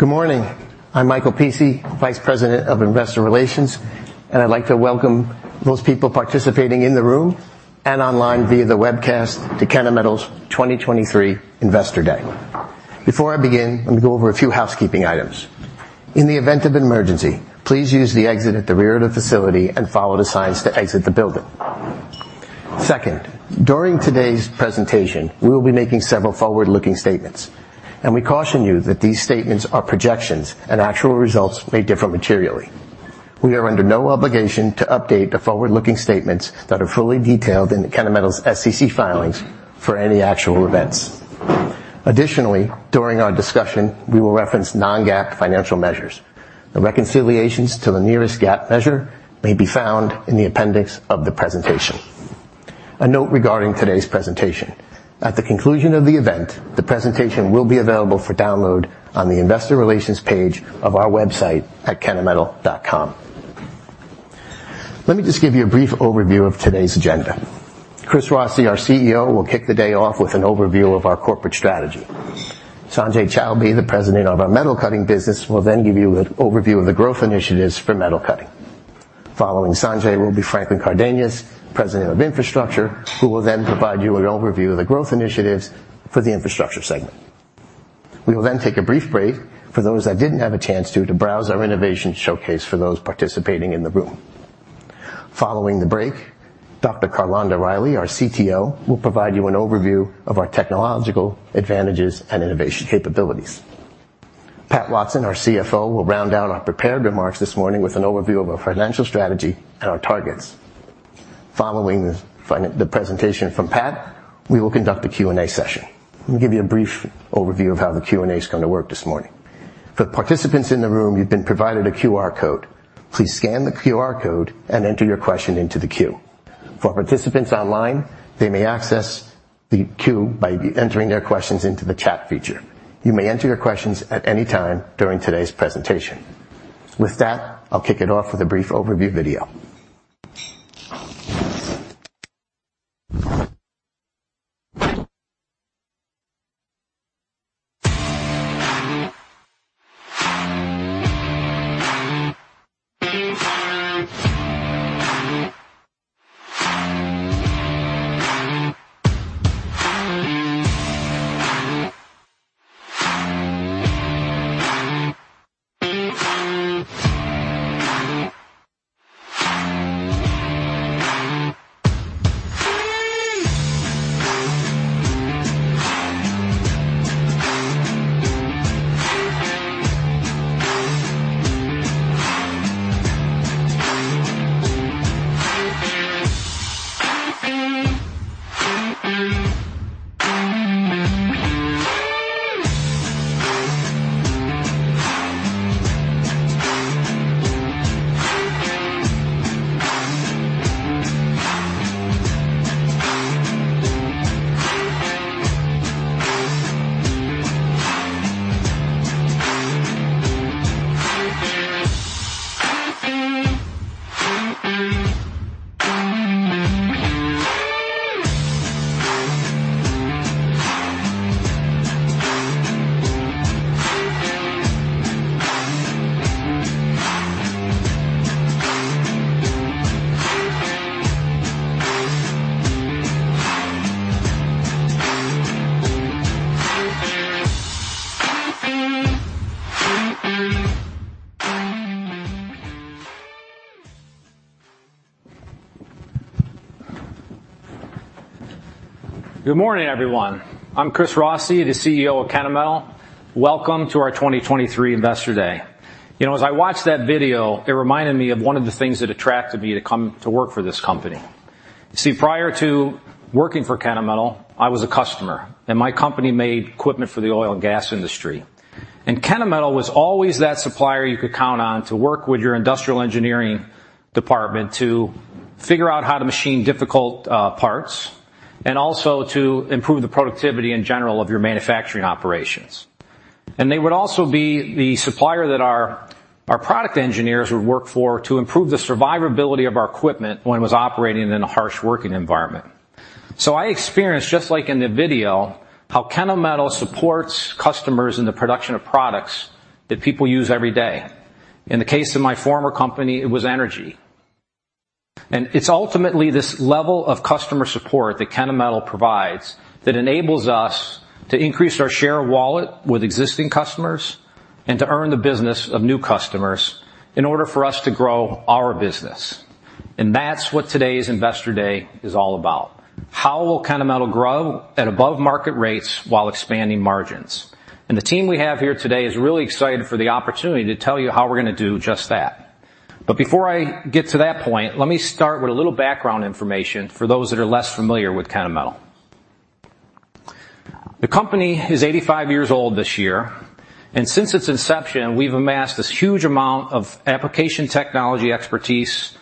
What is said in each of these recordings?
Good morning. I'm Michael Pici, Vice President of Investor Relations, and I'd like to welcome those people participating in the room and online via the webcast to Kennametal's 2023 Investor Day. Before I begin, let me go over a few housekeeping items. In the event of an emergency, please use the exit at the rear of the facility and follow the signs to exit the building. Second, during today's presentation, we will be making several forward-looking statements, and we caution you that these statements are projections, and actual results may differ materially. We are under no obligation to update the forward-looking statements that are fully detailed in Kennametal's SEC filings for any actual events. Additionally, during our discussion, we will reference non-GAAP financial measures. The reconciliations to the nearest GAAP measure may be found in the appendix of the presentation. A note regarding today's presentation: at the conclusion of the event, the presentation will be available for download on the investor relations page of our website at kennametal.com. Let me just give you a brief overview of today's agenda. Chris Rossi, our CEO, will kick the day off with an overview of our corporate strategy. Sanjay Chowbey, the President of Metal Cutting business, will then give you an overview of the growth initiatives Metal Cutting. following Sanjay will be Franklin Cardenas, President of Infrastructure, who will then provide you an overview of the growth initiatives for the Infrastructure segment. We will then take a brief break for those that didn't have a chance to browse our Innovation showcase for those participating in the room. Following the break, Dr. Carlonda Reilly, our CTO, will provide you an overview of our technological advantages and innovation capabilities. Pat Watson, our CFO, will round out our prepared remarks this morning with an overview of our financial strategy and our targets. Following the presentation from Pat, we will conduct a Q&A session. Let me give you a brief overview of how the Q&A is going to work this morning. For participants in the room, you've been provided a QR code. Please scan the QR code and enter your question into the queue. For participants online, they may access the queue by entering their questions into the chat feature. You may enter your questions at any time during today's presentation. With that, I'll kick it off with a brief overview video. Good morning, everyone. I'm Chris Rossi, the CEO of Kennametal. Welcome to our 2023 Investor Day. You know, as I watched that video, it reminded me of one of the things that attracted me to come to work for this company. You see, prior to working for Kennametal, I was a customer, and my company made equipment for the oil and gas industry. And Kennametal was always that supplier you could count on to work with your industrial engineering department to figure out how to machine difficult, parts, and also to improve the productivity in general of your manufacturing operations. And they would also be the supplier that our product engineers would work for to improve the survivability of our equipment when it was operating in a harsh working environment. So I experienced, just like in the video, how Kennametal supports customers in the production of products that people use every day. In the case of my former company, it was energy. And it's ultimately this level of customer support that Kennametal provides that enables us to increase our share of wallet with existing customers and to earn the business of new customers in order for us to grow our business. And that's what today's Investor Day is all about. How will Kennametal grow at above market rates while expanding margins? And the team we have here today is really excited for the opportunity to tell you how we're gonna do just that. But before I get to that point, let me start with a little background information for those that are less familiar with Kennametal. The company is 85 years old this year, and since its inception, we've amassed this huge amount of application technology expertise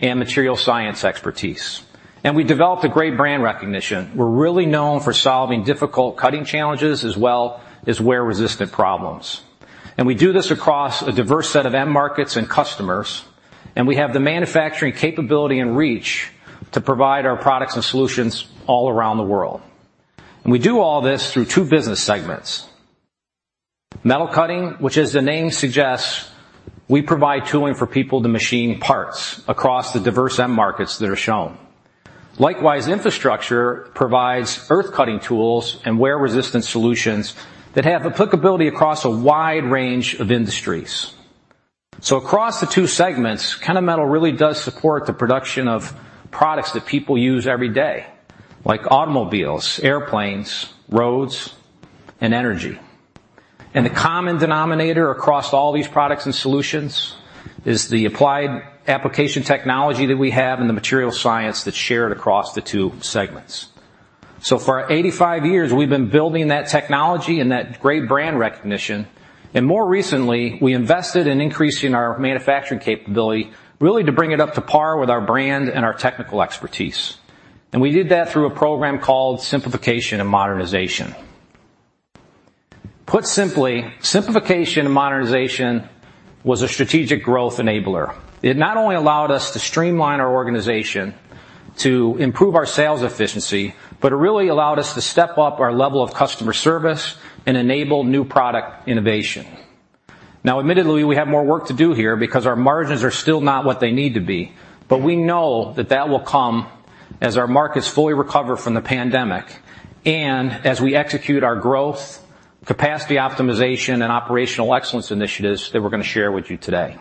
and materials science expertise, and we developed a great brand recognition. We're really known for solving difficult cutting challenges as well as wear-resistant problems. We do this across a diverse set of end markets and customers, and we have the manufacturing capability and reach to provide our products and solutions all around the world. We do all this through two business Metal Cutting, which, as the name suggests, we provide tooling for people to machine parts across the diverse end markets that are shown. Likewise, Infrastructure provides earth cutting tools and wear-resistant solutions that have applicability across a wide range of industries. So across the two segments, Kennametal really does support the production of products that people use every day, like automobiles, airplanes, roads, and energy. And the common denominator across all these products and solutions is the applied application technology that we have and the material science that's shared across the two segments. So for 85 years, we've been building that technology and that great brand recognition, and more recently, we invested in increasing our manufacturing capability, really to bring it up to par with our brand and our technical expertise. And we did that through a program called Simplification and Modernization. Put simply, Simplification and Modernization was a strategic growth enabler. It not only allowed us to streamline our organization to improve our sales efficiency, but it really allowed us to step up our level of customer service and enable new product innovation. Now, admittedly, we have more work to do here because our margins are still not what they need to be, but we know that that will come as our markets fully recover from the pandemic and as we execute our growth, capacity optimization, and Operational Excellence initiatives that we're going to share with you today.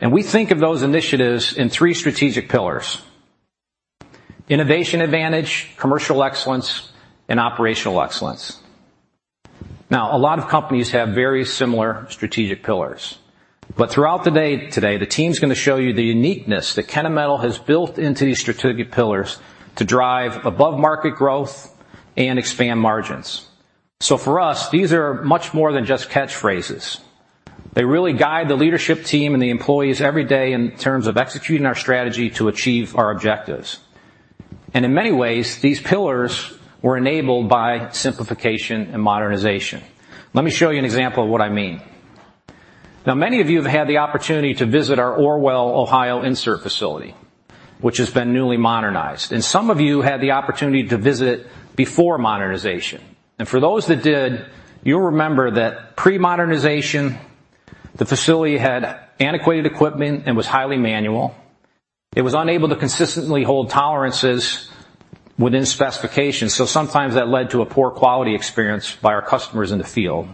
And we think of those initiatives in three strategic Innovation Advantage, Commercial Excellence, and Operational Excellence. Now, a lot of companies have very similar strategic pillars, but throughout the day today, the team's going to show you the uniqueness that Kennametal has built into these strategic pillars to drive above-market growth and expand margins. So for us, these are much more than just catchphrases. They really guide the leadership team and the employees every day in terms of executing our strategy to achieve our objectives. In many ways, these pillars were enabled by Simplification and Modernization. Let me show you an example of what I mean. Now, many of you have had the opportunity to visit our Orwell, Ohio, insert facility, which has been newly modernized, and some of you had the opportunity to visit before modernization. For those that did, you'll remember that pre-modernization, the facility had antiquated equipment and was highly manual. It was unable to consistently hold tolerances within specifications, so sometimes that led to a poor quality experience by our customers in the field.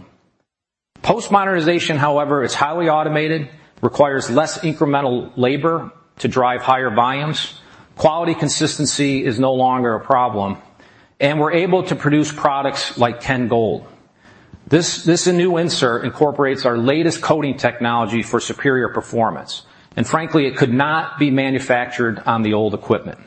Post-modernization, however, is highly automated, requires less incremental labor to drive higher volumes, quality consistency is no longer a problem, and we're able to produce products like KENGold. This, a new insert, incorporates our latest coating technology for superior performance, and frankly, it could not be manufactured on the old equipment.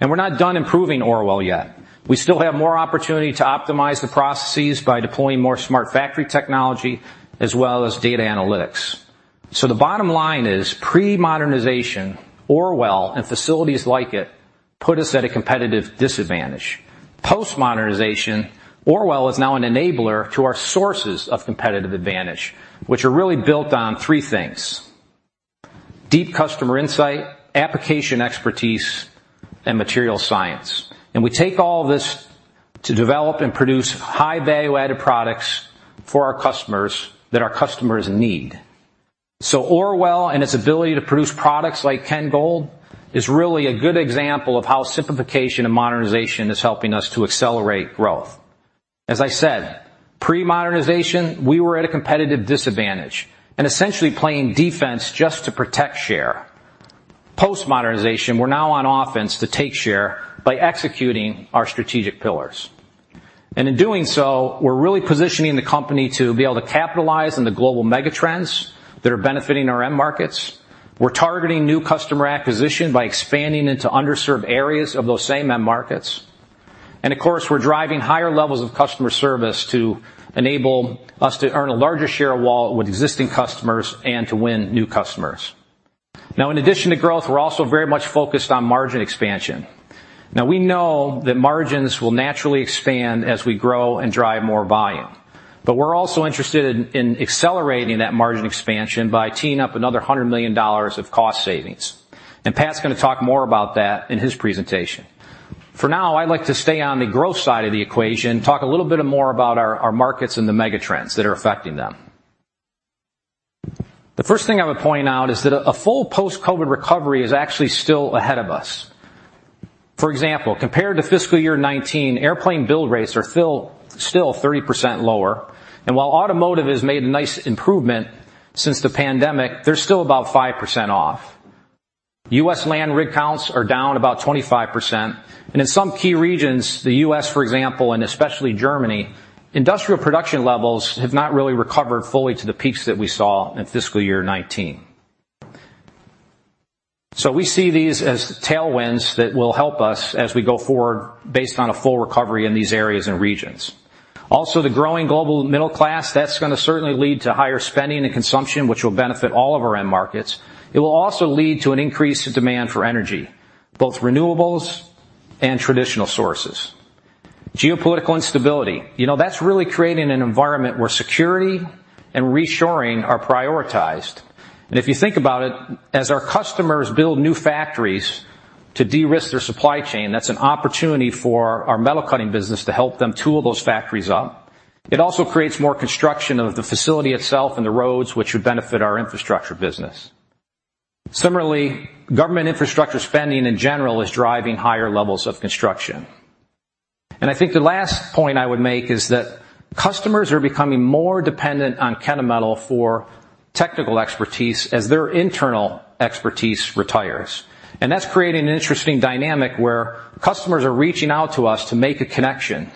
We're not done improving Orwell yet. We still have more opportunity to optimize the processes by deploying more smart factory technology as well as data analytics. The bottom line is, pre-modernization, Orwell, and facilities like it, put us at a competitive disadvantage. Post-modernization, Orwell is now an enabler to our sources of competitive advantage, which are really built on three things: deep customer insight, application expertise, and material science. We take all this to develop and produce high-value-added products for our customers that our customers need. Orwell and its ability to produce products like KENGold is really a good example of how simplification and modernization is helping us to accelerate growth. As I said, pre-modernization, we were at a competitive disadvantage and essentially playing defense just to protect share. Post-modernization, we're now on offense to take share by executing our strategic pillars. In doing so, we're really positioning the company to be able to capitalize on the global megatrends that are benefiting our end markets. We're targeting new customer acquisition by expanding into underserved areas of those same end markets. And of course, we're driving higher levels of customer service to enable us to earn a larger share of wallet with existing customers and to win new customers. Now, in addition to growth, we're also very much focused on margin expansion. Now, we know that margins will naturally expand as we grow and drive more volume, but we're also interested in accelerating that margin expansion by teeing up another $100 million of cost savings. And Pat's going to talk more about that in his presentation. For now, I'd like to stay on the growth side of the equation, talk a little bit more about our, our markets and the megatrends that are affecting them. The first thing I would point out is that a full post-COVID recovery is actually still ahead of us. For example, compared to fiscal year 2019, airplane build rates are still 30% lower, and while automotive has made a nice improvement since the pandemic, they're still about 5% off. U.S. land rig counts are down about 25, and in some key regions, the U.S., for example, and especially Germany, industrial production levels have not really recovered fully to the peaks that we saw in fiscal year 2019. So we see these as tailwinds that will help us as we go forward based on a full recovery in these areas and regions. Also, the growing global middle class, that's going to certainly lead to higher spending and consumption, which will benefit all of our end markets. It will also lead to an increase in demand for energy, both renewables and traditional sources. Geopolitical instability, you know, that's really creating an environment where security and reshoring are prioritized. And if you think about it, as our customers build new factories to de-risk their supply chain, that's an opportunity for Metal Cutting business to help them tool those factories up. It also creates more construction of the facility itself and the roads, which would benefit our Infrastructure business. Similarly, government Infrastructure spending, in general, is driving higher levels of construction. And I think the last point I would make is that customers are becoming more dependent on Kennametal for technical expertise as their internal expertise retires. That's creating an interesting dynamic where customers are reaching out to us to make a connection,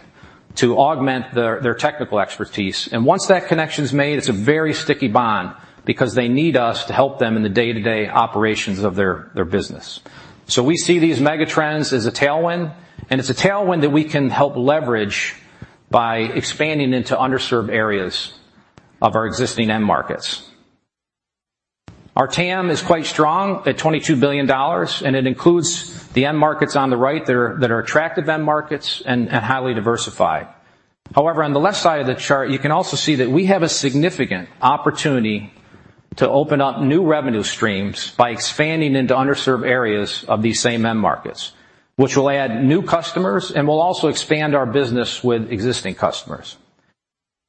to augment their technical expertise. Once that connection is made, it's a very sticky bond because they need us to help them in the day-to-day operations of their business. We see these megatrends as a tailwind, and it's a tailwind that we can help leverage by expanding into underserved areas of our existing end markets. Our TAM is quite strong at $22 billion, and it includes the end markets on the right that are attractive end markets and highly diversified. However, on the left side of the chart, you can also see that we have a significant opportunity to open up new revenue streams by expanding into underserved areas of these same end markets, which will add new customers and will also expand our business with existing customers.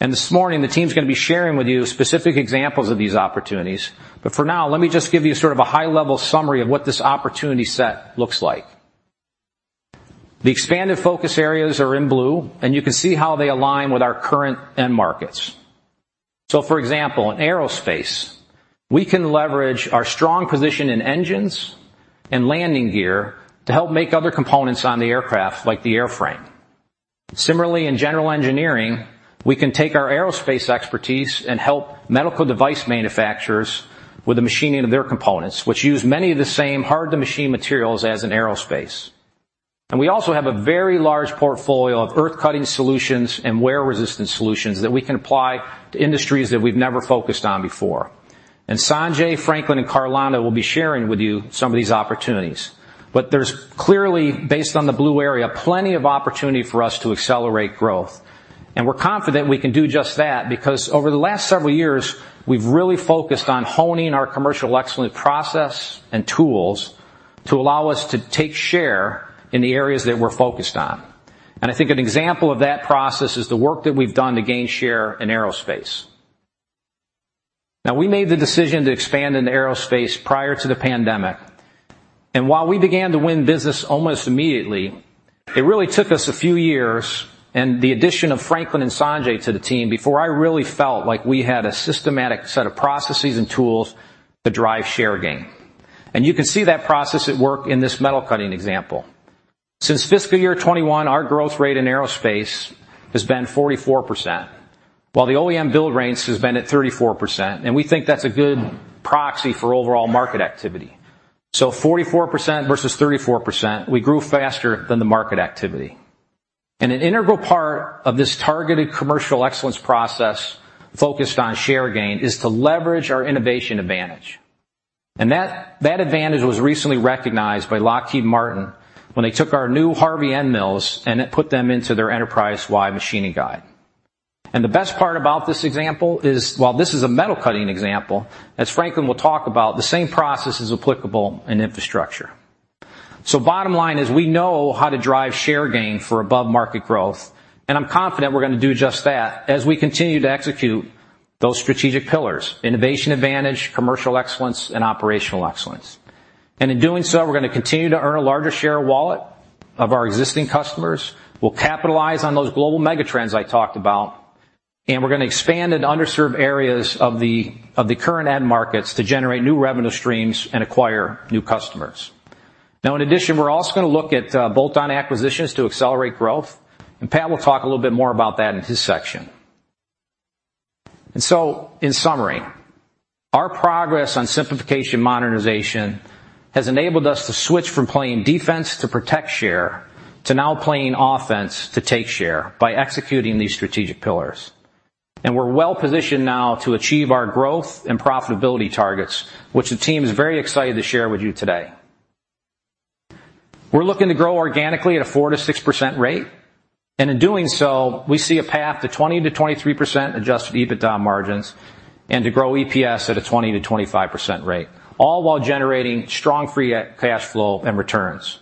And this morning, the team's gonna be sharing with you specific examples of these opportunities, but for now, let me just give you sort of a high-level summary of what this opportunity set looks like. The expanded focus areas are in blue, and you can see how they align with our current end markets. So for example, in aerospace, we can leverage our strong position in engines and landing gear to help make other components on the aircraft, like the airframe. Similarly, in general engineering, we can take our aerospace expertise and help medical device manufacturers with the machining of their components, which use many of the same hard-to-machine materials as in aerospace. We also have a very large portfolio of earth cutting solutions and wear-resistant solutions that we can apply to industries that we've never focused on before. Sanjay, Franklin, and Carlonda will be sharing with you some of these opportunities. There's clearly, based on the blue area, plenty of opportunity for us to accelerate growth, and we're confident we can do just that, because over the last several years, we've really focused on honing our Commercial Excellence process and tools to allow us to take share in the areas that we're focused on. I think an example of that process is the work that we've done to gain share in aerospace. Now, we made the decision to expand into aerospace prior to the pandemic, and while we began to win business almost immediately, it really took us a few years and the addition of Franklin and Sanjay to the team before I really felt like we had a systematic set of processes and tools to drive share gain. You can see that process at work in Metal Cutting example. Since fiscal year 2021, our growth rate in aerospace has been 44%, while the OEM build rates has been at 34%, and we think that's a good proxy for overall market activity. Forty-four percent versus thirty-four percent, we grew faster than the market activity. An integral part of this targeted Commercial Excellence process, focused on share gain, is to leverage our innovation advantage. And that advantage was recently recognized by Lockheed Martin when they took our new HARVI end mills, and it put them into their enterprise-wide machining guide. The best part about this example is, while this is Metal Cutting example, as Franklin will talk about, the same process is applicable in Infrastructure. So bottom line is we know how to drive share gain for above-market growth, and I'm confident we're going to do just that as we continue to execute those strategic innovation advantage, commercial excellence, and Operational Excellence. And in doing so, we're going to continue to earn a larger share of wallet of our existing customers. We'll capitalize on those global megatrends I talked about, and we're going to expand into underserved areas of the current end markets to generate new revenue streams and acquire new customers. Now, in addition, we're also going to look at bolt-on acquisitions to accelerate growth, and Pat will talk a little bit more about that in his section. So, in summary, our progress on simplification modernization has enabled us to switch from playing defense to protect share, to now playing offense to take share by executing these strategic pillars. We're well-positioned now to achieve our growth and profitability targets, which the team is very excited to share with you today. We're looking to grow organically at a 4%-6% rate, and in doing so, we see a path to 20%-23% Adjusted EBITDA margins and to grow EPS at a 20%-25% rate, all while generating strong free cash flow and returns.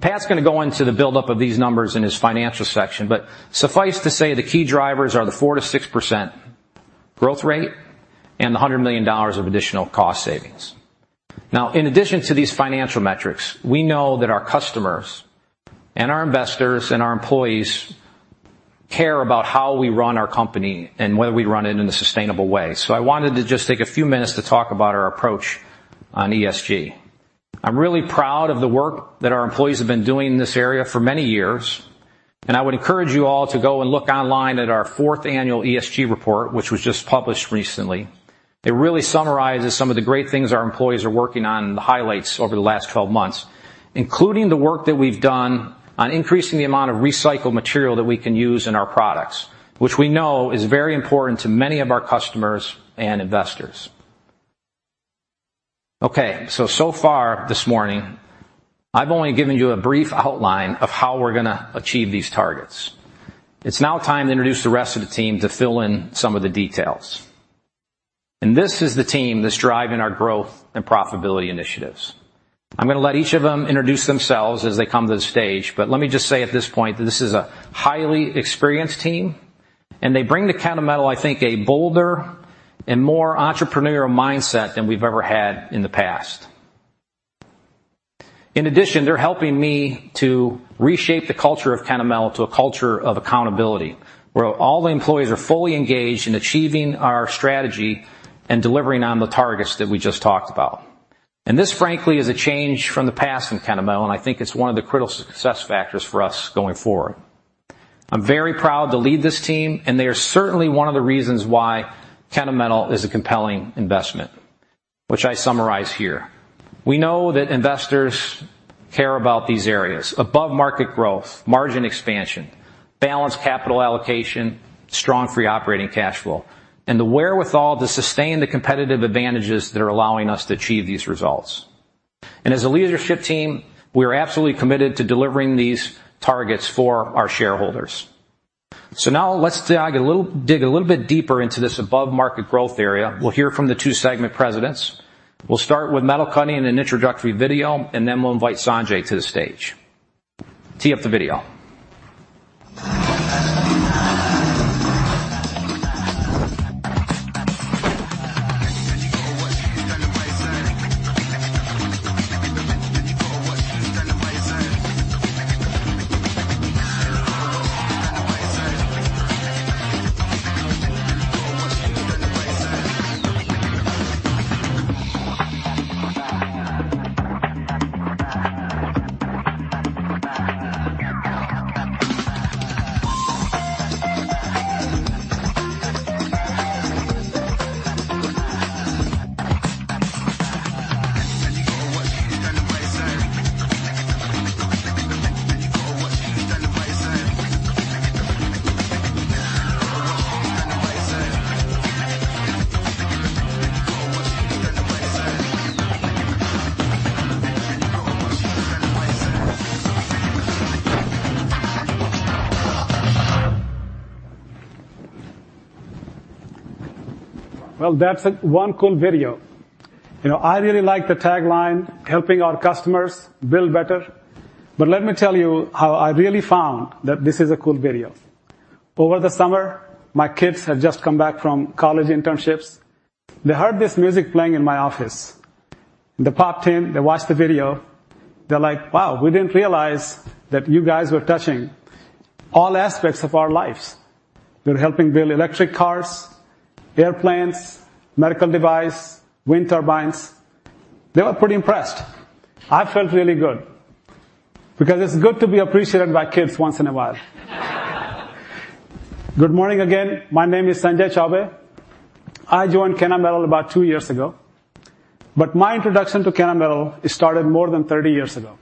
Pat's going to go into the buildup of these numbers in his financial section, but suffice to say, the key drivers are the 4%-6% growth rate and the $100 million of additional cost savings. Now, in addition to these financial metrics, we know that our customers and our investors, and our employees care about how we run our company and whether we run it in a sustainable way. So I wanted to just take a few minutes to talk about our approach on ESG. I'm really proud of the work that our employees have been doing in this area for many years, and I would encourage you all to go and look online at our fourth annual ESG report, which was just published recently. It really summarizes some of the great things our employees are working on and the highlights over the last 12 months, including the work that we've done on increasing the amount of recycled material that we can use in our products, which we know is very important to many of our customers and investors. Okay, so, so far this morning, I've only given you a brief outline of how we're gonna achieve these targets. It's now time to introduce the rest of the team to fill in some of the details. This is the team that's driving our growth and profitability initiatives. I'm gonna let each of them introduce themselves as they come to the stage, but let me just say at this point, that this is a highly experienced team, and they bring to Kennametal, I think, a bolder and more entrepreneurial mindset than we've ever had in the past. In addition, they're helping me to reshape the culture of Kennametal to a culture of accountability, where all the employees are fully engaged in achieving our strategy and delivering on the targets that we just talked about. This, frankly, is a change from the past in Kennametal, and I think it's one of the critical success factors for us going forward. I'm very proud to lead this team, and they are certainly one of the reasons why Kennametal is a compelling investment, which I summarize here. We know that investors care about these areas: above-market growth, margin expansion, balanced capital allocation, strong free operating cash flow, and the wherewithal to sustain the competitive advantages that are allowing us to achieve these results. As a leadership team, we are absolutely committed to delivering these targets for our shareholders. Now let's dig a little, dig a little bit deeper into this above-market growth area. We'll hear from the two segment presidents. We'll start Metal Cutting in an introductory video, and then we'll invite Sanjay to the stage. Tee up the video. Well, that's one cool video. You know, I really like the tagline, "Helping our customers build better." But let me tell you how I really found that this is a cool video. Over the summer, my kids had just come back from college internships. They heard this music playing in my office. They popped in, they watched the video. They're like, "Wow, we didn't realize that you guys were touching all aspects of our lives. You're helping build electric cars, airplanes, medical device, wind turbines." They were pretty impressed. I felt really good because it's good to be appreciated by kids once in a while. Good morning again. My name is Sanjay Chowbey. I joined Kennametal about two years ago, but my introduction to Kennametal, it started more than 30 years ago.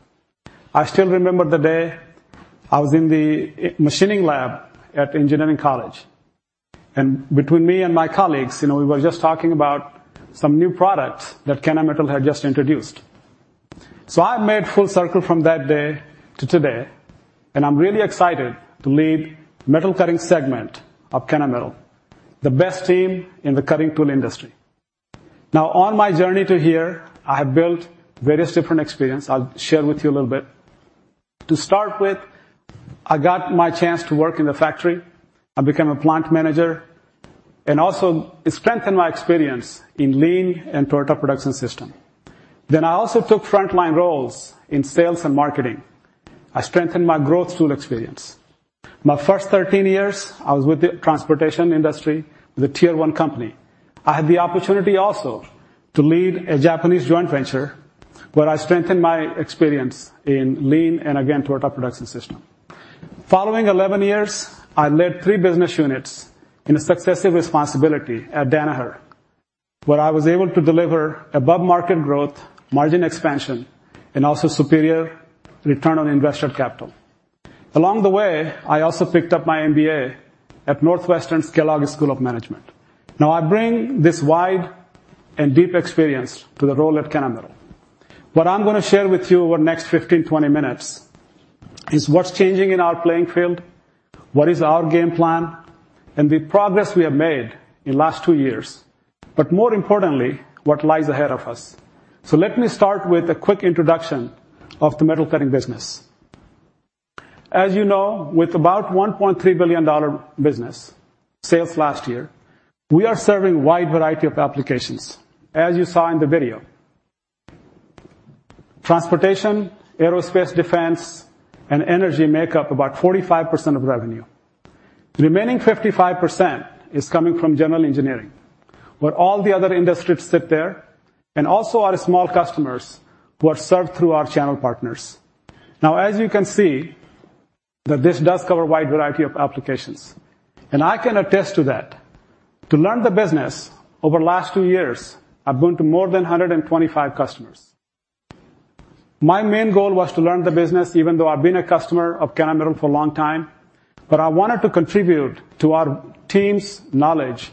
I still remember the day I was in the machining lab at engineering college, and between me and my colleagues, you know, we were just talking about some new products that Kennametal had just introduced. So I've made full circle from that day to today, and I'm really excited to Metal Cutting segment of Kennametal, the best team in the cutting tool industry. Now, on my journey to here, I have built various different experience. I'll share with you a little bit. To start with, I got my chance to work in the factory. I became a plant manager and also it strengthened my experience in Lean and Toyota Production System. Then I also took frontline roles in sales and marketing. I strengthened my growth tool experience. My first 13 years, I was with the transportation industry, with a Tier One company. I had the opportunity also to lead a Japanese joint venture, where I strengthened my experience in Lean and again, Toyota Production System. Following 11 years, I led three business units in successive responsibility at Danaher, where I was able to deliver above-market growth, margin expansion, and also superior return on invested capital. Along the way, I also picked up my MBA at Northwestern's Kellogg School of Management. Now, I bring this wide and deep experience to the role at Kennametal. What I'm gonna share with you over the next 15-20 minutes is what's changing in our playing field, what is our game plan, and the progress we have made in last two years, but more importantly, what lies ahead of us. So let me start with a quick introduction of Metal Cutting business. As you know, with about $1.3 billion dollar business sales last year, we are serving a wide variety of applications, as you saw in the video. Transportation, aerospace, defense, and energy make up about 45% of revenue. The remaining 55% is coming from general engineering, where all the other industries sit there, and also our small customers who are served through our channel partners. Now, as you can see, that this does cover a wide variety of applications, and I can attest to that. To learn the business, over the last two years, I've been to more than 125 customers. My main main goal was to learn the business, even though I've been a customer of Kennametal for a long time. But I wanted to contribute to our team's knowledge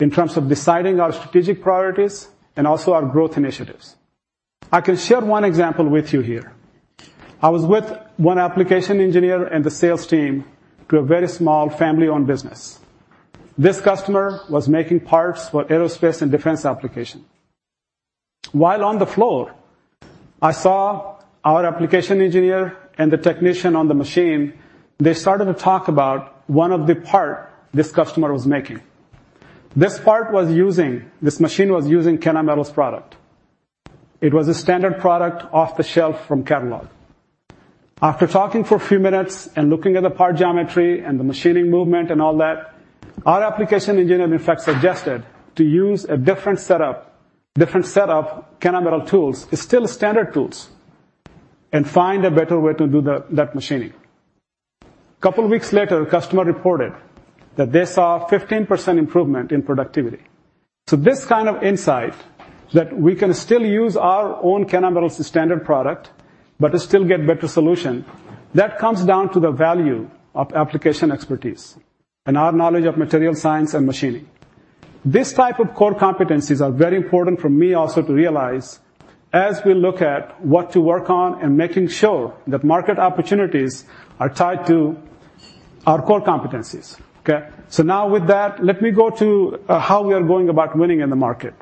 in terms of deciding our strategic priorities and also our growth initiatives. I can share one example with you here. I was with one application engineer and the sales team to a very small family-owned business. This customer was making parts for aerospace and defense application. While on the floor, I saw our application engineer and the technician on the machine. They started to talk about one of the part this customer was making. This machine was using Kennametal's product. It was a standard product off the shelf from catalog. After talking for a few minutes and looking at the part geometry, and the machining movement, and all that, our application engineer, in fact, suggested to use a different setup, different set of Kennametal tools, it's still standard tools, and find a better way to do that machining. A couple of weeks later, the customer reported that they saw a 15% improvement in productivity. So this kind of insight, that we can still use our own Kennametal's standard product, but still get better solution, that comes down to the value of application expertise and our knowledge of materials science, and machining. These type of core competencies are very important for me also to realize, as we look at what to work on and making sure that market opportunities are tied to our core competencies. Okay? So now with that, let me go to how we are going about winning in the market.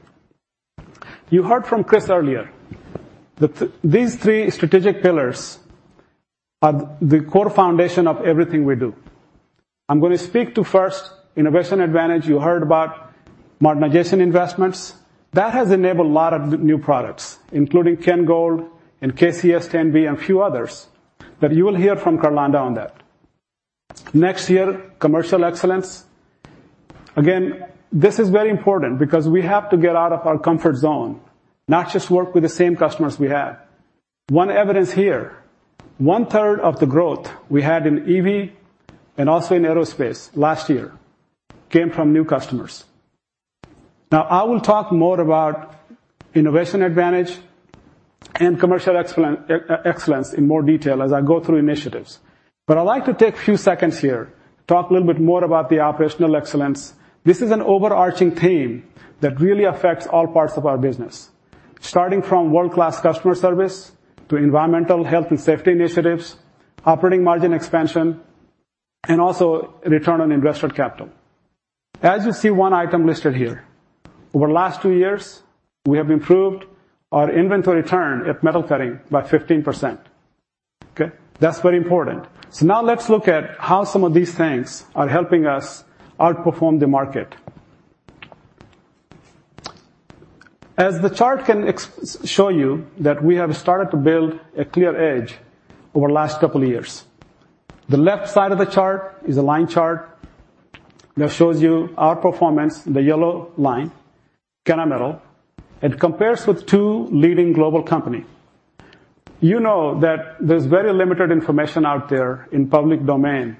You heard from Chris earlier, that these three strategic pillars are the core foundation of everything we do. I'm going to speak to, innovation advantage. you heard about modernization investments. That has enabled a lot of new products, including KENGold and KCS10B, and a few others, but you will hear from Carlonda on that. Next here, Commercial Excellence. Again, this is very important because we have to get out of our comfort zone, not just work with the same customers we have. One evidence here, one-third of the growth we had in EV, and also in aerospace last year, came from new customers. Now, I will talk more innovation advantage and Commercial Excellence in more detail as I go through initiatives. But I'd like to take a few seconds here, talk a little bit more about the Operational Excellence. This is an overarching theme that really affects all parts of our business, starting from world-class customer service to environmental, health, and safety initiatives, operating margin expansion, and also return on invested capital. As you see one item listed here, over the last 2 years, we have improved our inventory turn Metal Cutting by 15%. Okay? That's very important. So now let's look at how some of these things are helping us outperform the market. As the chart can clearly show you that we have started to build a clear edge over the last couple of years. The left side of the chart is a line chart that shows you our performance, the yellow line, Kennametal, and compares with two leading global company. You know that there's very limited information out there in public domain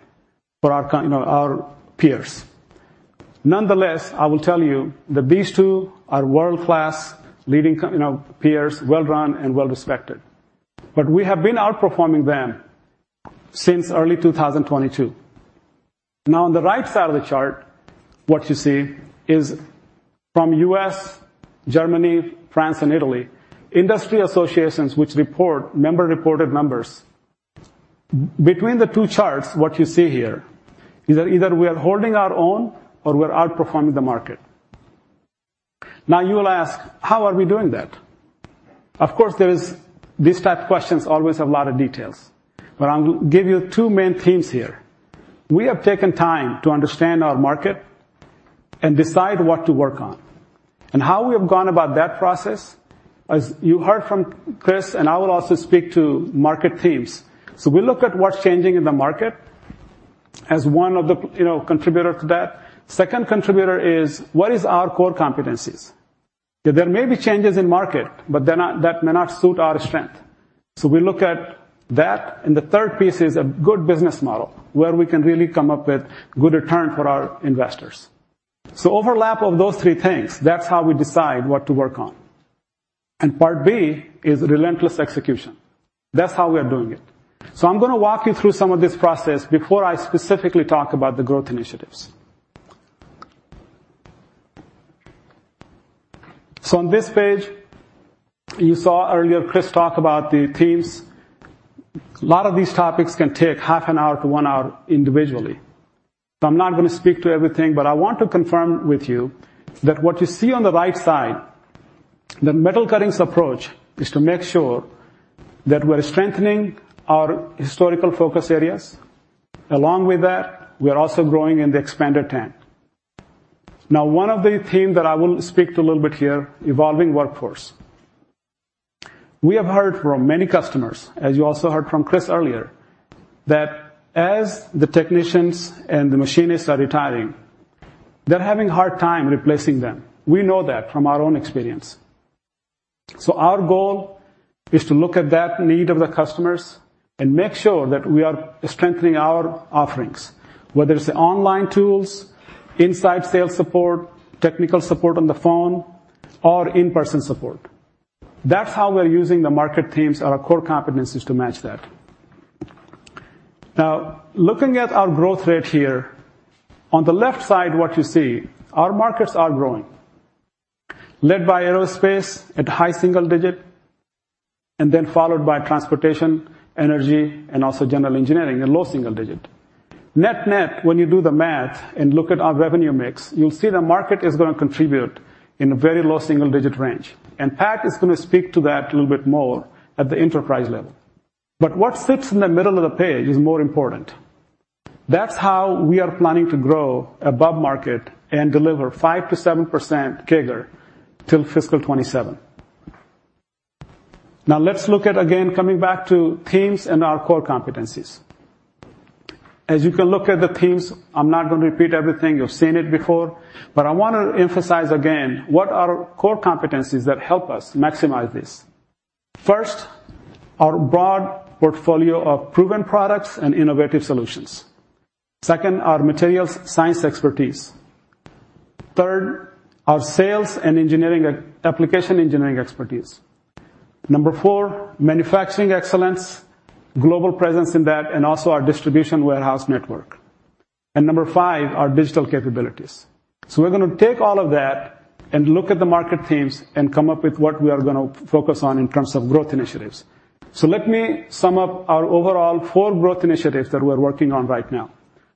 for our co you know, our peers. Nonetheless, I will tell you that these two are world-class, leading co you know, peers, well-run and well-respected, but we have been outperforming them since early 2022. Now, on the right side of the chart, what you see is from U.S., Germany, France, and Italy, industry associations, which report member-reported numbers. Between the two charts, what you see here is that either we are holding our own or we're outperforming the market. Now, you will ask, "How are we doing that?" Of course, there is, these type of questions always have a lot of details. But I'll give you two main themes here. We have taken time to understand our market and decide what to work on. And how we have gone about that process, as you heard from Chris, and I will also speak to market themes. So we look at what's changing in the market as one of the, you know, contributor to that. Second contributor is: what is our core competencies? There may be changes in market, but they're not, that may not suit our strength. So we look at that, and the third piece is a good business model, where we can really come up with good return for our investors. Overlap of those three things, that's how we decide what to work on. Part B is relentless execution. That's how we are doing it. I'm gonna walk you through some of this process before I specifically talk about the growth initiatives. On this page, you saw earlier, Chris talk about the themes. A lot of these topics can take half an hour to one hour individually. I'm not gonna speak to everything, but I want to confirm with you that what you see on the right side, Metal Cutting's approach, is to make sure that we're strengthening our historical focus areas. Along with that, we are also growing in the expanded TAM. Now, one of the themes that I will speak to a little bit here: evolving workforce. We have heard from many customers, as you also heard from Chris earlier, that as the technicians and the machinists are retiring, they're having a hard time replacing them. We know that from our own experience. So our goal is to look at that need of the customers and make sure that we are strengthening our offerings, whether it's the online tools, inside sales support, technical support on the phone, or in-person support. That's how we're using the market themes, our core competencies, to match that. Now, looking at our growth rate here, on the left side, what you see, our markets are growing, led by aerospace at high single digit, and then followed by transportation, energy, and also general engineering in low single digit. Net-net, when you do the math and look at our revenue mix, you'll see the market is gonna contribute in a very low single-digit range, and Pat is going to speak to that a little bit more at the enterprise level. But what sits in the middle of the page is more important. That's how we are planning to grow above market and deliver 5%-7% CAGR till fiscal 2027. Now, let's look at, again, coming back to themes and our core competencies. As you can look at the themes, I'm not going to repeat everything. You've seen it before, but I want to emphasize again, what are core competencies that help us maximize this? First, our broad portfolio of proven products and innovative solutions. Second, our materials science expertise. Third, our sales and engineering, application engineering expertise. Number 4, manufacturing excellence, global presence in that, and also our distribution warehouse network. Number 5, our digital capabilities. We're gonna take all of that and look at the market themes and come up with what we are gonna focus on in terms of growth initiatives. Let me sum up our overall 4 growth initiatives that we're working on right now.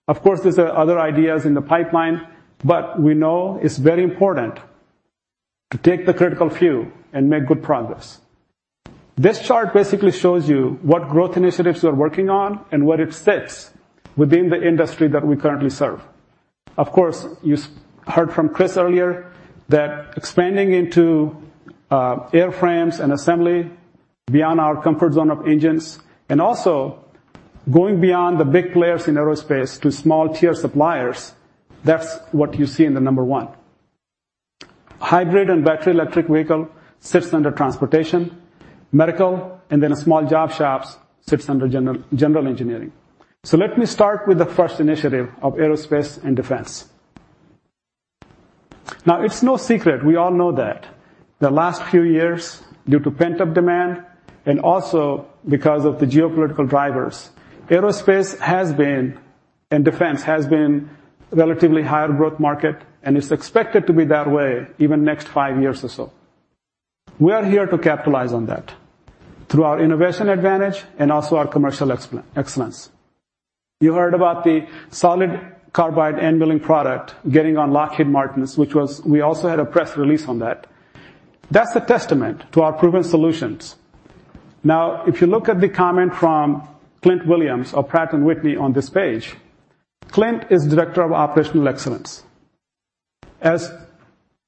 Of course, there's other ideas in the pipeline, but we know it's very important to take the critical few and make good progress. This chart basically shows you what growth initiatives we're working on and where it sits within the industry that we currently serve. Of course, you heard from Chris earlier that expanding into airframes and assembly beyond our comfort zone of engines, and also going beyond the big players in aerospace to small tier suppliers, that's what you see in the number 1. Hybrid and battery electric vehicle sits under transportation, medical, and then small job shops sits under general, general engineering. So let me start with the first initiative of aerospace and defense. Now, it's no secret, we all know that the last few years, due to pent-up demand and also because of the geopolitical drivers, aerospace has been, and defense has been relatively higher growth market, and it's expected to be that way even next 5 years or so. We are here to capitalize on that through innovation advantage and also our Commercial Excellence. You heard about the solid carbide end milling product getting on Lockheed Martin. We also had a press release on that. That's a testament to our proven solutions. Now, if you look at the comment from Clint Williams of Pratt & Whitney on this page, Clint is Director of Operational Excellence, as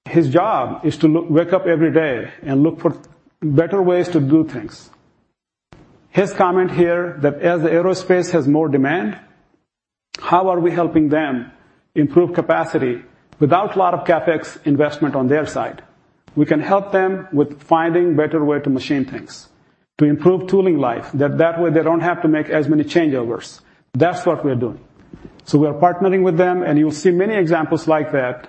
his job is to look, wake up every day and look for better ways to do things. His comment here, that as the aerospace has more demand, how are we helping them improve capacity without a lot of CapEx investment on their side? We can help them with finding better way to machine things, to improve tooling life, that way, they don't have to make as many changeovers. That's what we are doing. So we are partnering with them, and you'll see many examples like that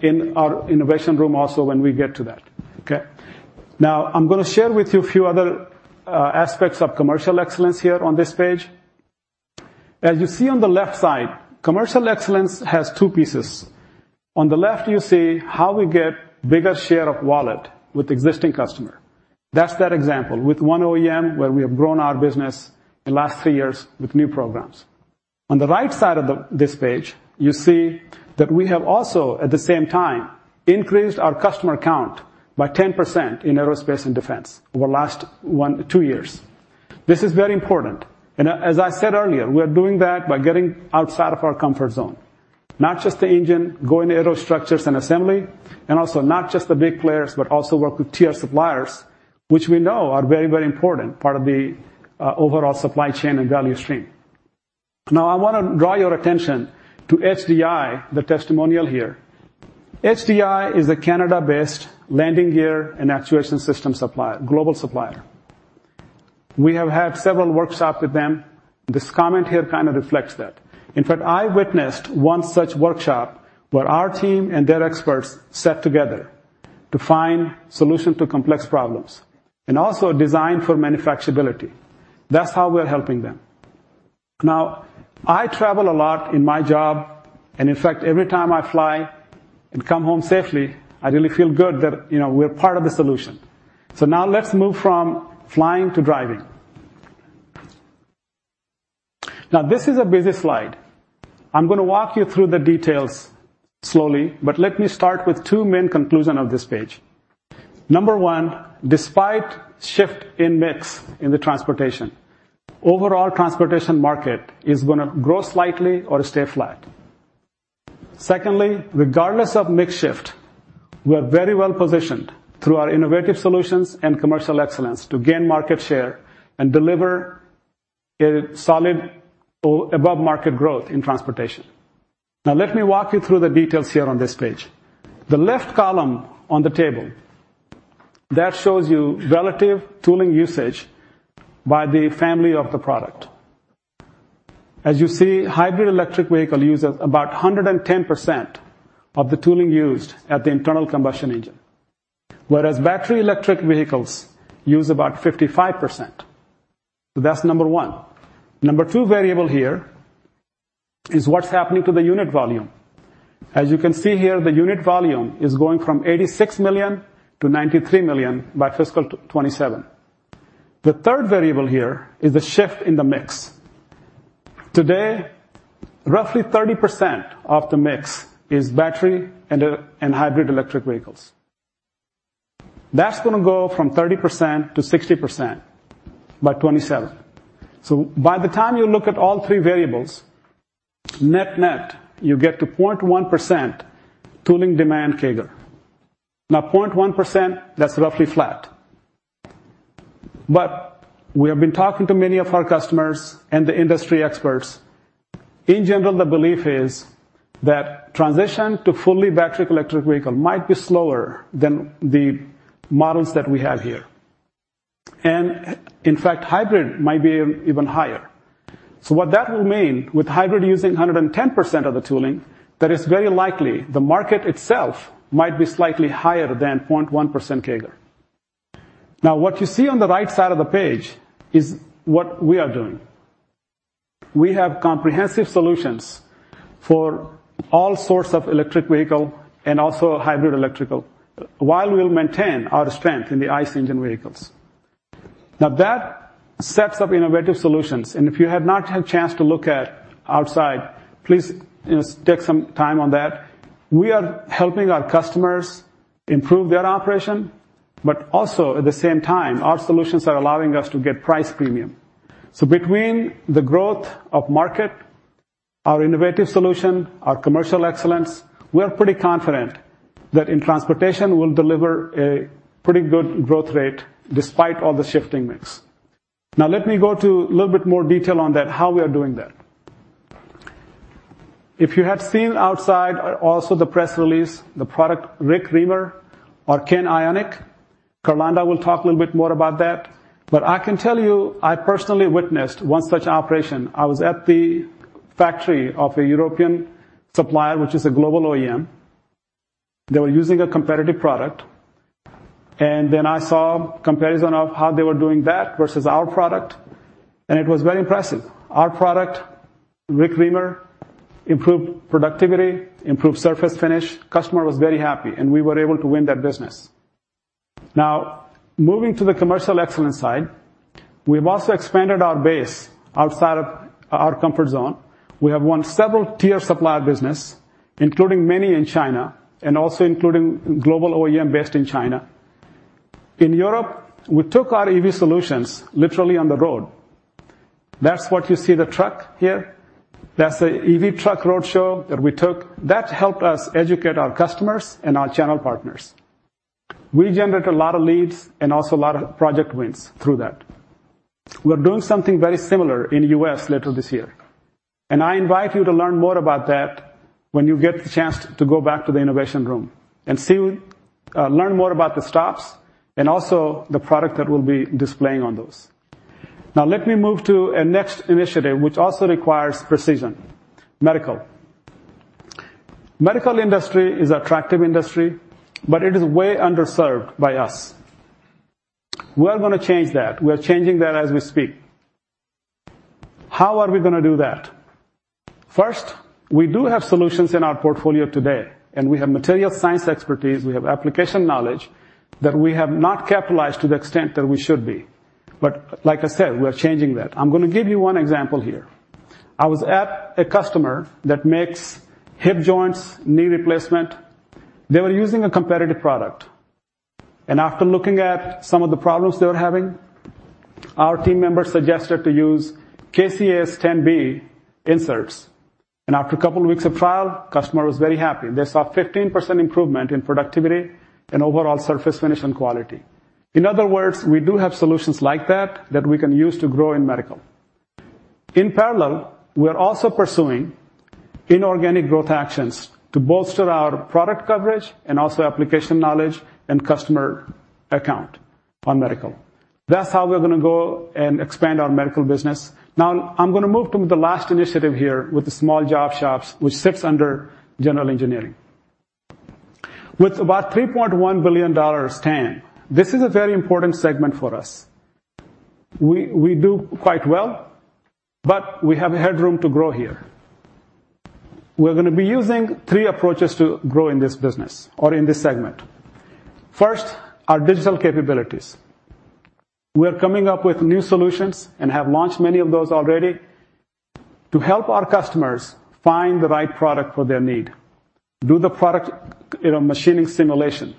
in our Innovation Room also, when we get to that. Okay? Now, I'm gonna share with you a few other aspects of Commercial Excellence here on this page. As you see on the left side, Commercial Excellence has two pieces. On the left, you see how we get bigger share of wallet with existing customer. That's that example with one OEM, where we have grown our business in last 3 years with new programs. On the right side of this page, you see that we have also, at the same time, increased our customer count by 10% in aerospace and defense over last 1-2 years. This is very important, and as I said earlier, we are doing that by getting outside of our comfort zone, not just the engine, going to aerostructures and assembly, and also not just the big players, but also work with tier suppliers, which we know are very, very important part of the overall supply chain and value stream. Now, I want to draw your attention to HDI, the testimonial here. HDI is a Canada-based landing gear and actuation system supplier, global supplier. We have had several workshops with them. This comment here kind of reflects that. In fact, I witnessed one such workshop where our team and their experts sat together to find solution to complex problems and also design for manufacturability. That's how we're helping them. Now, I travel a lot in my job, and in fact, every time I fly and come home safely, I really feel good that, you know, we're part of the solution. So now let's move from flying to driving. Now, this is a busy slide. I'm gonna walk you through the details slowly, but let me start with two main conclusion of this page. Number one, despite shift in mix in the transportation, overall transportation market is gonna grow slightly or stay flat. Secondly, regardless of mix shift, we're very well-positioned through our innovative solutions and Commercial Excellence to gain market share and deliver a solid or above-market growth in transportation. Now let me walk you through the details here on this page. The left column on the table, that shows you relative tooling usage by the family of the product. As you see, hybrid electric vehicle uses about 110% of the tooling used at the internal combustion engine, whereas battery electric vehicles use about 55%. So that's number one. Number two variable here is what's happening to the unit volume. As you can see here, the unit volume is going from 86 million to 93 million by fiscal 2027. The third variable here is the shift in the mix. Today, roughly 30% of the mix is battery and hybrid electric vehicles. That's gonna go from 30% - 60% by 2027. So by the time you look at all three variables, net-net, you get to 0.1% tooling demand CAGR. Now, 0.1%, that's roughly flat. But we have been talking to many of our customers and the industry experts. In general, the belief is that transition to fully battery electric vehicle might be slower than the models that we have here, and in fact, hybrid might be even higher. So what that will mean, with hybrid using 110% of the tooling, that it's very likely the market itself might be slightly higher than 0.1% CAGR. Now, what you see on the right side of the page is what we are doing. We have comprehensive solutions for all sorts of electric vehicle and also hybrid electric, while we'll maintain our strength in the ICE engine vehicles. Now, that sets up innovative solutions, and if you have not had a chance to look at outside, please, you know, take some time on that. We are helping our customers improve their operation, but also, at the same time, our solutions are allowing us to get price premium. So between the growth of market, our innovative solution, our Commercial Excellence, we're pretty confident that in transportation, we'll deliver a pretty good growth rate despite all the shifting mix. Now, let me go to a little bit more detail on that, how we are doing that. If you have seen outside, also the press release, the product, RIQ Reamer or KENionic, Carlonda will talk a little bit more about that. But I can tell you, I personally witnessed one such operation. I was at the factory of a European supplier, which is a global OEM. They were using a competitive product, and then I saw comparison of how they were doing that versus our product, and it was very impressive. Our product, RIQ Reamer, improved productivity, improved surface finish. Customer was very happy, and we were able to win that business. Now, moving to the Commercial Excellence side, we've also expanded our base outside of our comfort zone. We have won several tier supplier business, including many in China and also including global OEM based in China. In Europe, we took our EV solutions literally on the road. That's what you see the truck here. That's the EV truck roadshow that we took. That helped us educate our customers and our channel partners. We generated a lot of leads and also a lot of project wins through that. We're doing something very similar in U.S. later this year, and I invite you to learn more about that when you get the chance to go back to the Innovation Room and see, learn more about the stops and also the product that we'll be displaying on those. Now, let me move to a next initiative, which also requires precision: medical. Medical industry is attractive industry, but it is way underserved by us. We are gonna change that. We are changing that as we speak. How are we gonna do that? First, we do have solutions in our portfolio today, and we have materials science expertise. We have application knowledge that we have not capitalized to the extent that we should be. But like I said, we are changing that. I'm gonna give you one example here. I was at a customer that makes hip joints, knee replacement. They were using a competitive product, and after looking at some of the problems they were having, our team members suggested to use KCS10B inserts, and after a couple of weeks of trial, customer was very happy. They saw 15% improvement in productivity and overall surface finish and quality. In other words, we do have solutions like that that we can use to grow in medical. In parallel, we are also pursuing inorganic growth actions to bolster our product coverage and also application knowledge and customer account on medical. That's how we're gonna go and expand our medical business. Now, I'm gonna move to the last initiative here with the small job shops, which sits under general engineering. With about $3.1 billion TAM, this is a very important segment for us. We, we do quite well, but we have headroom to grow here. We're gonna be using three approaches to grow in this business or in this segment. First, our digital capabilities. We are coming up with new solutions and have launched many of those already to help our customers find the right product for their need, do the product, you know, machining simulation.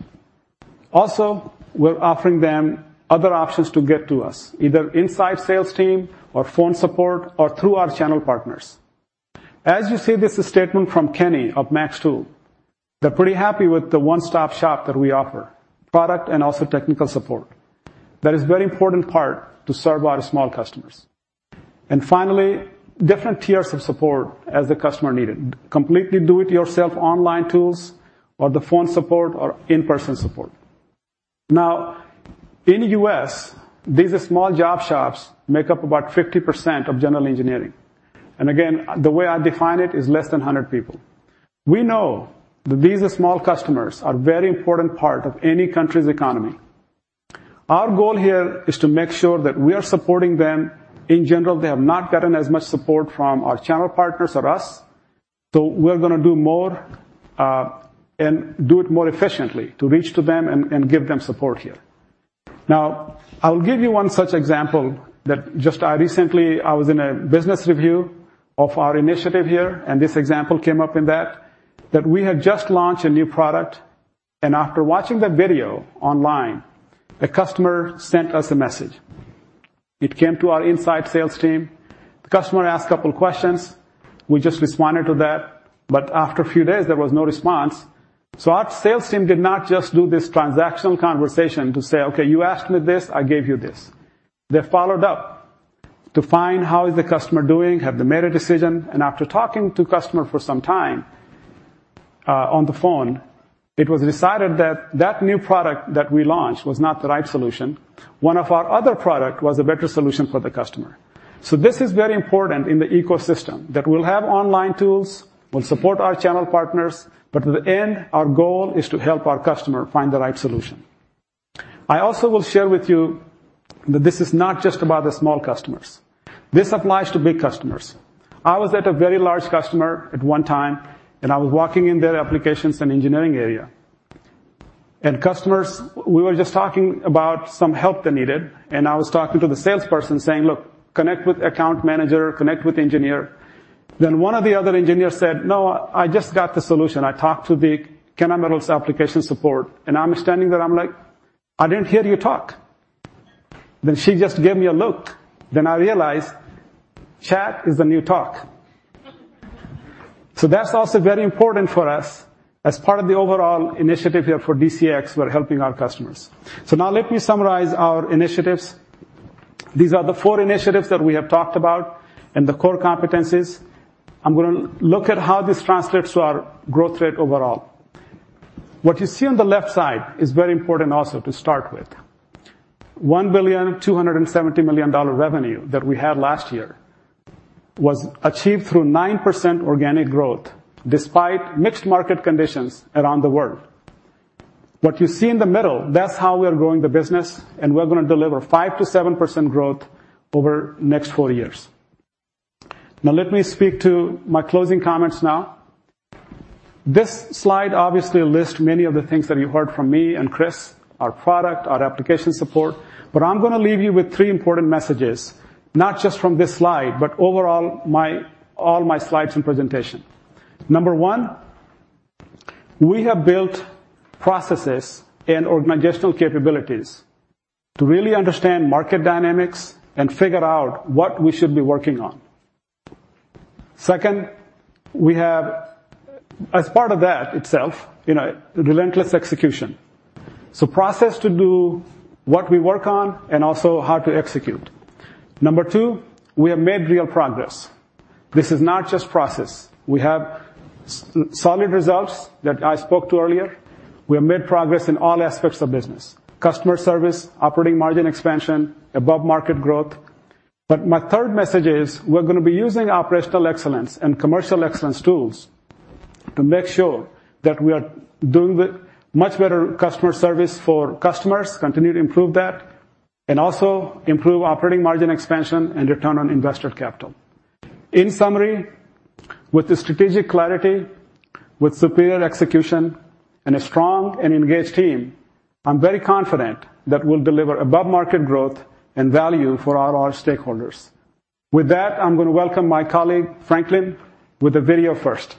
Also, we're offering them other options to get to us, either inside sales team or phone support or through our channel partners. As you see, this is a statement from Kenny of MaxTool. They're pretty happy with the one-stop shop that we offer, product and also technical support... That is very important part to serve our small customers. And finally, different tiers of support as the customer need it. Completely do-it-yourself online tools, or the phone support, or in-person support. Now, in U.S., these small job shops make up about 50% of general engineering. And again, the way I define it is less than 100 people. We know that these small customers are very important part of any country's economy. Our goal here is to make sure that we are supporting them. In general, they have not gotten as much support from our channel partners or us, so we're gonna do more and do it more efficiently to reach to them and give them support here. Now, I'll give you one such example. I recently was in a business review of our initiative here, and this example came up in that, that we had just launched a new product, and after watching the video online, the customer sent us a message. It came to our inside sales team. The customer asked a couple questions. We just responded to that, but after a few days, there was no response. So our sales team did not just do this transactional conversation to say, "Okay, you asked me this, I gave you this." They followed up to find, how is the customer doing? Have they made a decision? And after talking to customer for some time on the phone, it was decided that that new product that we launched was not the right solution. One of our other product was a better solution for the customer. So this is very important in the ecosystem, that we'll have online tools, we'll support our channel partners, but at the end, our goal is to help our customer find the right solution. I also will share with you that this is not just about the small customers. This applies to big customers. I was at a very large customer at one time, and I was walking in their applications and engineering area. And customers, we were just talking about some help they needed, and I was talking to the salesperson saying, "Look, connect with account manager, connect with engineer." Then one of the other engineers said, "No, I just got the solution. I talked to the Kennametal's application support." And I'm standing there, I'm like: "I didn't hear you talk." Then she just gave me a look. Then I realized chat is the new talk. So that's also very important for us as part of the overall initiative here for DCX, we're helping our customers. So now let me summarize our initiatives. These are the four initiatives that we have talked about and the core competencies. I'm gonna look at how this translates to our growth rate overall. What you see on the left side is very important also to start with. $1.27 billion revenue that we had last year was achieved through 9% organic growth, despite mixed market conditions around the world. What you see in the middle, that's how we are growing the business, and we're gonna deliver 5%-7% growth over next four years. Now, let me speak to my closing comments now. This slide obviously lists many of the things that you heard from me and Chris, our product, our application support, but I'm gonna leave you with three important messages, not just from this slide, but overall, my, all my slides and presentation. Number one, we have built processes and organizational capabilities to really understand market dynamics and figure out what we should be working on. Second, we have, as part of that itself, you know, relentless execution. So process to do what we work on and also how to execute. Number two, we have made real progress. This is not just process. We have solid results that I spoke to earlier. We have made progress in all aspects of business: customer service, operating margin expansion, above-market growth. But my third message is, we're gonna be using Operational Excellence and Commercial Excellence tools to make sure that we are doing the much better customer service for customers, continue to improve that, and also improve operating margin expansion and return on investor capital. In summary, with the strategic clarity, with superior execution, and a strong and engaged team, I'm very confident that we'll deliver above-market growth and value for all our stakeholders. With that, I'm gonna welcome my colleague, Franklin, with a video first.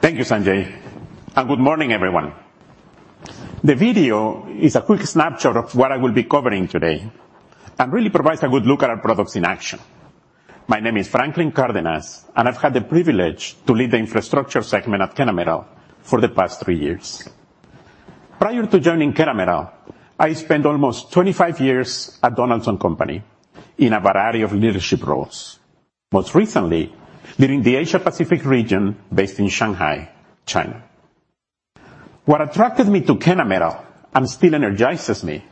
Thank you, Sanjay, and good morning, everyone. The video is a quick snapshot of what I will be covering today and really provides a good look at our products in action. My name is Franklin Cardenas, and I've had the privilege to lead the Infrastructure segment at Kennametal for the past three years.... Prior to joining Kennametal, I spent almost 25 years at Donaldson Company in a variety of leadership roles. Most recently, leading the Asia Pacific region based in Shanghai, China. What attracted me to Kennametal, and still energizes me,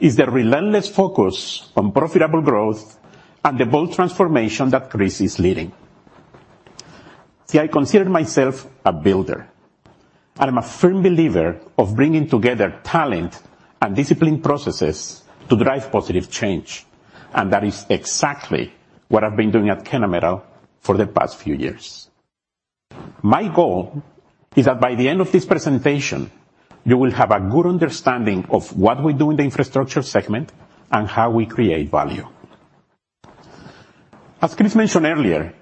is the relentless focus on profitable growth and the bold transformation that Chris is leading. See, I consider myself a builder, and I'm a firm believer of bringing together talent and disciplined processes to drive positive change, and that is exactly what I've been doing at Kennametal for the past few years. My goal is that by the end of this presentation, you will have a good understanding of what we do in the Infrastructure segment and how we create value. As Chris mentioned earlier,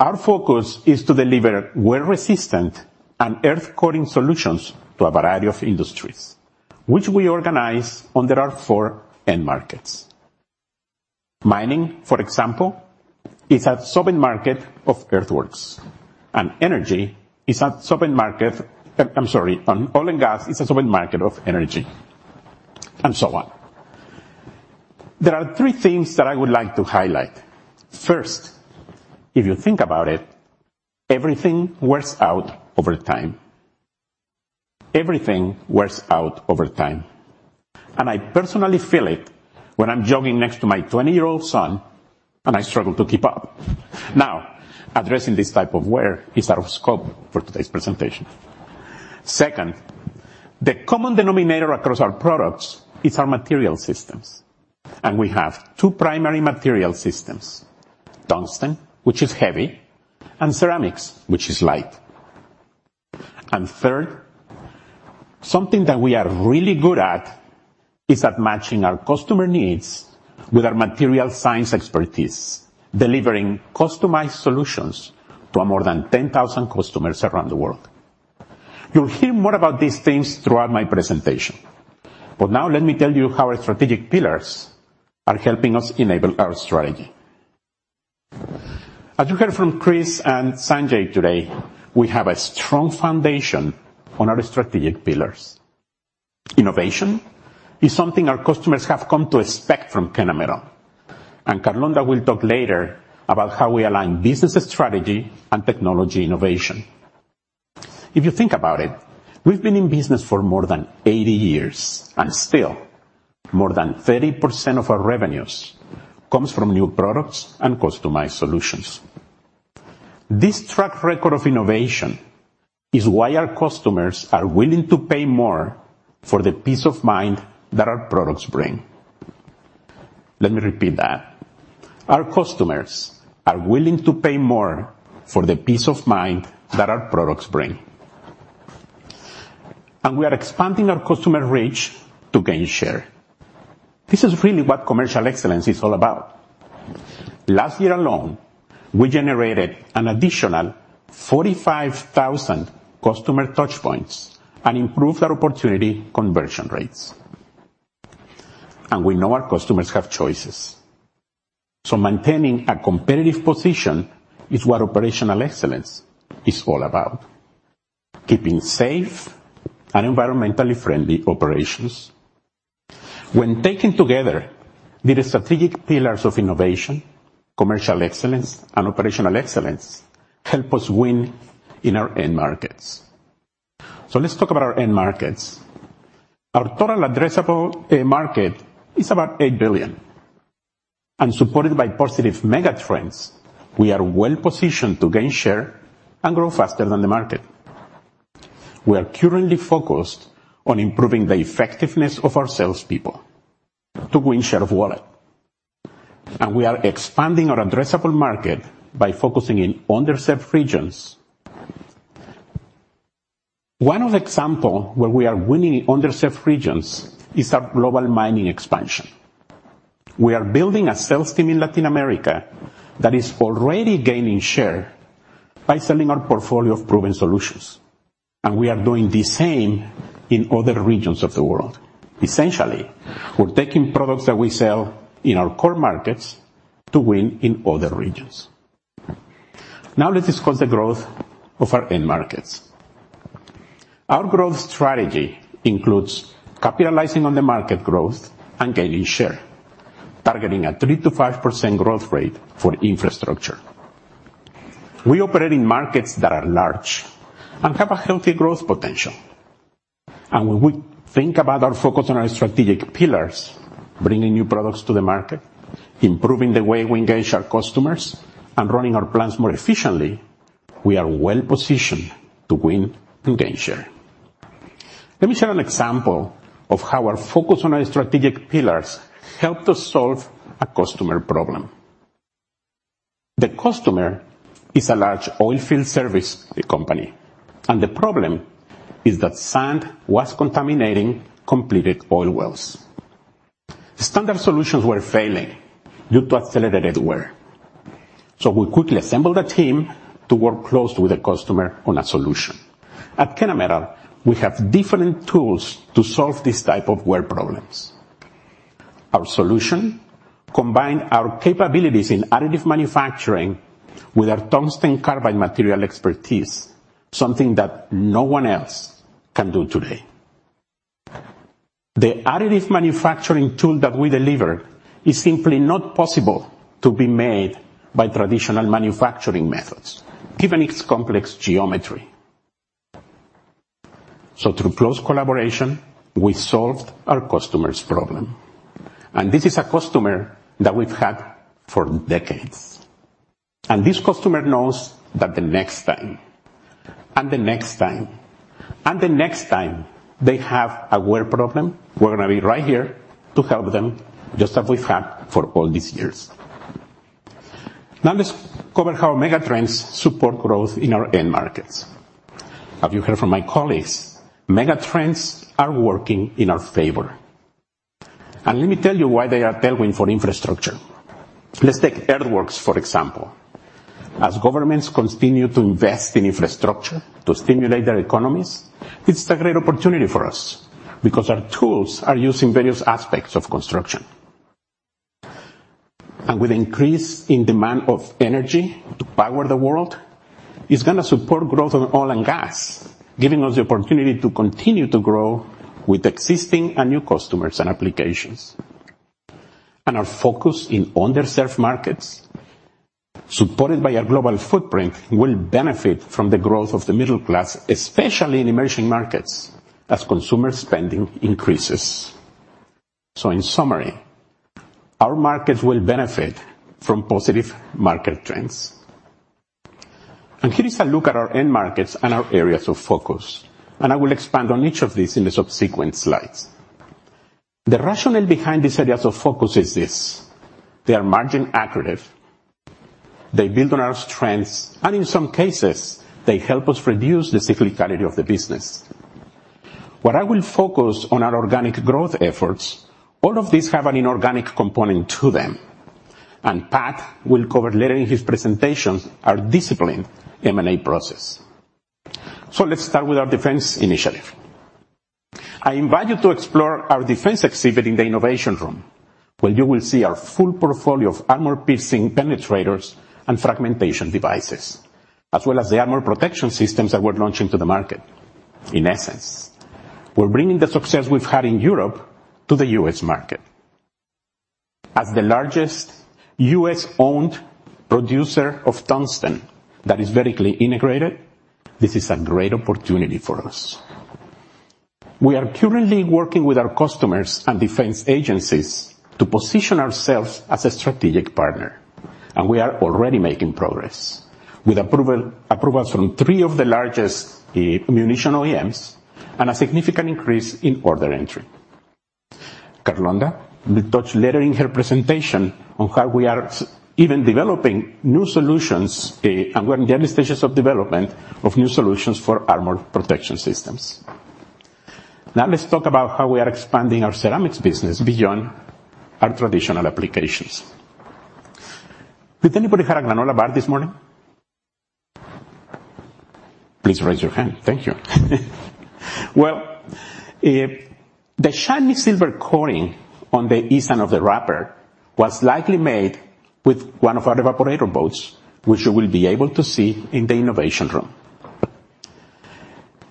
our focus is to deliver wear-resistant and earth-cutting solutions to a variety of industries, which we organize under our four end markets. Mining, for example, is a sub-market of earthworks, and energy is a sub-market... oil and gas is a sub-market of energy, and so on. There are three things that I would like to highlight. First, if you think about it, everything wears out over time. Everything wears out over time, and I personally feel it when I'm jogging next to my 20-year-old son, and I struggle to keep up. Now, addressing this type of wear is out of scope for today's presentation. Second, the common denominator across our products is our material systems, and we have two primary material systems: tungsten, which is heavy, and ceramics, which is light. And third, something that we are really good at is at matching our customer needs with our material science expertise, delivering customized solutions to more than 10,000 customers around the world. You'll hear more about these things throughout my presentation, but now let me tell you how our strategic pillars are helping us enable our strategy. As you heard from Chris and Sanjay today, we have a strong foundation on our strategic pillars. innovation is something our customers have come to expect from Kennametal, and Carlonda will talk later about how we align business strategy and technology innovation. If you think about it, we've been in business for more than 80 years, and still, more than 30% of our revenues comes from new products and customized solutions. This track record of innovation is why our customers are willing to pay more for the peace of mind that our products bring. Let me repeat that. Our customers are willing to pay more for the peace of mind that our products bring. And we are expanding our customer reach to gain share. This is really what Commercial Excellence is all about. Last year alone, we generated an additional 45,000 customer touchpoints and improved our opportunity conversion rates. And we know our customers have choices, so maintaining a competitive position is what Operational Excellence is all about. Keeping safe and environmentally friendly operations. When taken together, the strategic pillars of innovation, Commercial Excellence, and Operational Excellence help us win in our end markets. So let's talk about our end markets. Our total addressable market is about $8 billion, and supported by positive megatrends, we are well positioned to gain share and grow faster than the market. We are currently focused on improving the effectiveness of our salespeople to win share of wallet, and we are expanding our addressable market by focusing in underserved regions. One of the example where we are winning in underserved regions is our global mining expansion. We are building a sales team in Latin America that is already gaining share by selling our portfolio of proven solutions, and we are doing the same in other regions of the world. Essentially, we're taking products that we sell in our core markets to win in other regions. Now, let's discuss the growth of our end markets. Our growth strategy includes capitalizing on the market growth and gaining share, targeting a 3%-5% growth rate for Infrastructure. We operate in markets that are large and have a healthy growth potential. When we think about our focus on our strategic pillars, bringing new products to the market, improving the way we engage our customers, and running our plants more efficiently, we are well positioned to win and gain share. Let me share an example of how our focus on our strategic pillars helped us solve a customer problem. The customer is a large oil field service company, and the problem is that sand was contaminating completed oil wells. Standard solutions were failing due to accelerated wear, so we quickly assembled a team to work closely with the customer on a solution. At Kennametal, we have different tools to solve these type of wear problems.... Our solution combined our capabilities in additive manufacturing with our tungsten carbide material expertise, something that no one else can do today. The additive manufacturing tool that we deliver is simply not possible to be made by traditional manufacturing methods, given its complex geometry. So through close collaboration, we solved our customer's problem, and this is a customer that we've had for decades. This customer knows that the next time, and the next time, and the next time they have a wear problem, we're gonna be right here to help them, just as we've had for all these years. Now, let's cover how megatrends support growth in our end markets. Have you heard from my colleagues? Megatrends are working in our favor, and let me tell you why they are tailwind for Infrastructure. Let's take earthworks, for example. As governments continue to invest in Infrastructure to stimulate their economies, it's a great opportunity for us because our tools are used in various aspects of construction. With increase in demand of energy to power the world, it's gonna support growth of oil and gas, giving us the opportunity to continue to grow with existing and new customers and applications. Our focus in underserved markets, supported by our global footprint, will benefit from the growth of the middle class, especially in emerging markets, as consumer spending increases. In summary, our markets will benefit from positive market trends. Here is a look at our end markets and our areas of focus, and I will expand on each of these in the subsequent slides. The rationale behind these areas of focus is this: They are margin accretive, they build on our strengths, and in some cases, they help us reduce the cyclicality of the business. What I will focus on our organic growth efforts, all of these have an inorganic component to them, and Pat will cover later in his presentations our disciplined M&A process. Let's start with our defense initiative. I invite you to explore our defense exhibit in the innovation room, where you will see our full portfolio of armor-piercing penetrators and fragmentation devices, as well as the armor protection systems that we're launching to the market. In essence, we're bringing the success we've had in Europe to the U.S. market. As the largest U.S.-owned producer of tungsten that is vertically integrated, this is a great opportunity for us. We are currently working with our customers and defense agencies to position ourselves as a strategic partner, and we are already making progress. With approval, approvals from three of the largest ammunition OEMs and a significant increase in order entry. Carlonda will touch later in her presentation on how we are even developing new solutions, and we're in the early stages of development of new solutions for armor protection systems. Now, let's talk about how we are expanding our ceramics business beyond our traditional applications. Did anybody had a granola bar this morning? Please raise your hand. Thank you. Well, the shiny silver coating on the inside of the wrapper was likely made with one of our evaporator boats, which you will be able to see in the innovation room.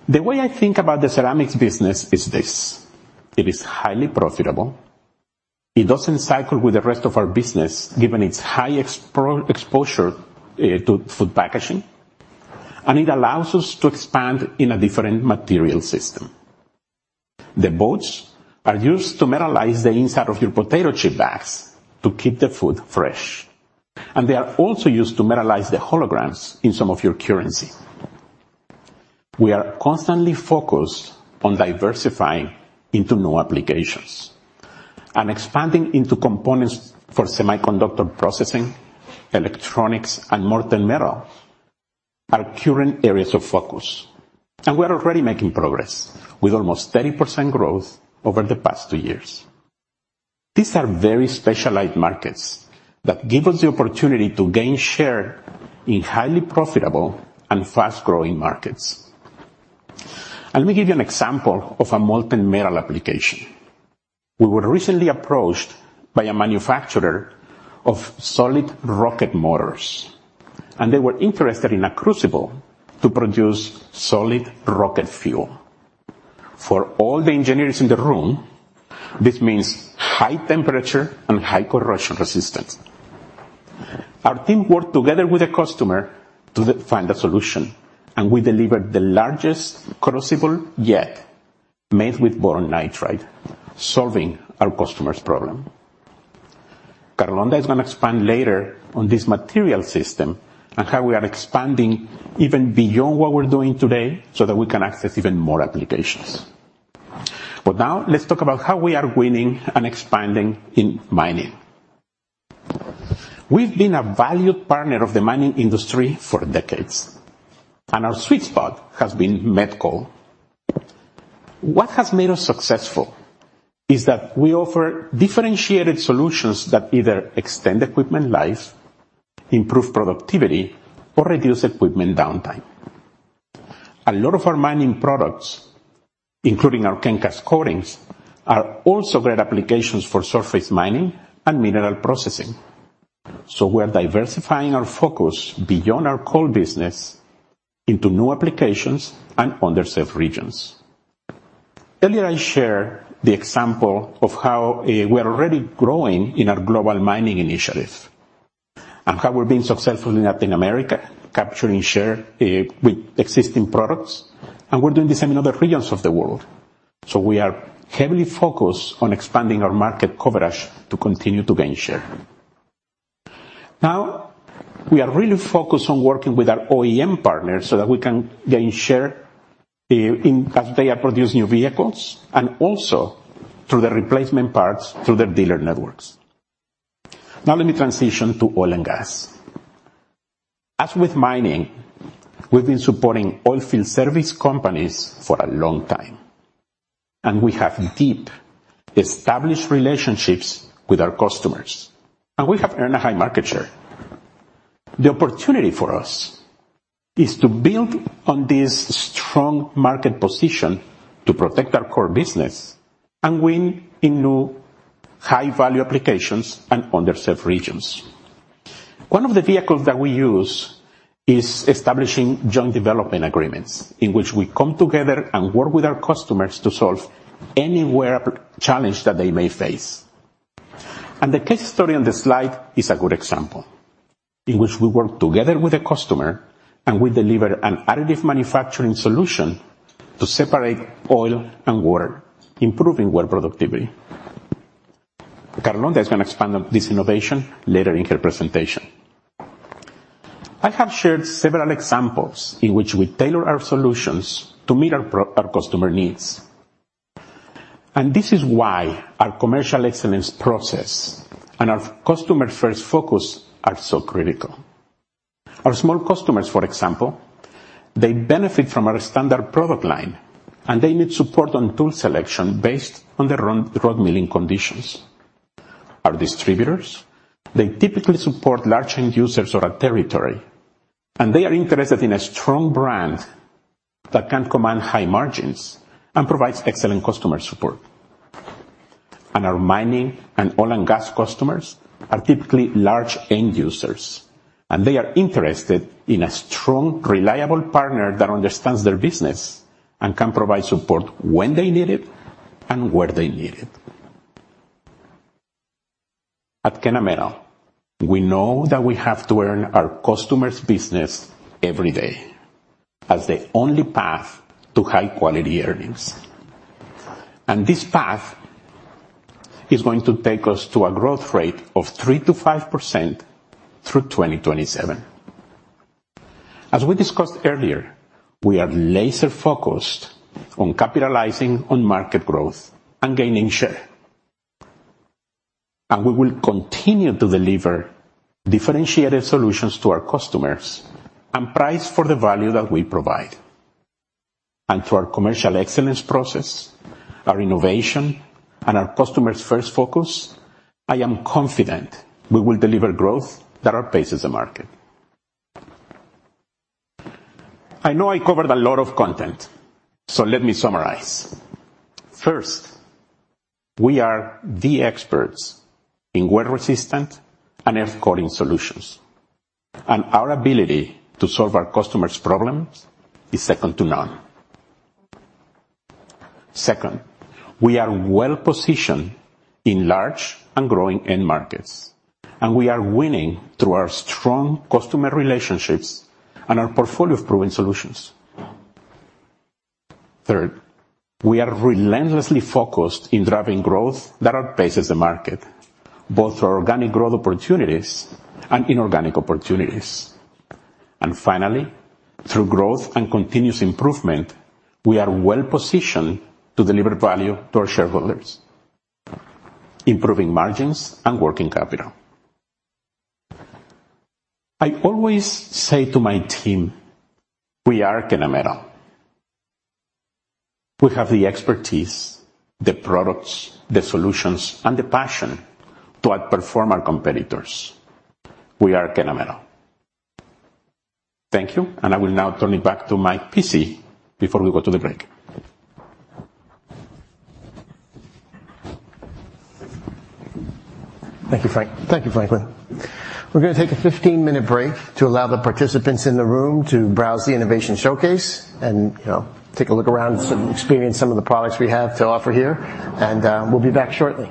The way I think about the ceramics business is this: It is highly profitable, it doesn't cycle with the rest of our business, given its high exposure to food packaging, and it allows us to expand in a different material system. The boats are used to metallize the inside of your potato chip bags to keep the food fresh, and they are also used to metallize the holograms in some of your currency. We are constantly focused on diversifying into new applications and expanding into components for semiconductor processing, electronics, and molten metal are current areas of focus. We're already making progress, with almost 30% growth over the past 2 years. These are very specialized markets that give us the opportunity to gain share in highly profitable and fast-growing markets. Let me give you an example of a molten metal application. We were recently approached by a manufacturer of solid rocket motors, and they were interested in a crucible to produce solid rocket fuel. For all the engineers in the room, this means high temperature and high corrosion resistance. Our team worked together with the customer to find a solution, and we delivered the largest crucible yet, made with boron nitride, solving our customer's problem. Carlonda is gonna expand later on this material system and how we are expanding even beyond what we're doing today, so that we can access even more applications. But now let's talk about how we are winning and expanding in mining. We've been a valued partner of the mining industry for decades, and our sweet spot has been met coal. What has made us successful is that we offer differentiated solutions that either extend equipment life, improve productivity, or reduce equipment downtime. A lot of our mining products, including our KenCast coatings, are also great applications for surface mining and mineral processing. So we are diversifying our focus beyond our core business into new applications and underserved regions. Earlier, I shared the example of how we are already growing in our global mining initiative and how we're being successful in Latin America, capturing share with existing products, and we're doing the same in other regions of the world. So we are heavily focused on expanding our market coverage to continue to gain share. Now, we are really focused on working with our OEM partners so that we can gain share in as they are producing new vehicles, and also through the replacement parts through their dealer networks. Now, let me transition to oil and gas. As with mining, we've been supporting oil field service companies for a long time, and we have deep, established relationships with our customers, and we have earned a high market share. The opportunity for us is to build on this strong market position to protect our core business and win in new high-value applications and underserved regions. One of the vehicles that we use is establishing joint development agreements, in which we come together and work with our customers to solve any wear challenge that they may face. And the case study on this slide is a good example, in which we work together with a customer, and we deliver an additive manufacturing solution to separate oil and water, improving water productivity. Carlonda is gonna expand on this innovation later in her presentation. I have shared several examples in which we tailor our solutions to meet our our customer needs. And this is why our Commercial Excellence process and our customer-first focus are so critical. Our small customers, for example, they benefit from our standard product line, and they need support on tool selection based on the road milling conditions. Our distributors, they typically support large end users or a territory, and they are interested in a strong brand that can command high margins and provides excellent customer support. Our mining and oil and gas customers are typically large end users, and they are interested in a strong, reliable partner that understands their business and can provide support when they need it and where they need it. At Kennametal, we know that we have to earn our customer's business every day as the only path to high-quality earnings. This path is going to take us to a growth rate of 3%-5% through 2027. As we discussed earlier, we are laser-focused on capitalizing on market growth and gaining share. We will continue to deliver differentiated solutions to our customers and price for the value that we provide. Through our Commercial Excellence process, our innovation, and our customer-first focus, I am confident we will deliver growth that outpaces the market. I know I covered a lot of content, so let me summarize. First, we are the experts in wear-resistant and earth-cutting solutions, and our ability to solve our customers' problems is second to none. Second, we are well-positioned in large and growing end markets, and we are winning through our strong customer relationships and our portfolio of proven solutions. Third, we are relentlessly focused in driving growth that outpaces the market, both through organic growth opportunities and inorganic opportunities. Finally, through growth and continuous improvement, we are well-positioned to deliver value to our shareholders, improving margins and working capital. I always say to my team, "We are Kennametal. We have the expertise, the products, the solutions, and the passion to outperform our competitors. We are Kennametal." Thank you, and I will now turn it back to Mike Pici before we go to the break. Thank you, Frank. Thank you, Franklin. We're gonna take a 15-minute break to allow the participants in the room to browse the innovation showcase and, you know, take a look around and experience some of the products we have to offer here. We'll be back shortly.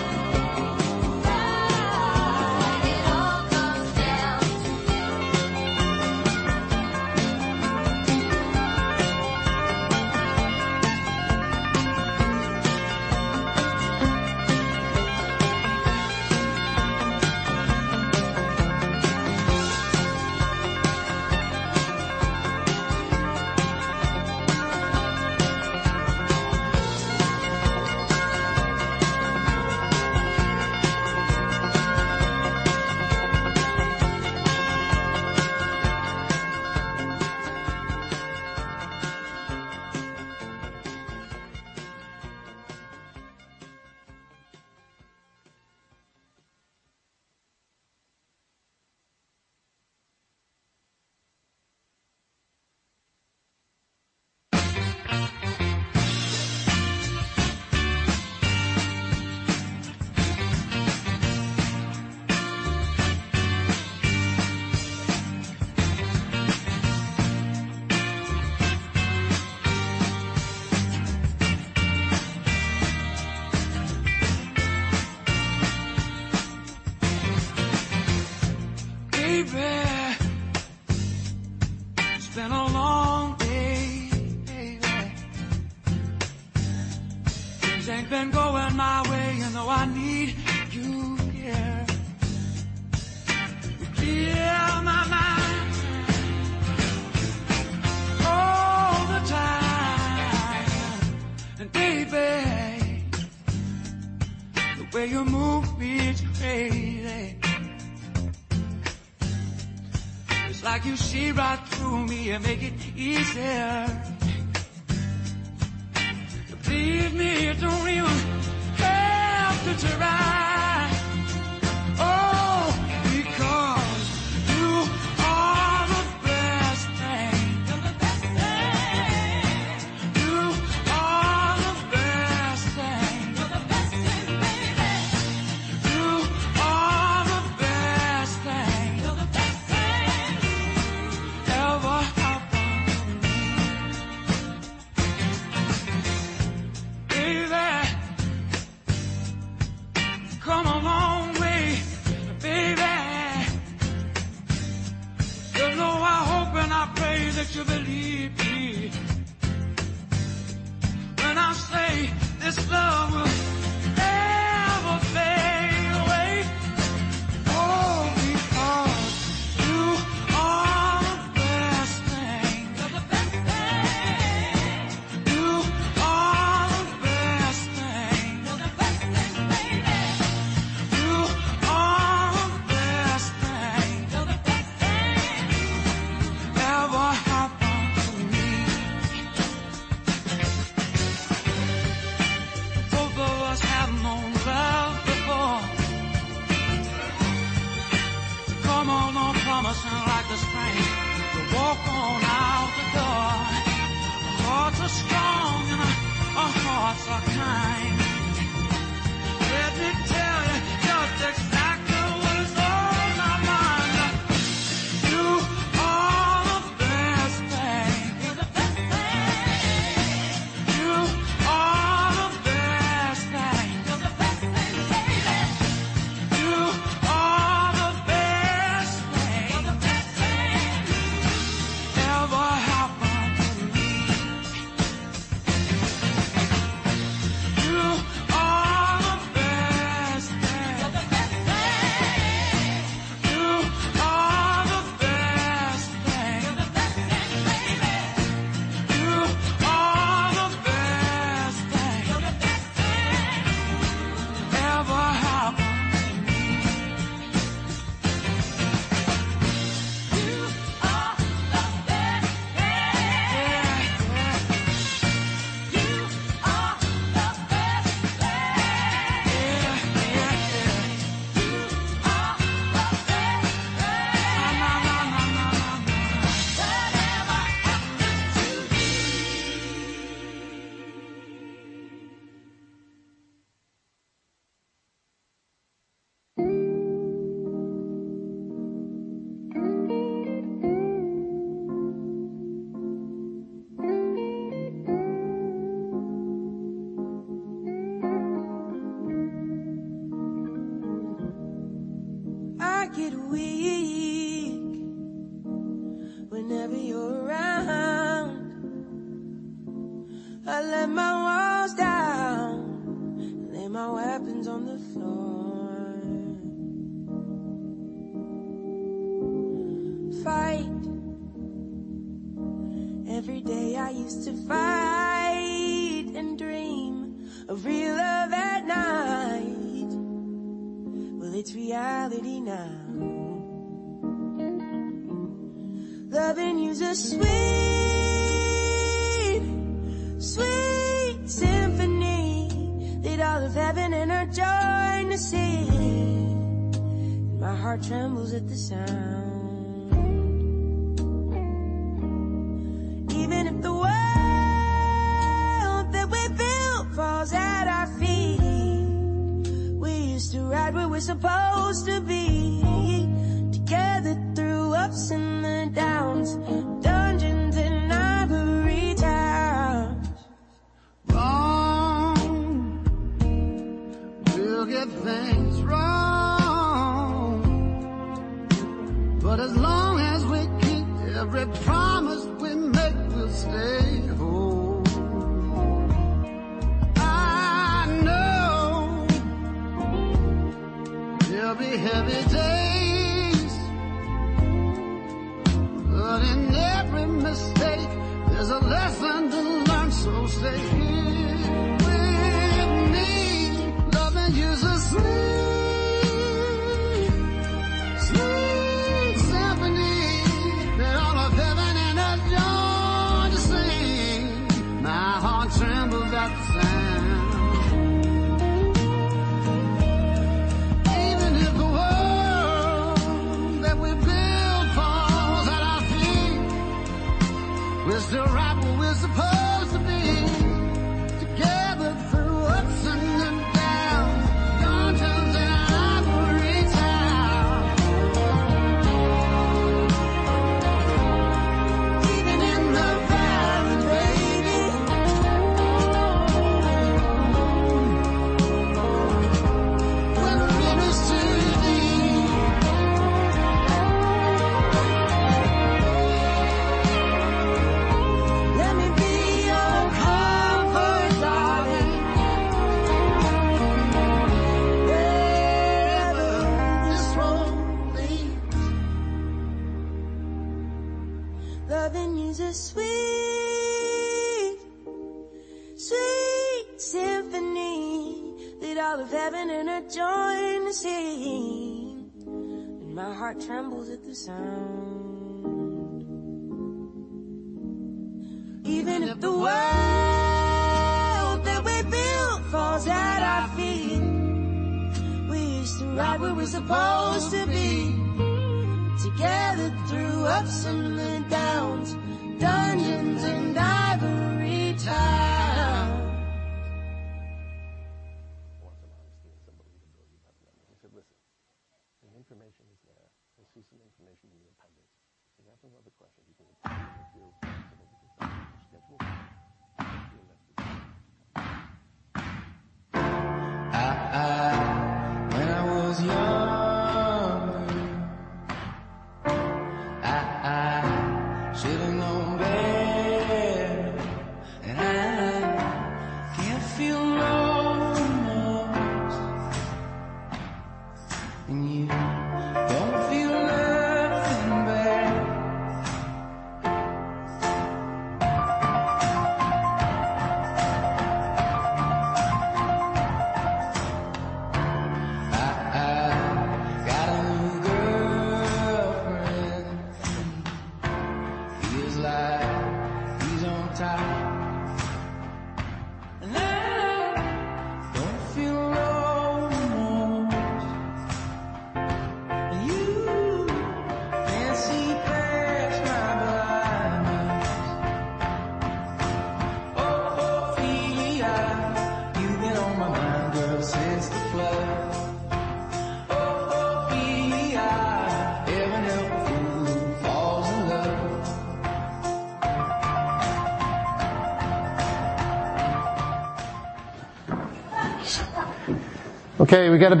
Okay,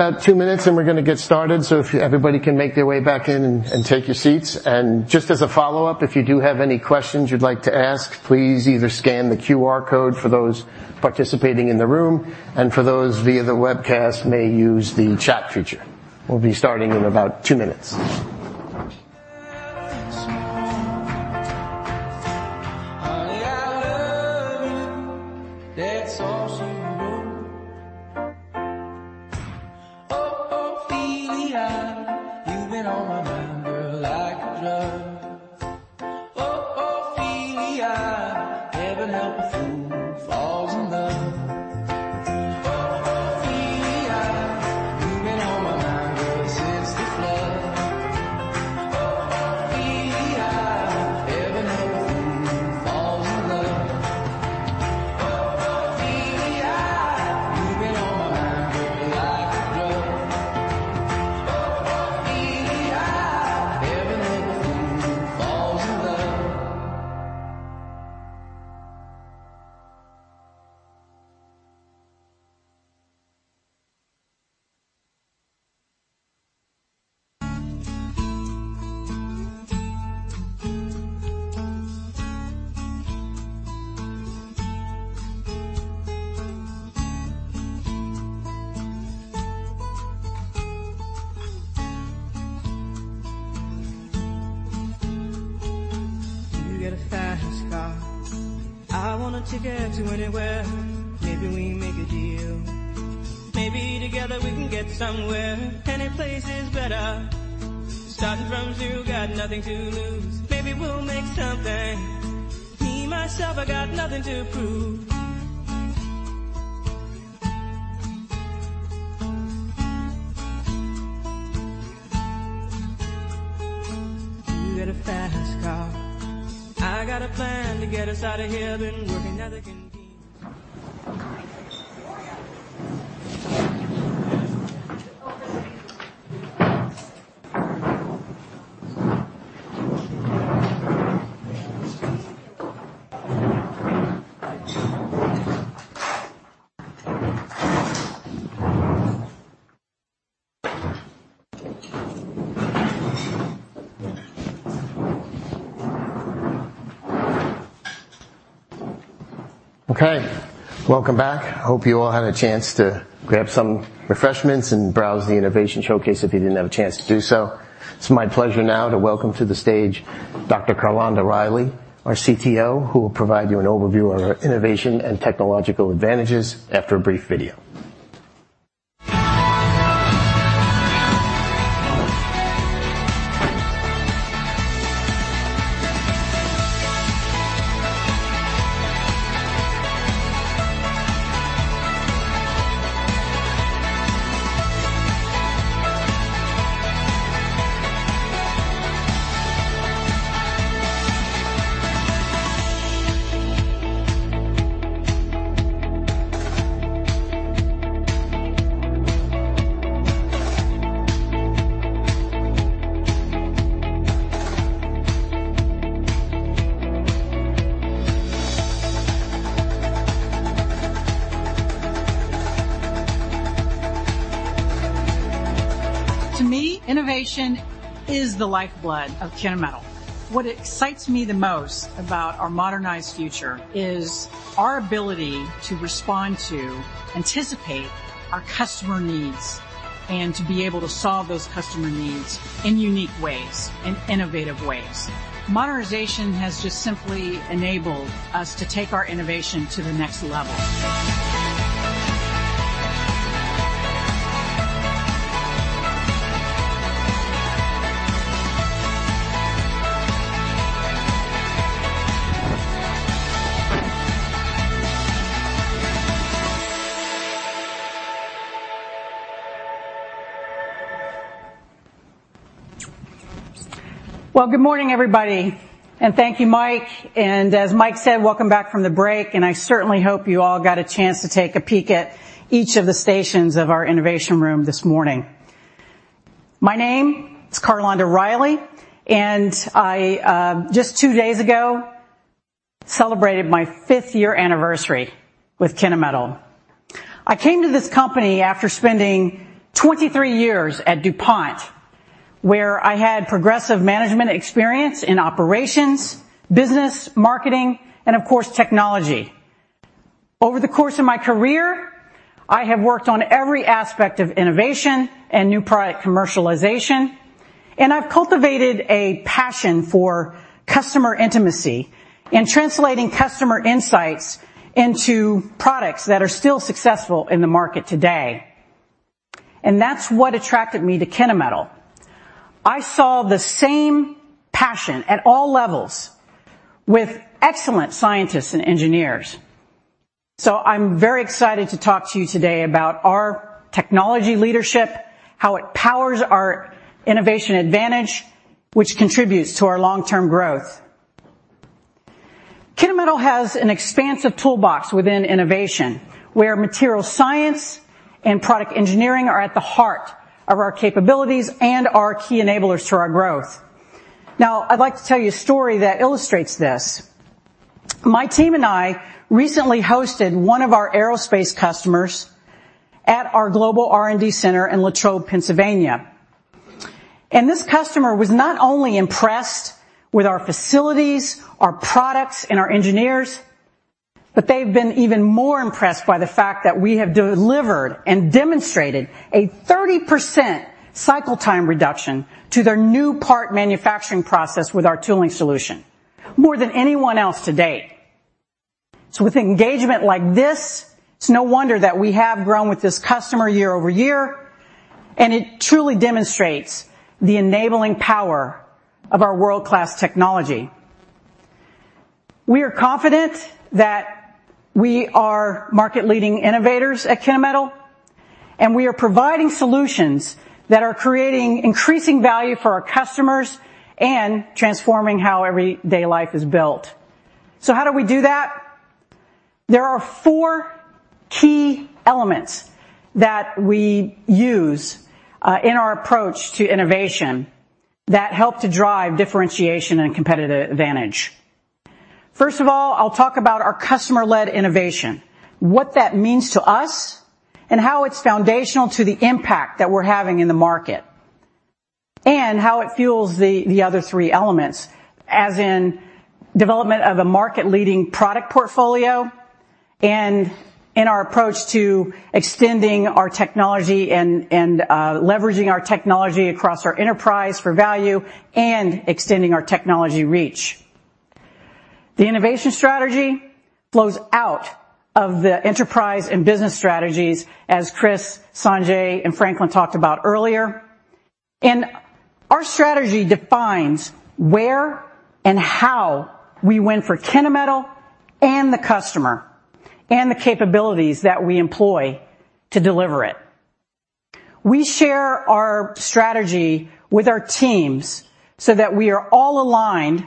welcome back. I hope you all had a chance to grab some refreshments and browse the innovation showcase if you didn't have a chance to do so. It's my pleasure now to welcome to the stage Dr. Carlonda Reilly, our CTO, who will provide you an overview of our innovation and technological advantages after a brief video. To me, innovation is the lifeblood of Kennametal. What excites me the most about our modernized future is our ability to respond to, anticipate our customer needs, and to be able to solve those customer needs in unique ways, in innovative ways. Modernization has just simply enabled us to take our innovation to the next level. Well, good morning, everybody, and thank you, Mike. And as Mike said, welcome back from the break, and I certainly hope you all got a chance to take a peek at each of the stations of our innovation room this morning. My name is Carlonda Reilly, and I just two days ago celebrated my fifth-year anniversary with Kennametal. I came to this company after spending 23 years at DuPont, where I had progressive management experience in operations, business, marketing, and of course, technology. Over the course of my career, I have worked on every aspect of innovation and new product commercialization, and I've cultivated a passion for customer intimacy and translating customer insights into products that are still successful in the market today. That's what attracted me to Kennametal. I saw the same passion at all levels with excellent scientists and engineers. I'm very excited to talk to you today about our technology leadership, how it powers innovation advantage, which contributes to our long-term growth. Kennametal has an expansive toolbox within innovation, where material science and product engineering are at the heart of our capabilities and are key enablers to our growth. Now, I'd like to tell you a story that illustrates this. My team and I recently hosted one of our aerospace customers at our global R&D center in Latrobe, Pennsylvania. This customer was not only impressed with our facilities, our products, and our engineers, but they've been even more impressed by the fact that we have delivered and demonstrated a 30% cycle time reduction to their new part manufacturing process with our tooling solution, more than anyone else to date. With engagement like this, it's no wonder that we have grown with this customer year-over-year, and it truly demonstrates the enabling power of our world-class technology. We are confident that we are market-leading innovators at Kennametal, and we are providing solutions that are creating increasing value for our customers and transforming how everyday life is built. So how do we do that? There are four key elements that we use in our approach to innovation that help to drive differentiation and competitive advantage. First of all, I'll talk about our customer-led innovation, what that means to us, and how it's foundational to the impact that we're having in the market, and how it fuels the other three elements, as in development of a market-leading product portfolio and in our approach to extending our technology and leveraging our technology across our enterprise for value and extending our technology reach. The innovation strategy flows out of the enterprise and business strategies, as Chris, Sanjay, and Franklin talked about earlier. Our strategy defines where and how we win for Kennametal and the customer, and the capabilities that we employ to deliver it. We share our strategy with our teams so that we are all aligned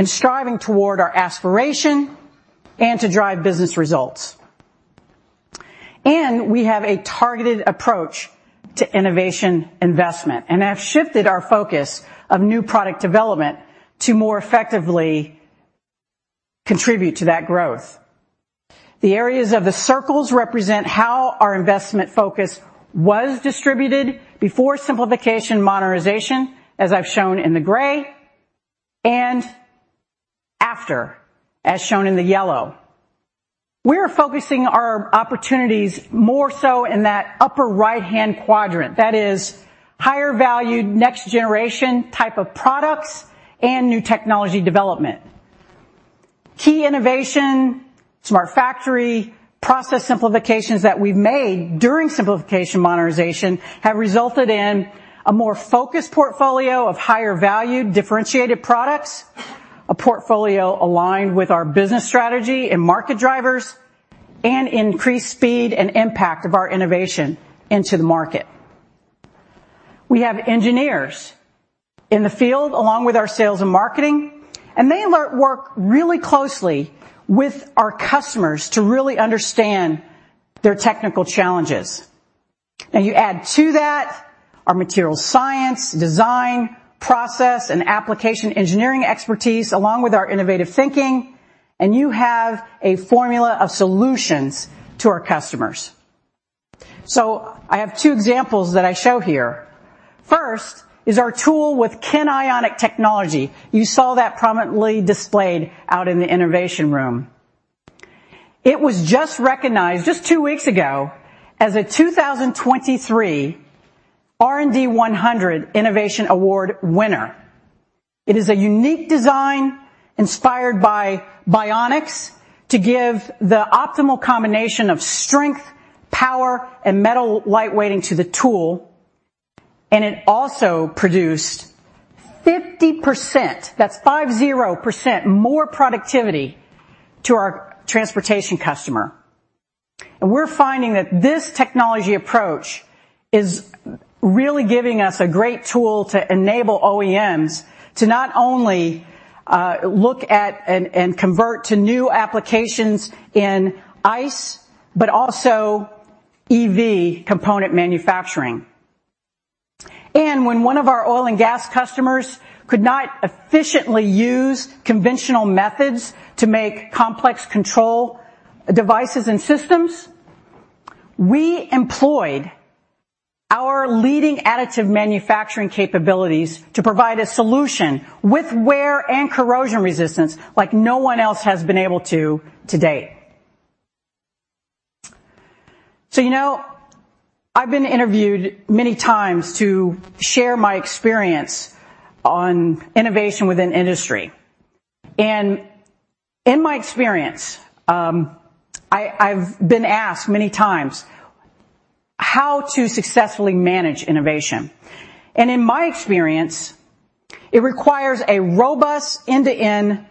and striving toward our aspiration and to drive business results. And we have a targeted approach to innovation investment and have shifted our focus of new product development to more effectively contribute to that growth. The areas of the circles represent how our investment focus was distributed before simplification modernization, as I've shown in the gray, and after, as shown in the yellow. We're focusing our opportunities more so in that upper right-hand quadrant. That is, higher valued, next generation type of products and new technology development. Key innovation, Smart Factory, process simplifications that we've made during simplification modernization have resulted in a more focused portfolio of higher valued, differentiated products, a portfolio aligned with our business strategy and market drivers, and increased speed and impact of our innovation into the market. We have engineers in the field, along with our sales and marketing, and they alert work really closely with our customers to really understand their technical challenges. Now, you add to that our materials science, design, process, and application engineering expertise, along with our innovative thinking, and you have a formula of solutions to our customers. So I have two examples that I show here. First is our tool with KENionic technology. You saw that prominently displayed out in the innovation room. It was just recognized, just two weeks ago, as a 2023 R&D 100 Innovation Award winner. It is a unique design inspired by bionics to give the optimal combination of strength, power, and metal lightweighting to the tool, and it also produced 50%, that's 50%, more productivity to our transportation customer. And we're finding that this technology approach is really giving us a great tool to enable OEMs to not only look at and convert to new applications in ICE, but also EV component manufacturing. When one of our oil and gas customers could not efficiently use conventional methods to make complex control devices and systems, we employed our leading additive manufacturing capabilities to provide a solution with wear and corrosion resistance like no one else has been able to to date. So, you know, I've been interviewed many times to share my experience on innovation within industry. In my experience, I've been asked many times how to successfully manage innovation. In my experience, it requires a robust end-to-end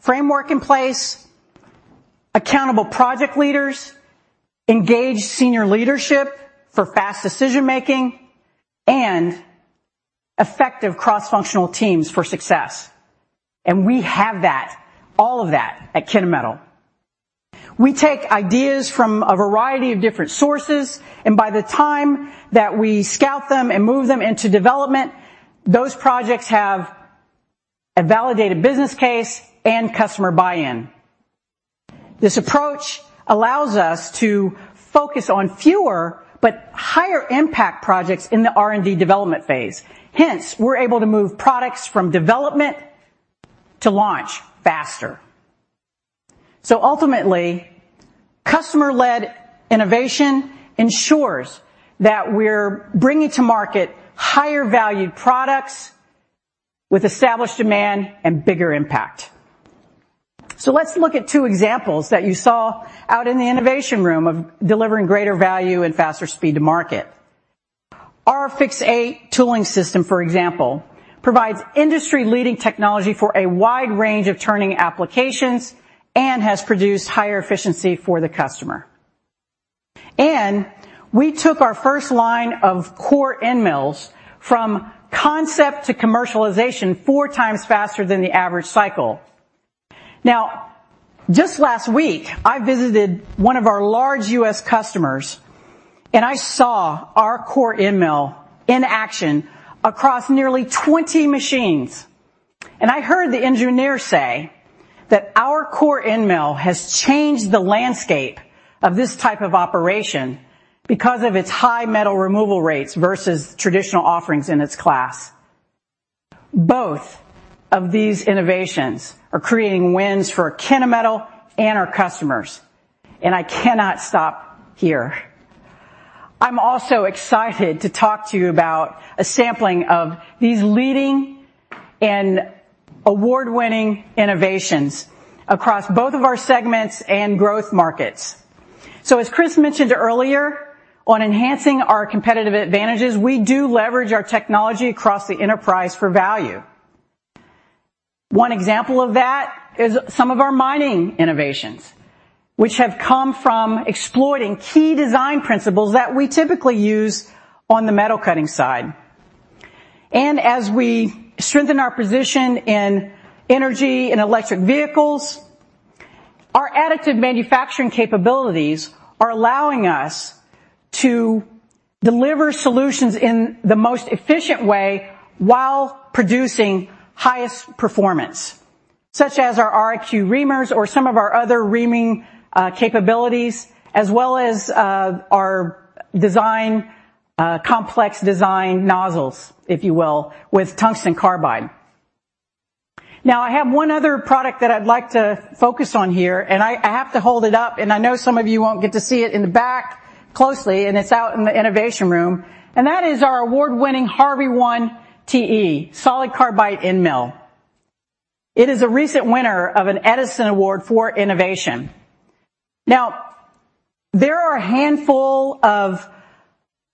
framework in place, accountable project leaders, engaged senior leadership for fast decision-making, and effective cross-functional teams for success. We have that, all of that at Kennametal. We take ideas from a variety of different sources, and by the time that we scout them and move them into development, those projects have a validated business case and customer buy-in. This approach allows us to focus on fewer, but higher impact projects in the R&D development phase. Hence, we're able to move products from development to launch faster. So ultimately, customer-led innovation ensures that we're bringing to market higher valued products with established demand and bigger impact. So let's look at two examples that you saw out in the innovation room of delivering greater value and faster speed to market. Our Fix8 tooling system, for example, provides industry-leading technology for a wide range of turning applications and has produced higher efficiency for the customer. We took our first line of KOR end mills from concept to commercialization four times faster than the average cycle. Now, just last week, I visited one of our large U.S. customers, and I saw our KOR end mill in action across nearly 20 machines. And I heard the engineer say that our KOR end mill has changed the landscape of this type of operation because of its high metal removal rates versus traditional offerings in its class. Both of these innovations are creating wins for Kennametal and our customers, and I cannot stop here. I'm also excited to talk to you about a sampling of these leading and award-winning innovations across both of our segments and growth markets. So as Chris mentioned earlier, on enhancing our competitive advantages, we do leverage our technology across the enterprise for value. One example of that is some of our mining innovations, which have come from exploiting key design principles that we typically use on Metal Cutting side. As we strengthen our position in energy and electric vehicles, our additive manufacturing capabilities are allowing us to deliver solutions in the most efficient way while producing highest performance, such as our RIQ reamers or some of our other reaming capabilities, as well as our design complex design nozzles, if you will, with tungsten carbide. Now, I have one other product that I'd like to focus on here, and I have to hold it up, and I know some of you won't get to see it in the back closely, and it's out in the innovation room, and that is our award-winning HARVI I TE solid carbide end mill. It is a recent winner of an Edison Award for innovation. Now, there are a handful of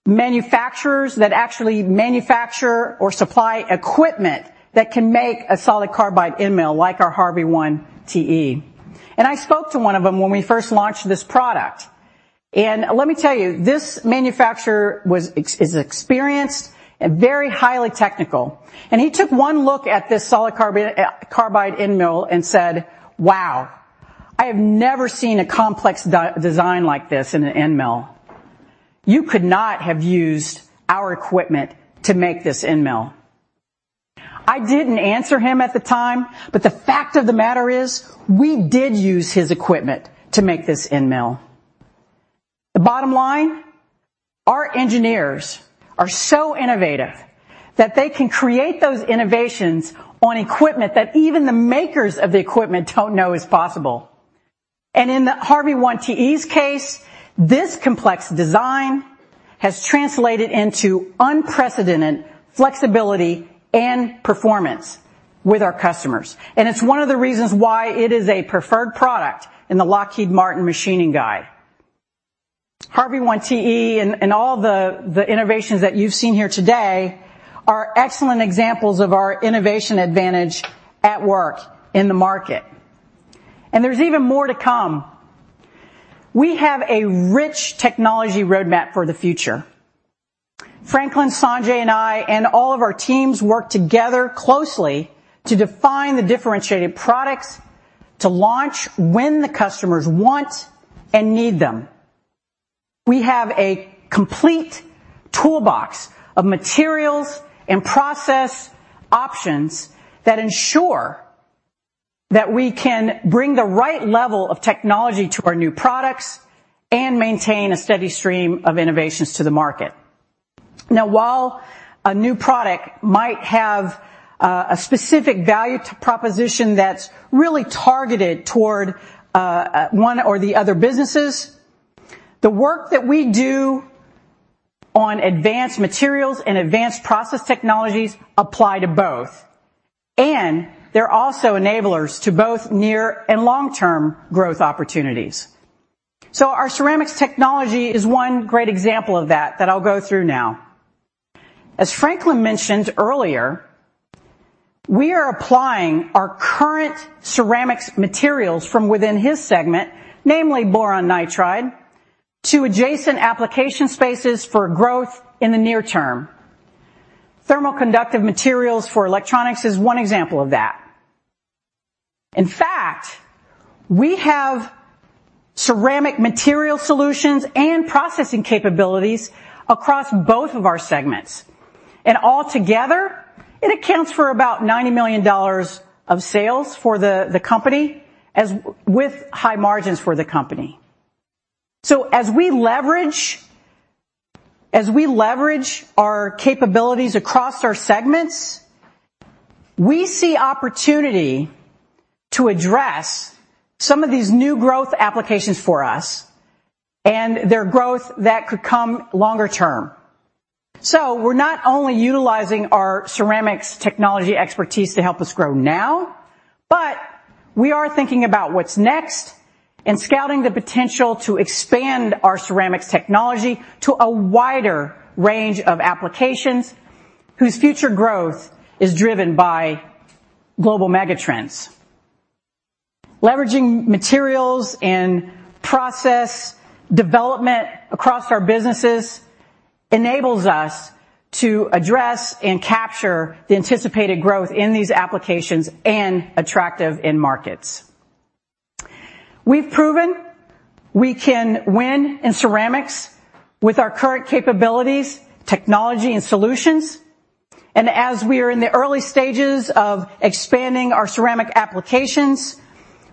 manufacturers that actually manufacture or supply equipment that can make a solid carbide end mill like our HARVI I TE. And I spoke to one of them when we first launched this product. And let me tell you, this manufacturer was, is experienced and very highly technical, and he took one look at this solid carbon, carbide end mill and said, "Wow, I have never seen a complex design like this in an end mill. You could not have used our equipment to make this end mill." I didn't answer him at the time, but the fact of the matter is, we did use his equipment to make this end mill. The bottom line, our engineers are so innovative that they can create those innovations on equipment that even the makers of the equipment don't know is possible. In the HARVI I TE's case, this complex design has translated into unprecedented flexibility and performance with our customers, and it's one of the reasons why it is a preferred product in the Lockheed Martin machining guide. HARVI I TE and all the innovations that you've seen here today are excellent examples of innovation advantage at work in the market, and there's even more to come. We have a rich technology roadmap for the future. Franklin, Sanjay, and I, and all of our teams work together closely to define the differentiated products to launch when the customers want and need them. We have a complete toolbox of materials and process options that ensure that we can bring the right level of technology to our new products and maintain a steady stream of innovations to the market. Now, while a new product might have a specific value proposition that's really targeted toward one or the other businesses, the work that we do on advanced materials and advanced process technologies apply to both, and they're also enablers to both near and long-term growth opportunities. So our ceramics technology is one great example of that that I'll go through now. As Franklin mentioned earlier, we are applying our current ceramics materials from within his segment, namely boron nitride, to adjacent application spaces for growth in the near term. Thermoconductive materials for electronics is one example of that. In fact, we have ceramic material solutions and processing capabilities across both of our segments, and altogether, it accounts for about $90 million of sales for the company, as with high margins for the company. So as we leverage, as we leverage our capabilities across our segments, we see opportunity to address some of these new growth applications for us and their growth that could come longer term. So we're not only utilizing our ceramics technology expertise to help us grow now, but we are thinking about what's next and scouting the potential to expand our ceramics technology to a wider range of applications whose future growth is driven by global megatrends. Leveraging materials and process development across our businesses enables us to address and capture the anticipated growth in these applications and attractive end markets. We've proven we can win in ceramics with our current capabilities, technology, and solutions, and as we are in the early stages of expanding our ceramic applications,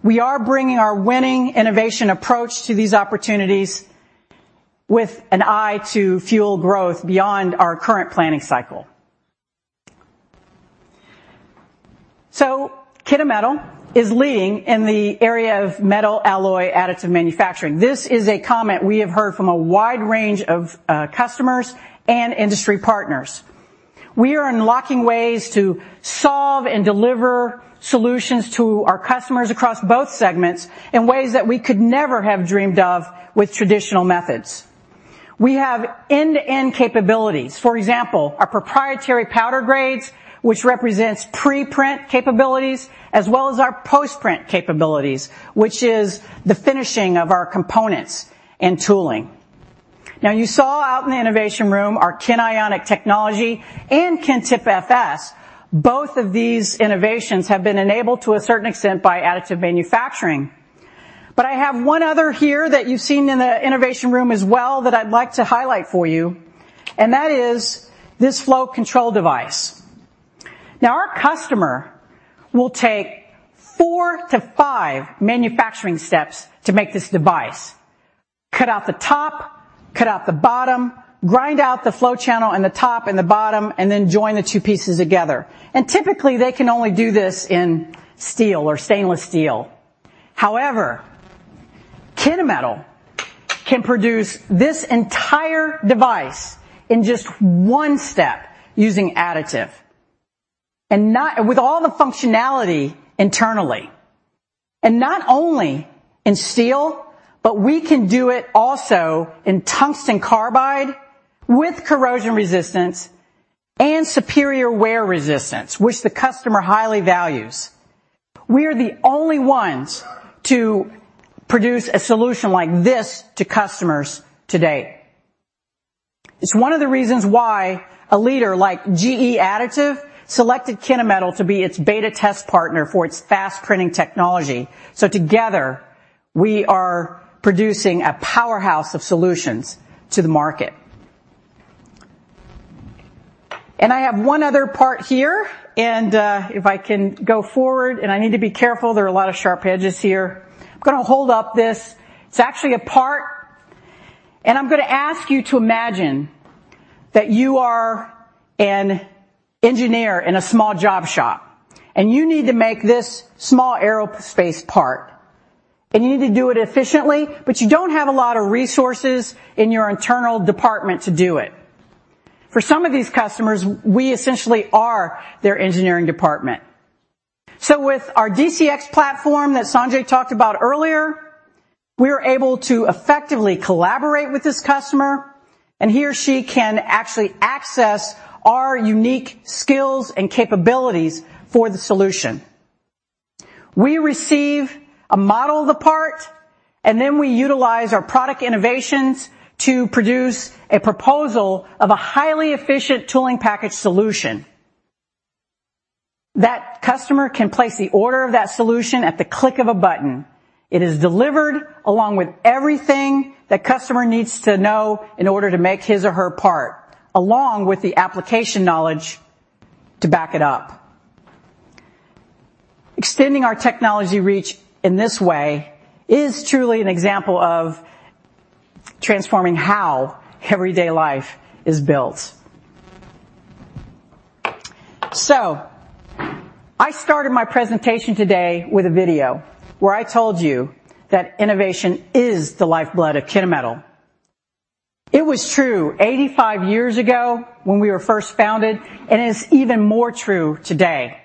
we are bringing our winning innovation approach to these opportunities with an eye to fuel growth beyond our current planning cycle. Kennametal is leading in the area of metal alloy additive manufacturing. This is a comment we have heard from a wide range of customers and industry partners. We are unlocking ways to solve and deliver solutions to our customers across both segments in ways that we could never have dreamed of with traditional methods. We have end-to-end capabilities. For example, our proprietary powder grades, which represents pre-print capabilities, as well as our post-print capabilities, which is the finishing of our components and tooling. Now, you saw out in the innovation room, our KENionic technology and KenTIP FS. Both of these innovations have been enabled to a certain extent by additive manufacturing. But I have one other here that you've seen in the innovation room as well, that I'd like to highlight for you, and that is this flow control device. Now, our customer will take 4-5 manufacturing steps to make this device: cut out the top, cut out the bottom, grind out the flow channel and the top and the bottom, and then join the 2 pieces together. And typically, they can only do this in steel or stainless steel. However, Kennametal can produce this entire device in just 1 step using additive, and not with all the functionality internally, and not only in steel, but we can do it also in tungsten carbide with corrosion resistance and superior wear resistance, which the customer highly values. We are the only ones to produce a solution like this to customers today. It's one of the reasons why a leader like GE Additive selected Kennametal to be its beta test partner for its fast printing technology. So together, we are producing a powerhouse of solutions to the market. And I have one other part here, and if I can go forward, and I need to be careful, there are a lot of sharp edges here. I'm gonna hold up this. It's actually a part, and I'm gonna ask you to imagine that you are an engineer in a small job shop, and you need to make this small aerospace part, and you need to do it efficiently, but you don't have a lot of resources in your internal department to do it. For some of these customers, we essentially are their engineering department. So with our DCX platform that Sanjay talked about earlier, we are able to effectively collaborate with this customer, and he or she can actually access our unique skills and capabilities for the solution. We receive a model of the part, and then we utilize our product innovations to produce a proposal of a highly efficient tooling package solution. That customer can place the order of that solution at the click of a button. It is delivered along with everything the customer needs to know in order to make his or her part, along with the application knowledge to back it up. Extending our technology reach in this way is truly an example of transforming how everyday life is built. So I started my presentation today with a video where I told you that innovation is the lifeblood of Kennametal. It was true 85 years ago when we were first founded, and it is even more true today.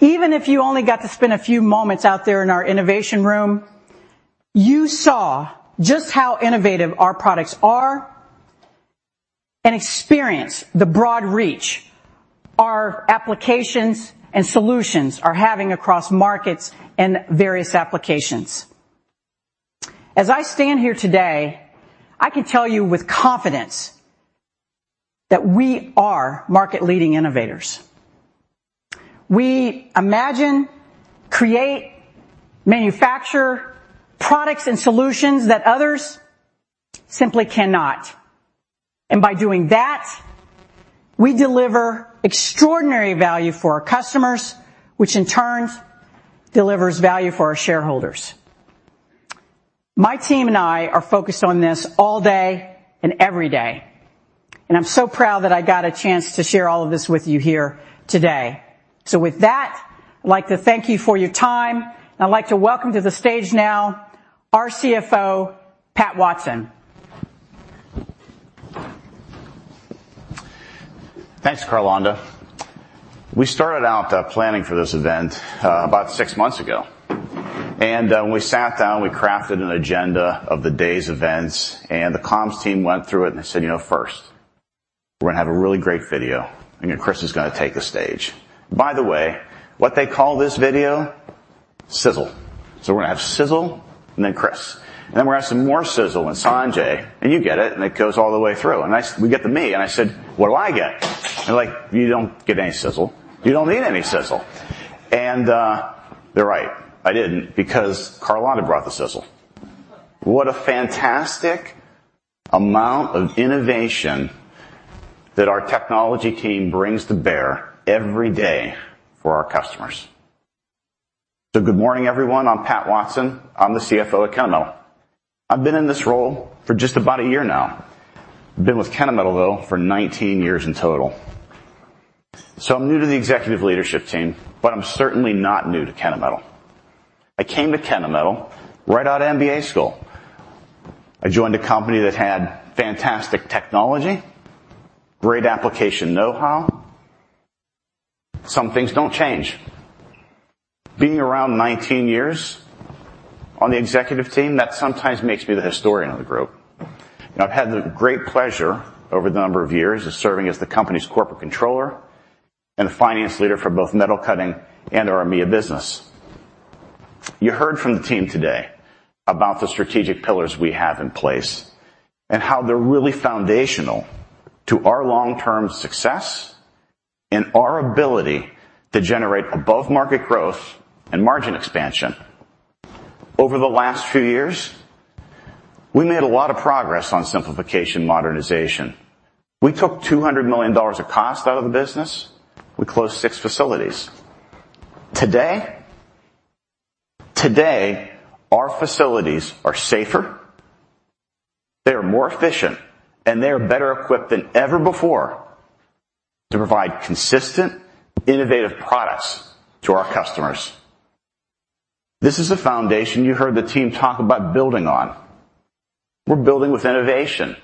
Even if you only got to spend a few moments out there in our innovation room, you saw just how innovative our products are and experienced the broad reach our applications and solutions are having across markets and various applications. As I stand here today, I can tell you with confidence that we are market-leading innovators. We imagine, create, manufacture products and solutions that others simply cannot, and by doing that, we deliver extraordinary value for our customers, which in turn delivers value for our shareholders. My team and I are focused on this all day and every day, and I'm so proud that I got a chance to share all of this with you here today. So with that, I'd like to thank you for your time, and I'd like to welcome to the stage now our CFO, Pat Watson. Thanks, Carlonda. We started out planning for this event about six months ago, and when we sat down, we crafted an agenda of the day's events, and the comms team went through it and said, "You know, first, we're gonna have a really great video, and then Chris is gonna take the stage. By the way, what they call this video? Sizzle. So we're gonna have sizzle, and then Chris, and then we're gonna have some more sizzle with Sanjay, and you get it, and it goes all the way through. And we get to me, and I said, "What do I get?" They're like, "You don't get any sizzle. You don't need any sizzle." And they're right, I didn't, because Carlonda brought the sizzle. What a fantastic amount of innovation that our technology team brings to bear every day for our customers. So good morning, everyone. I'm Pat Watson. I'm the CFO at Kennametal. I've been in this role for just about a year now. I've been with Kennametal, though, for 19 years in total. So I'm new to the executive leadership team, but I'm certainly not new to Kennametal. I came to Kennametal right out of MBA school. I joined a company that had fantastic technology, great application know-how. Some things don't change. Being around 19 years on the executive team, that sometimes makes me the historian of the group, and I've had the great pleasure over the number of years of serving as the company's corporate controller and the finance leader for Metal Cutting and our EMEA business. You heard from the team today about the strategic pillars we have in place and how they're really foundational to our long-term success and our ability to generate above-market growth and margin expansion. Over the last few years, we made a lot of progress on simplification, modernization. We took $200 million of cost out of the business. We closed six facilities. Today, our facilities are safer, they are more efficient, and they are better equipped than ever before to provide consistent, innovative products to our customers. This is the foundation you heard the team talk about building on. We're building with innovation,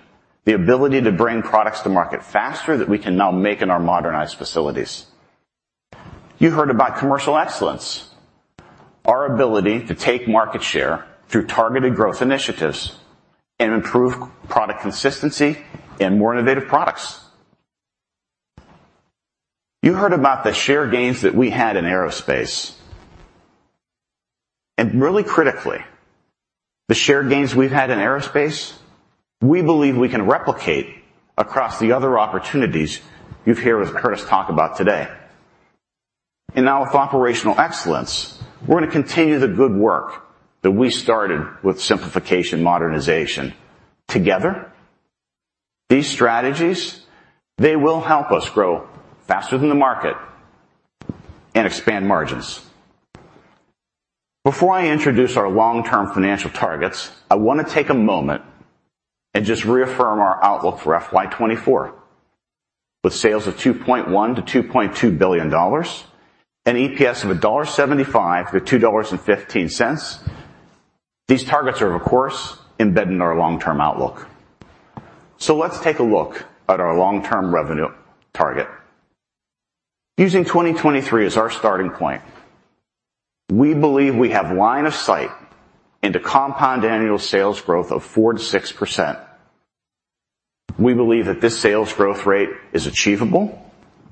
the ability to bring products to market faster that we can now make in our modernized facilities. You heard about Commercial Excellence.... Our ability to take market share through targeted growth initiatives and improve product consistency and more innovative products. You heard about the share gains that we had in aerospace, and really critically, the share gains we've had in aerospace. We believe we can replicate across the other opportunities you've heard as Chris talk about today. Now with Operational Excellence, we're going to continue the good work that we started with simplification, modernization. Together, these strategies, they will help us grow faster than the market and expand margins. Before I introduce our long-term financial targets, I want to take a moment and just reaffirm our outlook for FY 2024, with sales of $2.1 billion-$2.2 billion, and EPS of $1.75-$2.15. These targets are, of course, embedded in our long-term outlook. So let's take a look at our long-term revenue target. Using 2023 as our starting point, we believe we have line of sight into compound annual sales growth of 4%-6%. We believe that this sales growth rate is achievable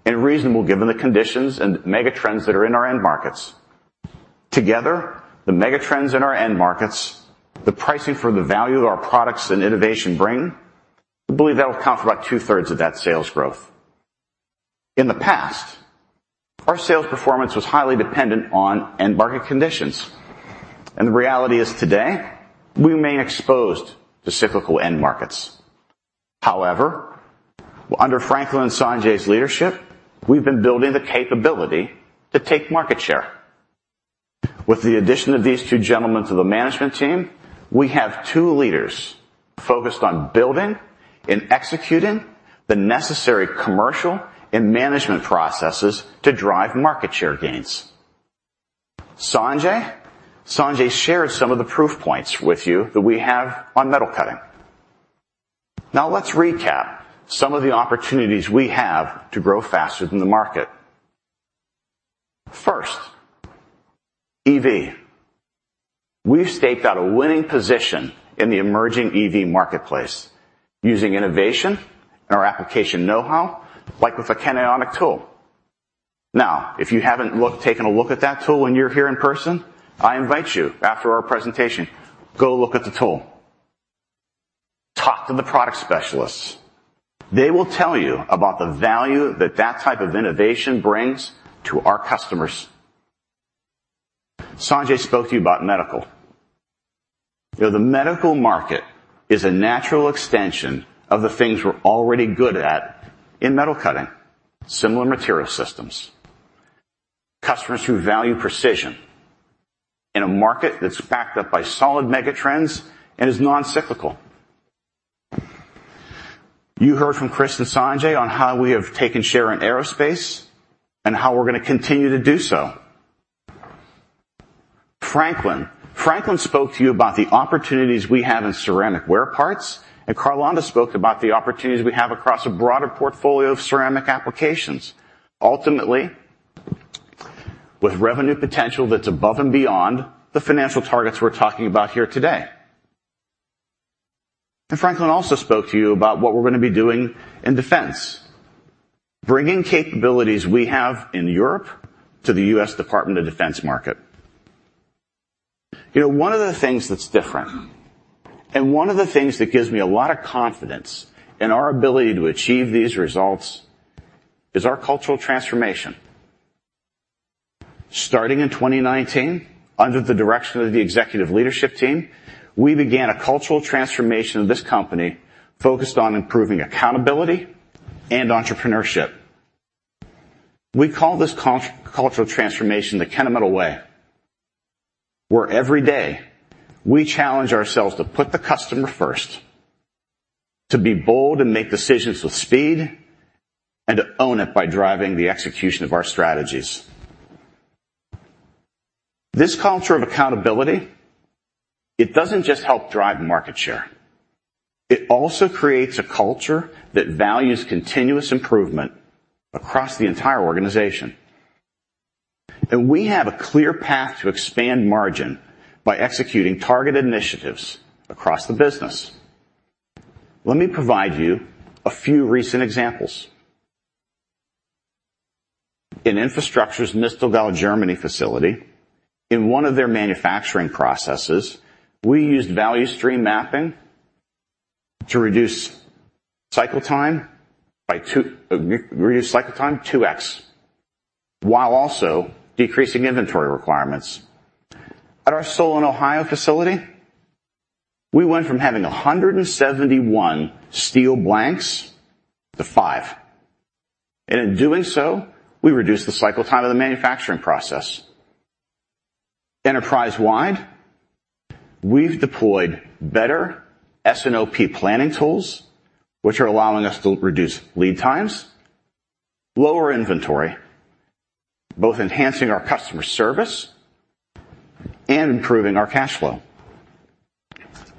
and reasonable given the conditions and megatrends that are in our end markets. Together, the megatrends in our end markets, the pricing for the value of our products and innovation bring, we believe that will count for about two-thirds of that sales growth. In the past, our sales performance was highly dependent on end market conditions, and the reality is today, we remain exposed to cyclical end markets. However, under Franklin and Sanjay's leadership, we've been building the capability to take market share. With the addition of these two gentlemen to the management team, we have two leaders focused on building and executing the necessary commercial and management processes to drive market share gains. Sanjay. Sanjay shared some of the proof points with you that we have Metal Cutting. now, let's recap some of the opportunities we have to grow faster than the market. First, EV. We've staked out a winning position in the emerging EV marketplace using innovation and our application know-how, like with a Kennametal tool. Now, if you haven't taken a look at that tool when you're here in person, I invite you after our presentation, go look at the tool. Talk to the product specialists. They will tell you about the value that type of innovation brings to our customers. Sanjay spoke to you about medical. You know, the medical market is a natural extension of the things we're already good at Metal Cutting, similar material systems. Customers who value precision in a market that's backed up by solid megatrends and is non-cyclical. You heard from Chris and Sanjay on how we have taken share in aerospace and how we're going to continue to do so. Franklin. Franklin spoke to you about the opportunities we have in ceramic wear parts, and Carlonda spoke about the opportunities we have across a broader portfolio of ceramic applications. Ultimately, with revenue potential that's above and beyond the financial targets we're talking about here today. Franklin also spoke to you about what we're going to be doing in defense, bringing capabilities we have in Europe to the U.S. Department of Defense market. You know, one of the things that's different and one of the things that gives me a lot of confidence in our ability to achieve these results is our cultural transformation. Starting in 2019, under the direction of the executive leadership team, we began a cultural transformation of this company focused on improving accountability and entrepreneurship. We call this cultural transformation, the Kennametal Way, where every day we challenge ourselves to put the customer first, to be bold and make decisions with speed, and to own it by driving the execution of our strategies. This culture of accountability, it doesn't just help drive market share, it also creates a culture that values continuous improvement across the entire organization. We have a clear path to expand margin by executing targeted initiatives across the business. Let me provide you a few recent examples. In Infrastructure's Mistelgau, Germany, facility, in one of their manufacturing processes, we used value stream mapping to reduce cycle time 2x, while also decreasing inventory requirements. At our Solon, Ohio, facility, we went from having 171 steel blanks to five, and in doing so, we reduced the cycle time of the manufacturing process. Enterprise-wide, we've deployed better S&OP planning tools, which are allowing us to reduce lead times, lower inventory, both enhancing our customer service and improving our cash flow.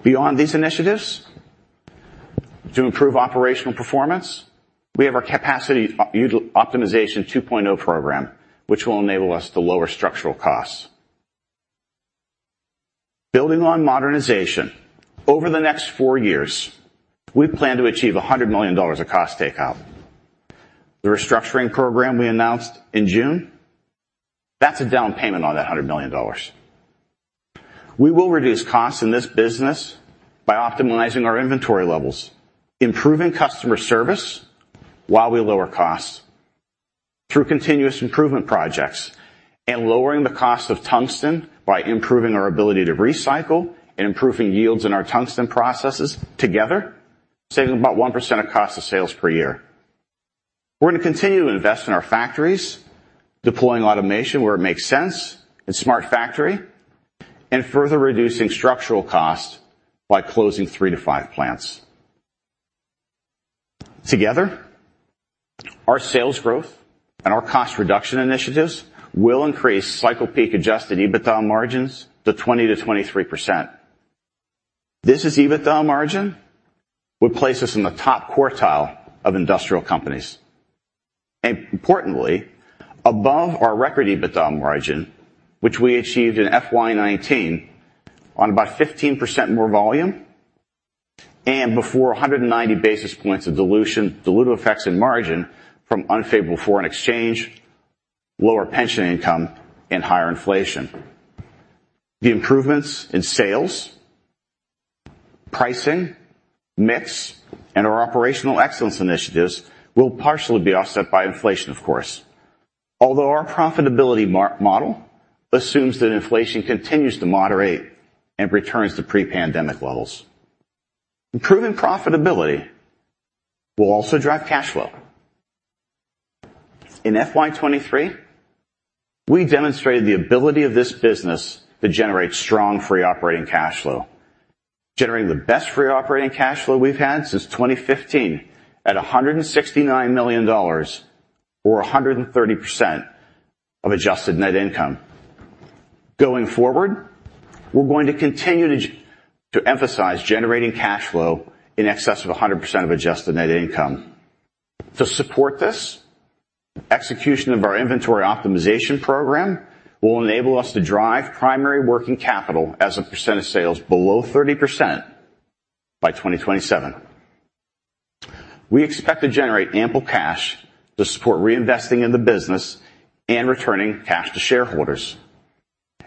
Beyond these initiatives, to improve operational performance, we have our Capacity Utilization Optimization 2.0 program, which will enable us to lower structural costs. Building on modernization, over the next four years, we plan to achieve $100 million of cost takeout. The restructuring program we announced in June, that's a down payment on that $100 million. We will reduce costs in this business by optimizing our inventory levels, improving customer service while we lower costs through continuous improvement projects, and lowering the cost of tungsten by improving our ability to recycle and improving yields in our tungsten processes together, saving about 1% of cost of sales per year. We're gonna continue to invest in our factories, deploying automation where it makes sense, in Smart Factory, and further reducing structural costs by closing 3-5 plants. Together, our sales growth and our cost reduction initiatives will increase cycle peak Adjusted EBITDA margins to 20%-23%. This is EBITDA margin, would place us in the top quartile of industrial companies. Importantly, above our record EBITDA margin, which we achieved in FY 2019 on about 15% more volume and before 190 basis points of dilution, dilutive effects in margin from unfavorable foreign exchange, lower pension income, and higher inflation. The improvements in sales, pricing, mix, and our Operational Excellence initiatives will partially be offset by inflation, of course. Although our profitability margin model assumes that inflation continues to moderate and returns to pre-pandemic levels. Improving profitability will also drive cash flow. In FY 2023, we demonstrated the ability of this business to generate strong free operating cash flow, generating the best free operating cash flow we've had since 2015, at $169 million, or 130% of Adjusted Net Income. Going forward, we're going to continue to emphasize generating cash flow in excess of 100% of Adjusted Net Income. To support this, execution of our inventory optimization program will enable us to drive primary working capital as a percent of sales below 30% by 2027. We expect to generate ample cash to support reinvesting in the business and returning cash to shareholders.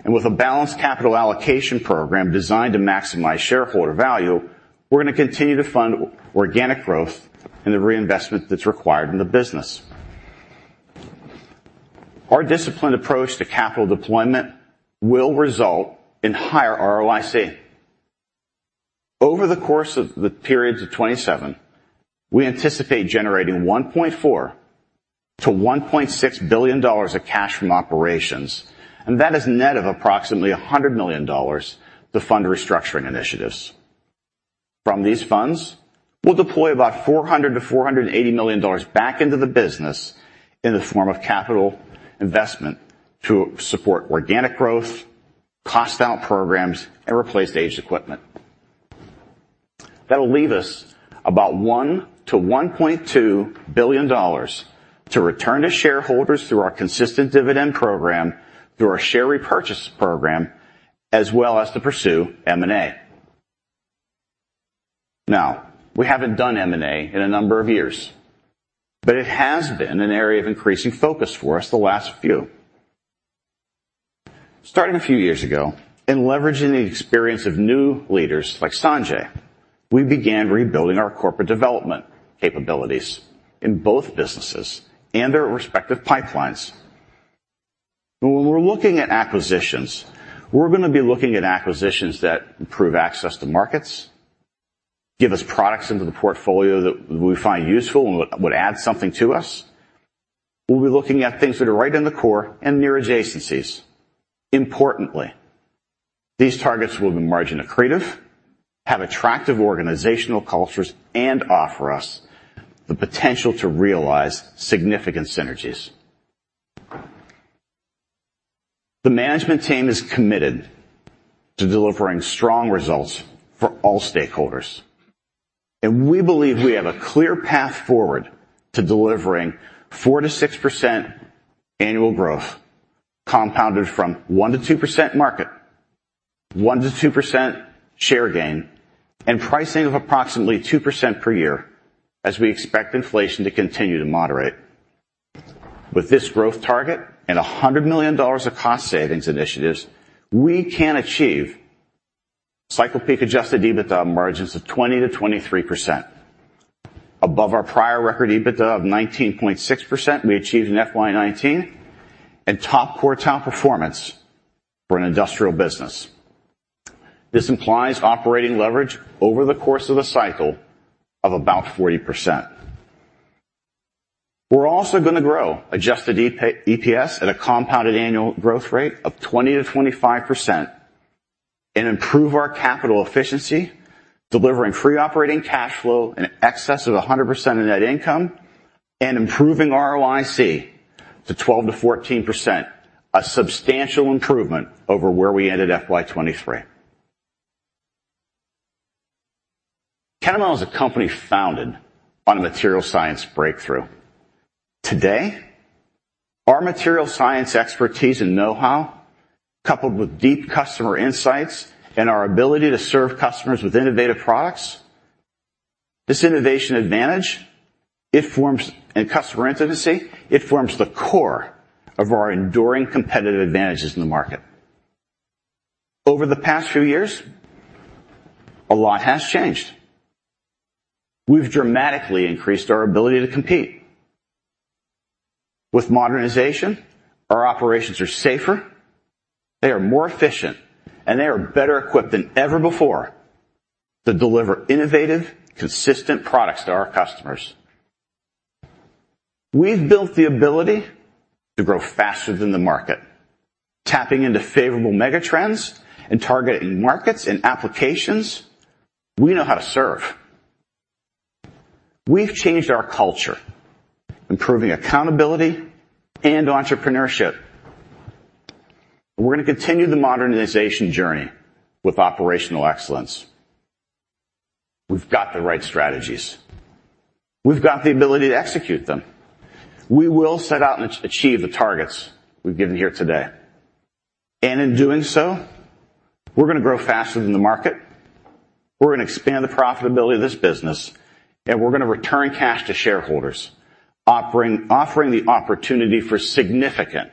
And with a balanced capital allocation program designed to maximize shareholder value, we're gonna continue to fund organic growth and the reinvestment that's required in the business. Our disciplined approach to capital deployment will result in higher ROIC. Over the course of the periods of 2027, we anticipate generating $1.4 billion-$1.6 billion of cash from operations, and that is net of approximately $100 million to fund restructuring initiatives. From these funds, we'll deploy about $400 million-$480 million back into the business in the form of capital investment to support organic growth, cost-out programs, and replace aged equipment. That'll leave us about $1 billion-$1.2 billion to return to shareholders through our consistent dividend program, through our share repurchase program, as well as to pursue M&A. Now, we haven't done M&A in a number of years, but it has been an area of increasing focus for us the last few. Starting a few years ago, in leveraging the experience of new leaders like Sanjay, we began rebuilding our corporate development capabilities in both businesses and their respective pipelines. When we're looking at acquisitions, we're gonna be looking at acquisitions that improve access to markets, give us products into the portfolio that we find useful and would add something to us. We'll be looking at things that are right in the core and near adjacencies. Importantly, these targets will be margin accretive, have attractive organizational cultures, and offer us the potential to realize significant synergies. The management team is committed to delivering strong results for all stakeholders, and we believe we have a clear path forward to delivering 4%-6% annual growth, compounded from 1%-2% market, 1%-2% share gain, and pricing of approximately 2% per year as we expect inflation to continue to moderate. With this growth target and $100 million of cost savings initiatives, we can achieve cycle peak Adjusted EBITDA margins of 20%-23%, above our prior record EBITDA of 19.6% we achieved in FY 2019 and top quartile performance for an industrial business. This implies operating leverage over the course of the cycle of about 40%. We're also gonna grow adjusted EPS at a compounded annual growth rate of 20%-25% and improve our capital efficiency, delivering free operating cash flow in excess of 100% of net income.... and improving ROIC to 12%-14%, a substantial improvement over where we ended FY 2023. Kennametal is a company founded on a material science breakthrough. Today, our materials science expertise and know-how, coupled with deep customer insights and our ability to serve customers with innovative products, innovation advantage and customer intimacy, it forms the core of our enduring competitive advantages in the market. Over the past few years, a lot has changed. We've dramatically increased our ability to compete. With modernization, our operations are safer, they are more efficient, and they are better equipped than ever before to deliver innovative, consistent products to our customers. We've built the ability to grow faster than the market, tapping into favorable megatrends and targeting markets and applications we know how to serve. We've changed our culture, improving accountability and entrepreneurship. We're going to continue the modernization journey with Operational Excellence. We've got the right strategies. We've got the ability to execute them. We will set out and achieve the targets we've given here today, and in doing so, we're going to grow faster than the market. We're going to expand the profitability of this business, and we're going to return cash to shareholders, offering, offering the opportunity for significant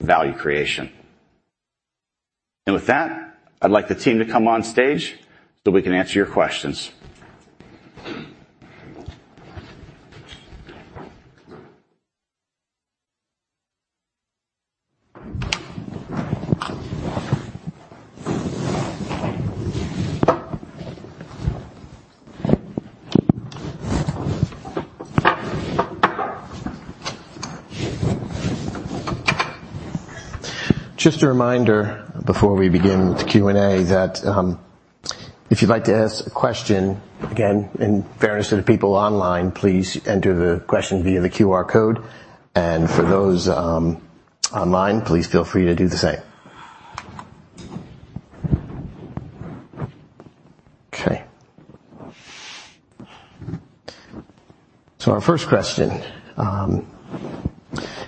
value creation. And with that, I'd like the team to come on stage so we can answer your questions. Just a reminder before we begin the Q&A, that, if you'd like to ask a question, again, in fairness to the people online, please enter the question via the QR code, and for those, online, please feel free to do the same. Okay. So our first question: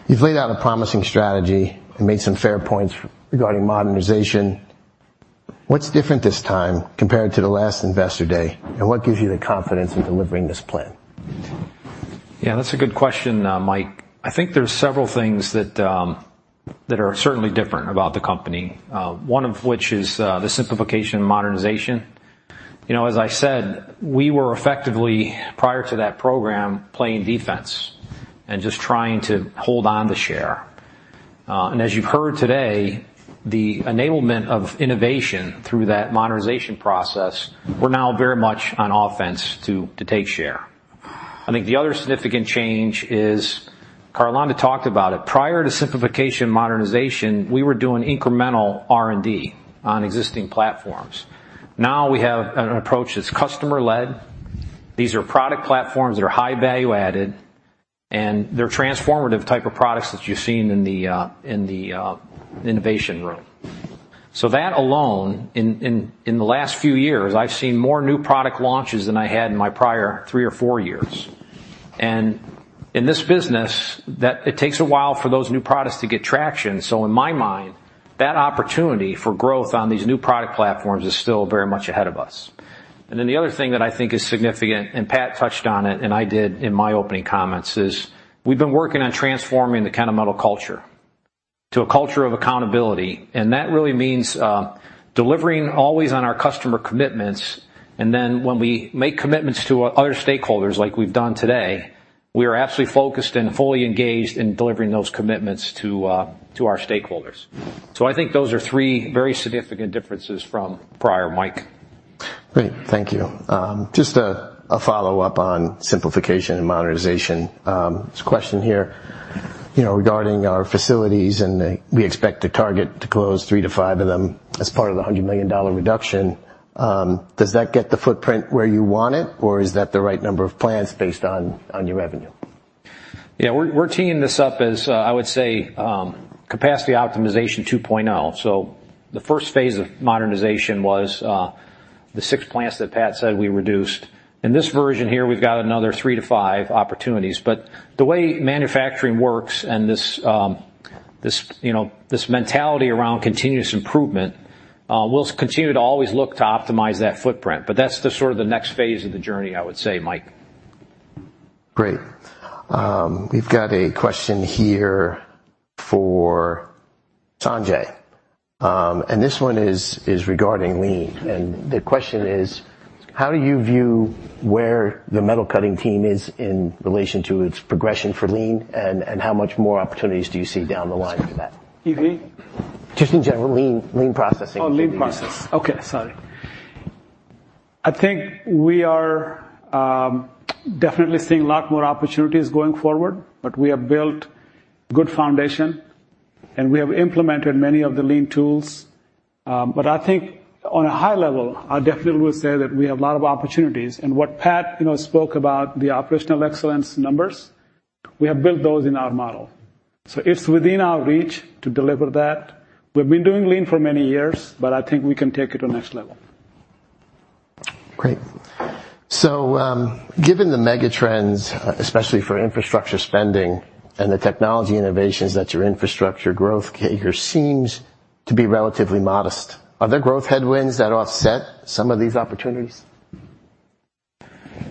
You've laid out a promising strategy and made some fair points regarding modernization. What's different this time compared to the last Investor Day, and what gives you the confidence in delivering this plan? Yeah, that's a good question, Mike. I think there are several things that, that are certainly different about the company, one of which is, the simplification and modernization. You know, as I said, we were effectively, prior to that program, playing defense and just trying to hold on to share. And as you've heard today, the enablement of innovation through that modernization process, we're now very much on offense to, to take share. I think the other significant change is, Carlonda talked about it. Prior to simplification and modernization, we were doing incremental R&D on existing platforms. Now we have an approach that's customer-led. These are product platforms that are high value-added, and they're transformative type of products that you've seen in the, in the, innovation room. So that alone, in the last few years, I've seen more new product launches than I had in my prior three or four years. And in this business, that, it takes a while for those new products to get traction. So in my mind, that opportunity for growth on these new product platforms is still very much ahead of us. And then the other thing that I think is significant, and Pat touched on it, and I did in my opening comments, is we've been working on transforming the Kennametal culture to a culture of accountability, and that really means delivering always on our customer commitments. And then when we make commitments to other stakeholders, like we've done today, we are absolutely focused and fully engaged in delivering those commitments to our stakeholders. I think those are three very significant differences from prior, Mike. Great. Thank you. Just a follow-up on simplification and modernization. There's a question here, you know, regarding our facilities, and we expect to target to close 3-5 of them as part of the $100 million reduction. Does that get the footprint where you want it, or is that the right number of plants based on your revenue? Yeah. We're teeing this up as, I would say, Capacity Optimization 2.0. So the first phase of modernization was the six plants that Pat said we reduced. In this version here, we've got another 3-5 opportunities. But the way manufacturing works and this, you know, this mentality around continuous improvement, we'll continue to always look to optimize that footprint, but that's the sort of the next phase of the journey, I would say, Mike. Great. We've got a question here for Sanjay, and this one is regarding Lean. The question is: How do you view where Metal Cutting team is in relation to its progression for Lean, and how much more opportunities do you see down the line for that? You mean? Just in general, Lean, Lean processing. Oh, Lean process. Okay. Sorry. I think we are definitely seeing a lot more opportunities going forward, but we have built good foundation.... and we have implemented many of the lean tools. But I think on a high level, I definitely will say that we have a lot of opportunities. And what Pat, you know, spoke about, the Operational Excellence numbers, we have built those in our model. So it's within our reach to deliver that. We've been doing lean for many years, but I think we can take it to the next level. Great. So, given the megatrends, especially for Infrastructure spending and the technology innovations, that your Infrastructure growth figure seems to be relatively modest, are there growth headwinds that offset some of these opportunities?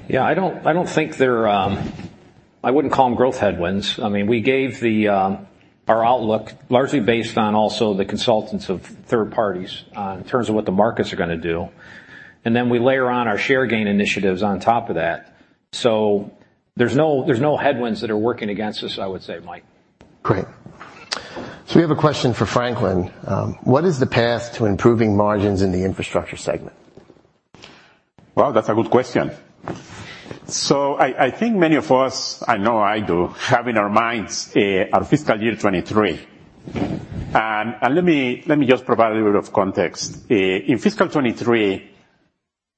Yeah, I don't, I don't think they're. I wouldn't call them growth headwinds. I mean, we gave the, our outlook largely based on also the consensus of third parties, in terms of what the markets are gonna do, and then we layer on our share gain initiatives on top of that. So there's no, there's no headwinds that are working against us, I would say, Mike. Great. So we have a question for Franklin: What is the path to improving margins in the Infrastructure segment? Well, that's a good question. So I think many of us, I know I do, have in our minds our fiscal year 2023. And let me just provide a little bit of context. In fiscal year 2023,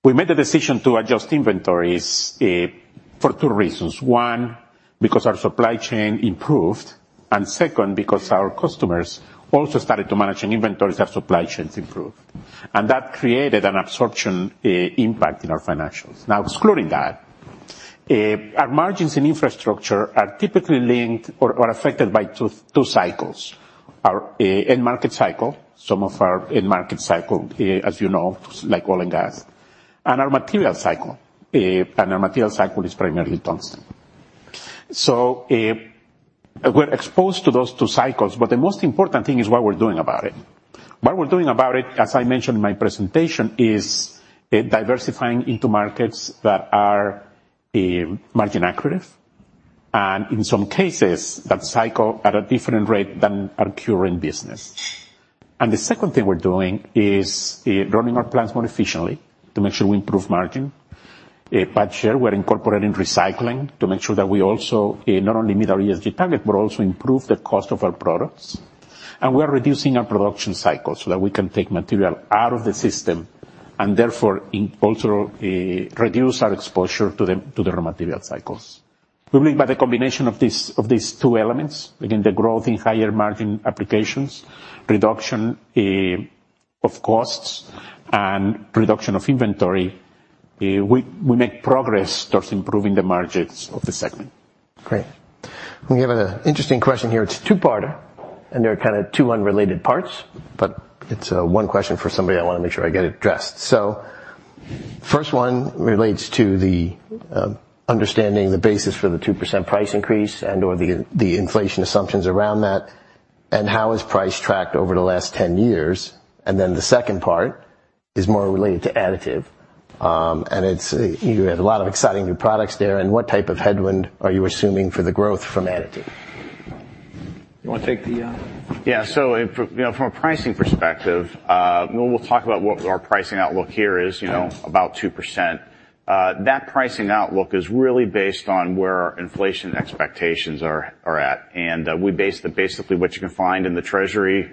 we made the decision to adjust inventories for two reasons. One, because our supply chain improved, and second, because our customers also started to manage inventories as supply chains improved, and that created an absorption impact in our financials. Now, excluding that, our margins in Infrastructure are typically linked or affected by two cycles: our end market cycle, some of our end market cycle, as you know, like oil and gas, and our material cycle, and our material cycle is primarily tungsten. We're exposed to those two cycles, but the most important thing is what we're doing about it. What we're doing about it, as I mentioned in my presentation, is diversifying into markets that are margin accretive, and in some cases, that cycle at a different rate than our current business. The second thing we're doing is running our plants more efficiently to make sure we improve margin. But here we're incorporating recycling to make sure that we also not only meet our ESG target, but also improve the cost of our products. We are reducing our production cycles so that we can take material out of the system, and therefore also reduce our exposure to the raw material cycles. We believe by the combination of these two elements, again, the growth in higher margin applications, reduction of costs and reduction of inventory, we make progress towards improving the margins of the segment. Great. We have an interesting question here. It's two-parter, and they're kind of two unrelated parts, but it's one question for somebody. I wanna make sure I get it addressed. So first one relates to the understanding the basis for the 2% price increase and/or the inflation assumptions around that, and how is price tracked over the last 10 years? And then the second part is more related to additive. And it's, you had a lot of exciting new products there, and what type of headwind are you assuming for the growth from additive? You wanna take the, Yeah. So from a pricing perspective, you know, we'll talk about what our pricing outlook here is, you know, about 2%. That pricing outlook is really based on where our inflation expectations are at, and we base it basically what you can find in the Treasury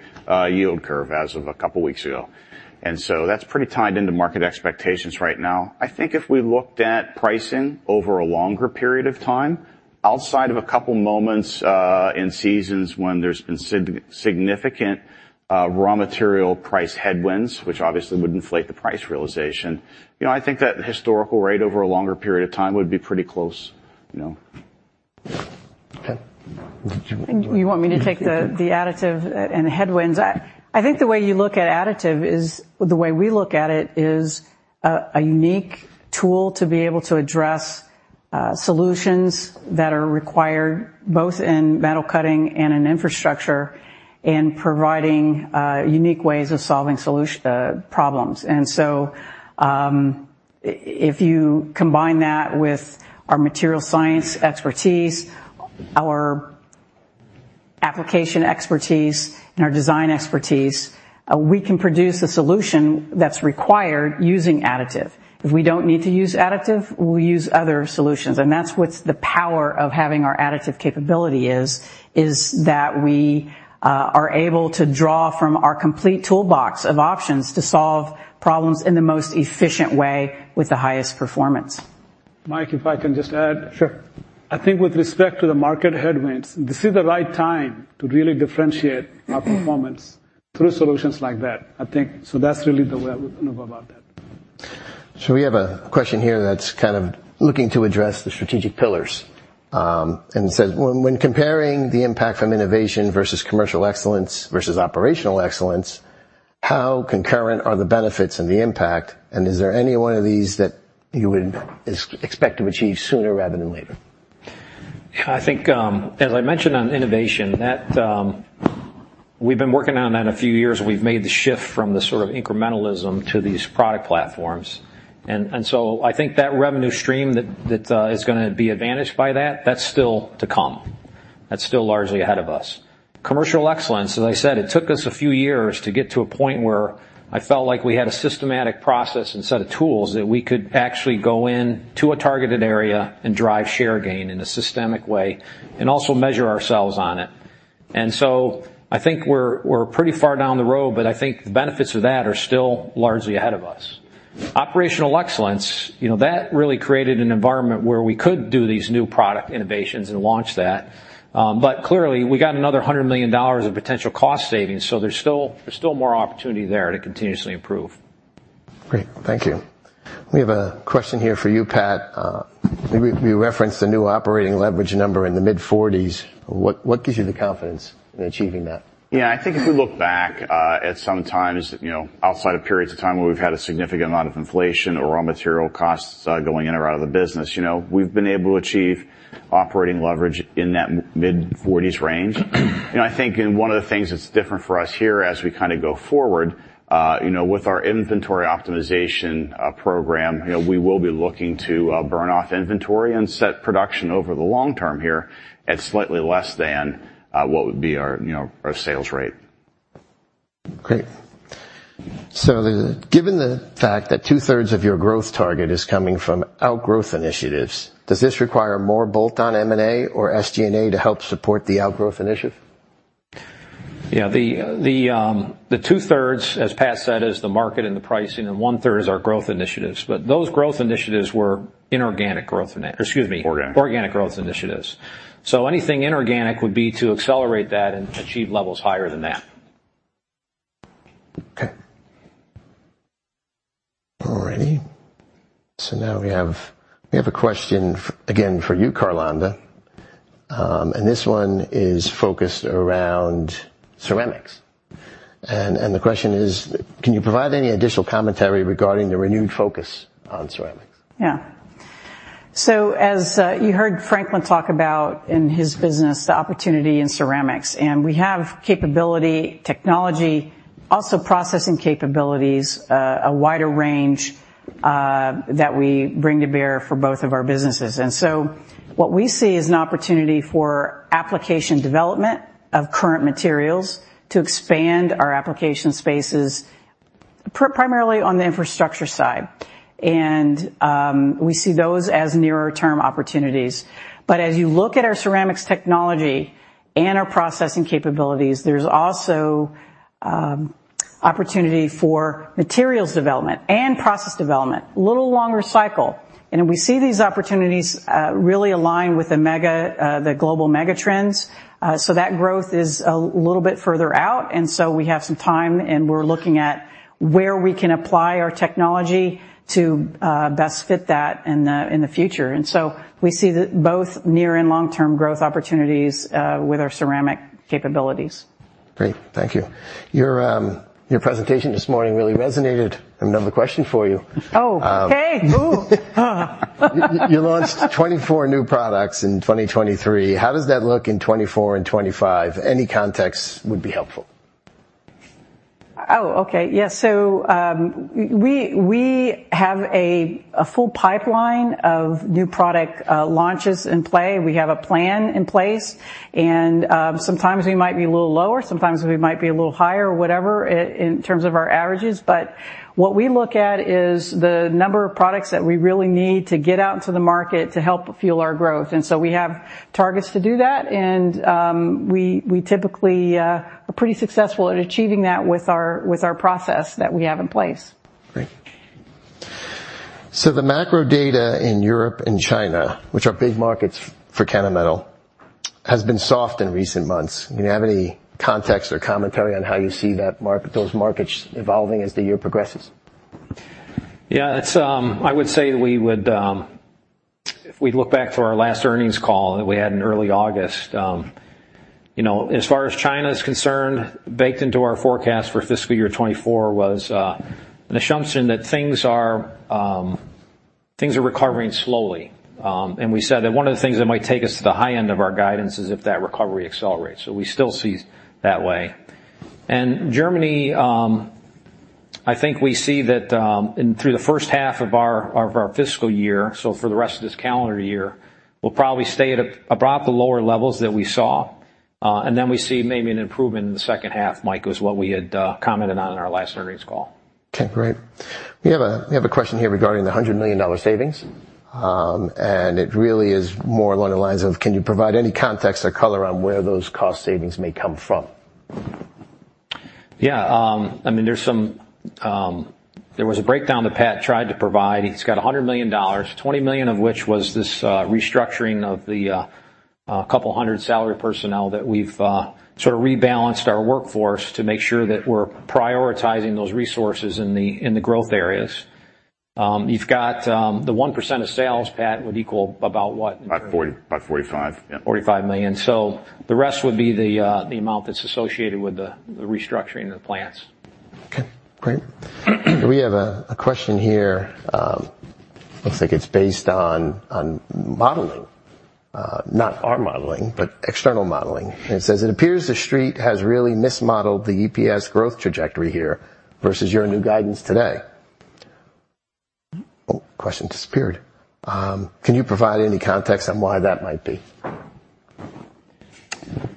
yield curve as of a couple of weeks ago. And so that's pretty tied into market expectations right now. I think if we looked at pricing over a longer period of time, outside of a couple moments in seasons when there's been significant raw material price headwinds, which obviously would inflate the price realization, you know, I think that historical rate over a longer period of time would be pretty close, you know? Okay. Did you want- You want me to take the additive and the headwinds? I think the way you look at additive is, the way we look at it, is a unique tool to be able to address solutions that are required both Metal Cutting and in Infrastructure, in providing unique ways of solving solution problems. And so, if you combine that with our material science expertise, our application expertise, and our design expertise, we can produce a solution that's required using additive. If we don't need to use additive, we'll use other solutions, and that's what's the power of having our additive capability is that we are able to draw from our complete toolbox of options to solve problems in the most efficient way with the highest performance. Mike, if I can just add? Sure. I think with respect to the market headwinds, this is the right time to really differentiate our performance through solutions like that, I think. That's really the way I would think about that. So we have a question here that's kind of looking to address the strategic pillars. And it says: When comparing the impact from innovation versus Commercial Excellence versus Operational Excellence, how concurrent are the benefits and the impact, and is there any one of these that you would expect to achieve sooner rather than later? I think, as I mentioned on innovation, that... We've been working on that a few years. We've made the shift from the sort of incrementalism to these product platforms. And so I think that revenue stream that is gonna be advantaged by that, that's still to come. That's still largely ahead of us. Commercial Excellence, as I said, it took us a few years to get to a point where I felt like we had a systematic process and set of tools that we could actually go in to a targeted area and drive share gain in a systemic way, and also measure ourselves on it. And so I think we're pretty far down the road, but I think the benefits of that are still largely ahead of us. Operational Excellence, you know, that really created an environment where we could do these new product innovations and launch that. But clearly, we got another $100 million of potential cost savings, so there's still, there's still more opportunity there to continuously improve. Great. Thank you. We have a question here for you, Pat. You referenced the new operating leverage number in the mid-forties. What gives you the confidence in achieving that? Yeah, I think if you look back, at some times, you know, outside of periods of time where we've had a significant amount of inflation or raw material costs, going in or out of the business, you know, we've been able to achieve operating leverage in that mid-forties range. And I think one of the things that's different for us here as we kind of go forward, you know, with our inventory optimization program, you know, we will be looking to burn off inventory and set production over the long term here at slightly less than what would be our, you know, our sales rate. Great. So given the fact that two-thirds of your growth target is coming from outgrowth initiatives, does this require more bolt-on M&A or SG&A to help support the outgrowth initiative? Yeah, the two-thirds, as Pat said, is the market and the pricing, and one-third is our growth initiatives. But those growth initiatives were inorganic growth initiatives. Excuse me- Organic. Organic growth initiatives. So anything inorganic would be to accelerate that and achieve levels higher than that. Okay. All righty. So now we have a question again for you, Carlonda, and this one is focused around ceramics. And the question is: Can you provide any additional commentary regarding the renewed focus on ceramics? Yeah. So as you heard Franklin talk about in his business, the opportunity in ceramics, and we have capability, technology, also processing capabilities, a wider range, that we bring to bear for both of our businesses. So what we see is an opportunity for application development of current materials to expand our application spaces primarily on the Infrastructure side. And we see those as nearer term opportunities. But as you look at our ceramics technology and our processing capabilities, there's also opportunity for materials development and process development. A little longer cycle, and we see these opportunities really align with the global megatrends. So that growth is a little bit further out, and so we have some time, and we're looking at where we can apply our technology to best fit that in the future. And so we see both near and long-term growth opportunities with our ceramic capabilities. Great, thank you. Your, your presentation this morning really resonated. I have another question for you. Oh, okay. Ooh! You launched 24 new products in 2023. How does that look in 2024 and 2025? Any context would be helpful. Oh, okay. Yeah, so we have a full pipeline of new product launches in play. We have a plan in place, and sometimes we might be a little lower, sometimes we might be a little higher, or whatever, in terms of our averages. But what we look at is the number of products that we really need to get out into the market to help fuel our growth. And so we have targets to do that, and we typically are pretty successful at achieving that with our process that we have in place. Great. So the macro data in Europe and China, which are big markets for Kennametal, has been soft in recent months. Do you have any context or commentary on how you see that market, those markets evolving as the year progresses? Yeah, it's. I would say we would, if we look back to our last earnings call that we had in early August, you know, as far as China is concerned, baked into our forecast for fiscal year 2024 was, an assumption that things are recovering slowly. And we said that one of the things that might take us to the high end of our guidance is if that recovery accelerates. So we still see it that way. And Germany, I think we see that, through the first half of our fiscal year, so for the rest of this calendar year, we'll probably stay at about the lower levels that we saw, and then we see maybe an improvement in the second half, Mike, was what we had commented on in our last earnings call. Okay, great. We have a question here regarding the $100 million savings. And it really is more along the lines of, can you provide any context or color on where those cost savings may come from? Yeah, I mean, there's some... There was a breakdown that Pat tried to provide. He's got $100 million, $20 million of which was this restructuring of the couple hundred salaried personnel that we've sort of rebalanced our workforce to make sure that we're prioritizing those resources in the growth areas. You've got the 1% of sales, Pat, would equal about what? About 40, about 45. Yeah. $45 million. So the rest would be the amount that's associated with the restructuring of the plants. Okay, great. We have a question here. Looks like it's based on modeling, not our modeling, but external modeling. It says: It appears The Street has really mismodeled the EPS growth trajectory here versus your new guidance today. Oh, question disappeared. Can you provide any context on why that might be?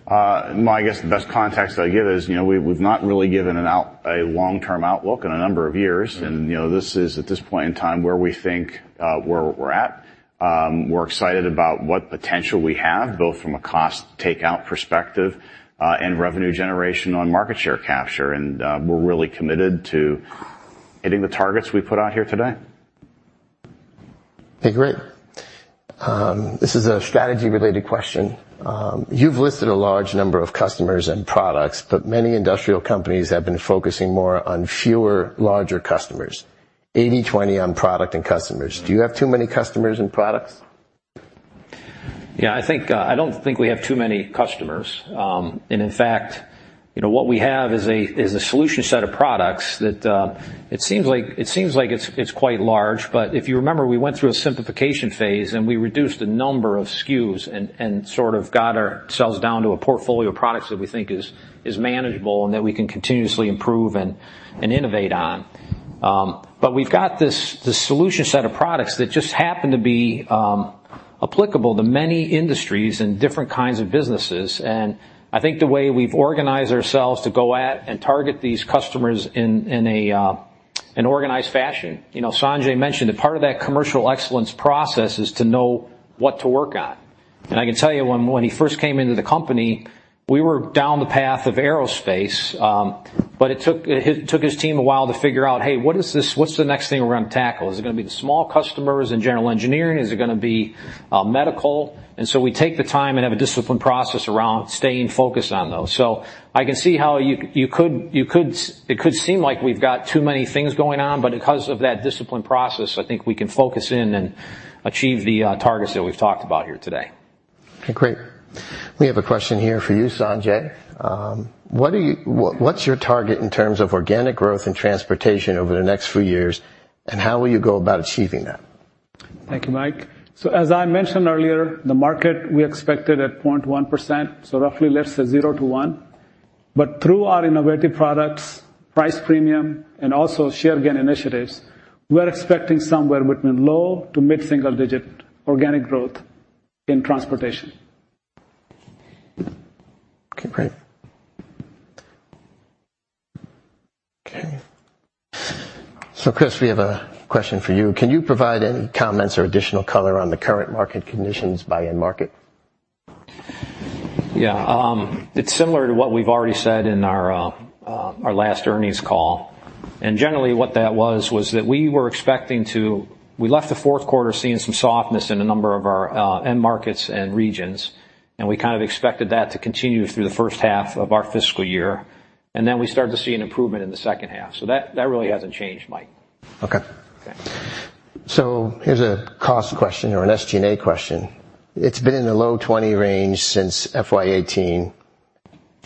My guess, the best context I can give is, you know, we, we've not really given a long-term outlook in a number of years. Mm. You know, this is at this point in time where we think where we're at. We're excited about what potential we have, both from a cost takeout perspective, and revenue generation on market share capture, and, we're really committed to,... hitting the targets we put out here today. Okay, great. This is a strategy-related question. You've listed a large number of customers and products, but many industrial companies have been focusing more on fewer, larger customers, 80/20 on product and customers. Do you have too many customers and products? Yeah, I think, I don't think we have too many customers. And in fact, you know, what we have is a solution set of products that it seems like it's quite large. But if you remember, we went through a simplification phase, and we reduced the number of SKUs and sort of got ourselves down to a portfolio of products that we think is manageable and that we can continuously improve and innovate on. But we've got this solution set of products that just happen to be applicable to many industries and different kinds of businesses. And I think the way we've organized ourselves to go at and target these customers in an organized fashion. You know, Sanjay mentioned that part of that Commercial Excellence process is to know what to work on. And I can tell you, when he first came into the company, we were down the path of aerospace. But it took his team a while to figure out, "Hey, what is this? What's the next thing we're gonna tackle? Is it gonna be the small customers in general engineering? Is it gonna be medical?" And so we take the time and have a disciplined process around staying focused on those. So I can see how you could-- it could seem like we've got too many things going on, but because of that disciplined process, I think we can focus in and achieve the targets that we've talked about here today. Okay, great. We have a question here for you, Sanjay. What’s your target in terms of organic growth and transportation over the next few years, and how will you go about achieving that? Thank you, Mike. So, as I mentioned earlier, the market, we expected at 0.1%, so roughly let's say 0-1. But through our innovative products, price premium, and also share gain initiatives, we are expecting somewhere between low- to mid-single-digit organic growth in transportation. Okay, great. Okay, so, Chris, we have a question for you. Can you provide any comments or additional color on the current market conditions by end market? Yeah, it's similar to what we've already said in our, our last earnings call. And generally, what that was, was that we were expecting to... We left the Q4 seeing some softness in a number of our, end markets and regions, and we kind of expected that to continue through the first half of our fiscal year, and then we start to see an improvement in the second half. So that, that really hasn't changed, Mike. Okay. Okay. Here's a cost question or an SG&A question. It's been in the low 20 range since FY 2018,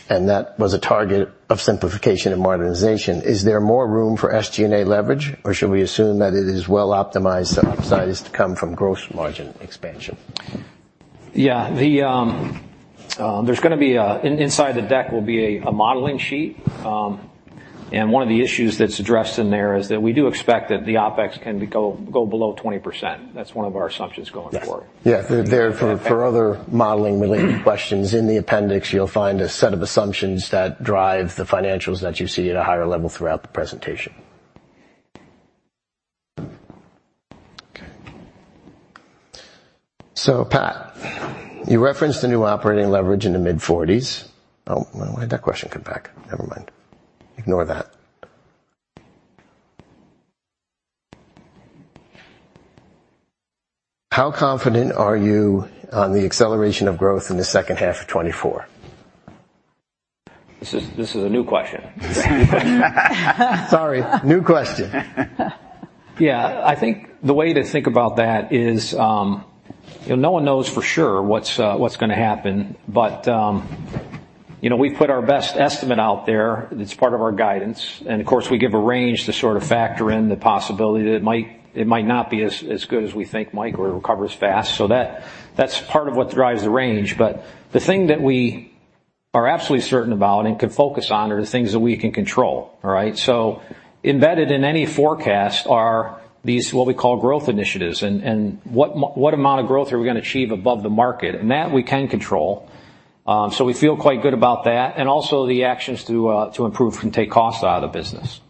and that was a target of simplification and modernization. Is there more room for SG&A leverage, or should we assume that it is well optimized, the upside is to come from gross margin expansion? Yeah. The, there's gonna be a... Inside the deck will be a modeling sheet. And one of the issues that's addressed in there is that we do expect that the OpEx can go below 20%. That's one of our assumptions going forward. Yes. Yeah, for other modeling-related questions, in the appendix, you'll find a set of assumptions that drive the financials that you see at a higher level throughout the presentation. Okay. So, Pat, you referenced the new operating leverage in the mid-40s. Oh, why'd that question come back? Never mind. Ignore that. How confident are you on the acceleration of growth in the second half of 2024? This is a new question. Sorry. New question. Yeah. I think the way to think about that is, you know, no one knows for sure what's what's gonna happen. But, you know, we've put our best estimate out there, and it's part of our guidance. And, of course, we give a range to sort of factor in the possibility that it might, it might not be as, as good as we think, Mike, or it recovers fast. So that, that's part of what drives the range. But the thing that we are absolutely certain about and can focus on are the things that we can control, all right? So embedded in any forecast are these, what we call growth initiatives, and, and what amount of growth are we gonna achieve above the market? And that we can control, so we feel quite good about that, and also the actions to improve and take costs out of the business.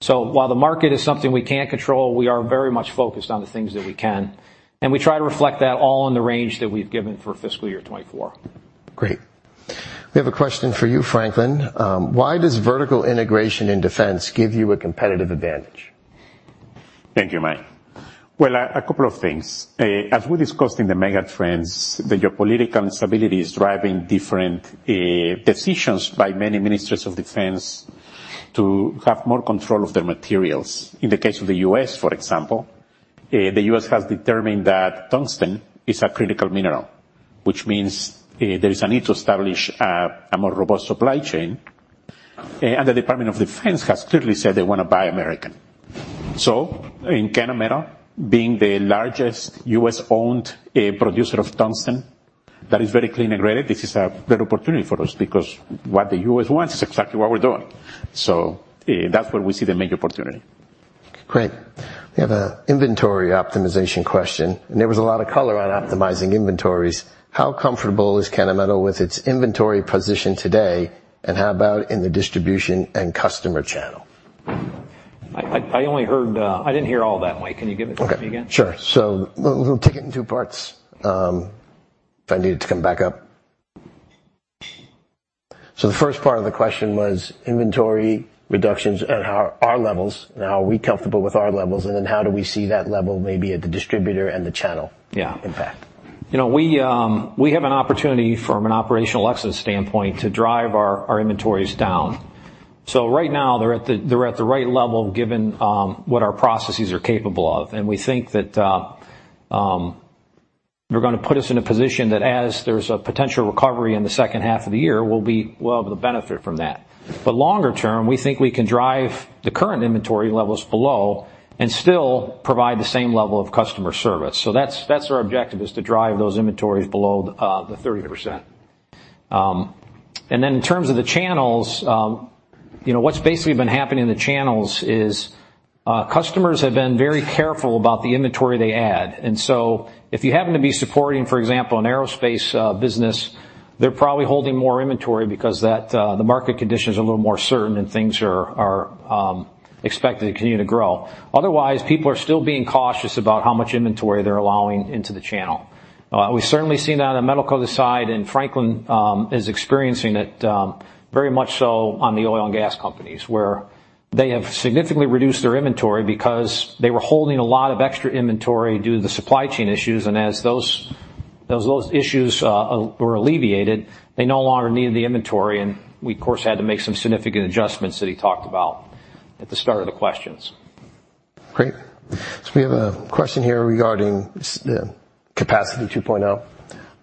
So while the market is something we can't control, we are very much focused on the things that we can, and we try to reflect that all in the range that we've given for fiscal year 2024. Great. We have a question for you, Franklin. Why does vertical integration in defense give you a competitive advantage? Thank you, Mike. Well, a couple of things. As we discussed in the megatrends, the geopolitical instability is driving different decisions by many ministers of defense to have more control of their materials. In the case of the U.S., for example, the U.S. has determined that tungsten is a critical mineral, which means there is a need to establish a more robust supply chain. And the Department of Defense has clearly said they wanna Buy American. So in Kennametal, being the largest U.S.-owned producer of tungsten, that is very clean and graded, this is a great opportunity for us because what the U.S. wants is exactly what we're doing. So, that's where we see the main opportunity. Great. We have an inventory optimization question, and there was a lot of color on optimizing inventories. How comfortable is Kennametal with its inventory position today, and how about in the distribution and customer channel? I only heard, I didn't hear all that, Mike. Can you give it to me again? Okay. Sure. So we'll take it in two parts. If I need it to come back up... So the first part of the question was inventory reductions and how our levels and how are we comfortable with our levels, and then how do we see that level maybe at the distributor and the channel- Yeah. -impact? You know, we, we have an opportunity from an Operational Excellence standpoint to drive our, our inventories down. So right now, they're at the, they're at the right level, given what our processes are capable of. And we think that, they're gonna put us in a position that as there's a potential recovery in the second half of the year, we'll be able to benefit from that. But longer term, we think we can drive the current inventory levels below and still provide the same level of customer service. So that's, that's our objective, is to drive those inventories below the, the 30%. And then in terms of the channels, you know, what's basically been happening in the channels is, customers have been very careful about the inventory they add. And so if you happen to be supporting, for example, an aerospace business, they're probably holding more inventory because that the market conditions are a little more certain and things are expected to continue to grow. Otherwise, people are still being cautious about how much inventory they're allowing into the channel. We've certainly seen that on Metal Cutting side, and Franklin is experiencing it very much so on the oil and gas companies, where they have significantly reduced their inventory because they were holding a lot of extra inventory due to the supply chain issues. And as those issues were alleviated, they no longer needed the inventory, and we, of course, had to make some significant adjustments that he talked about at the start of the questions. Great. So we have a question here regarding the Capacity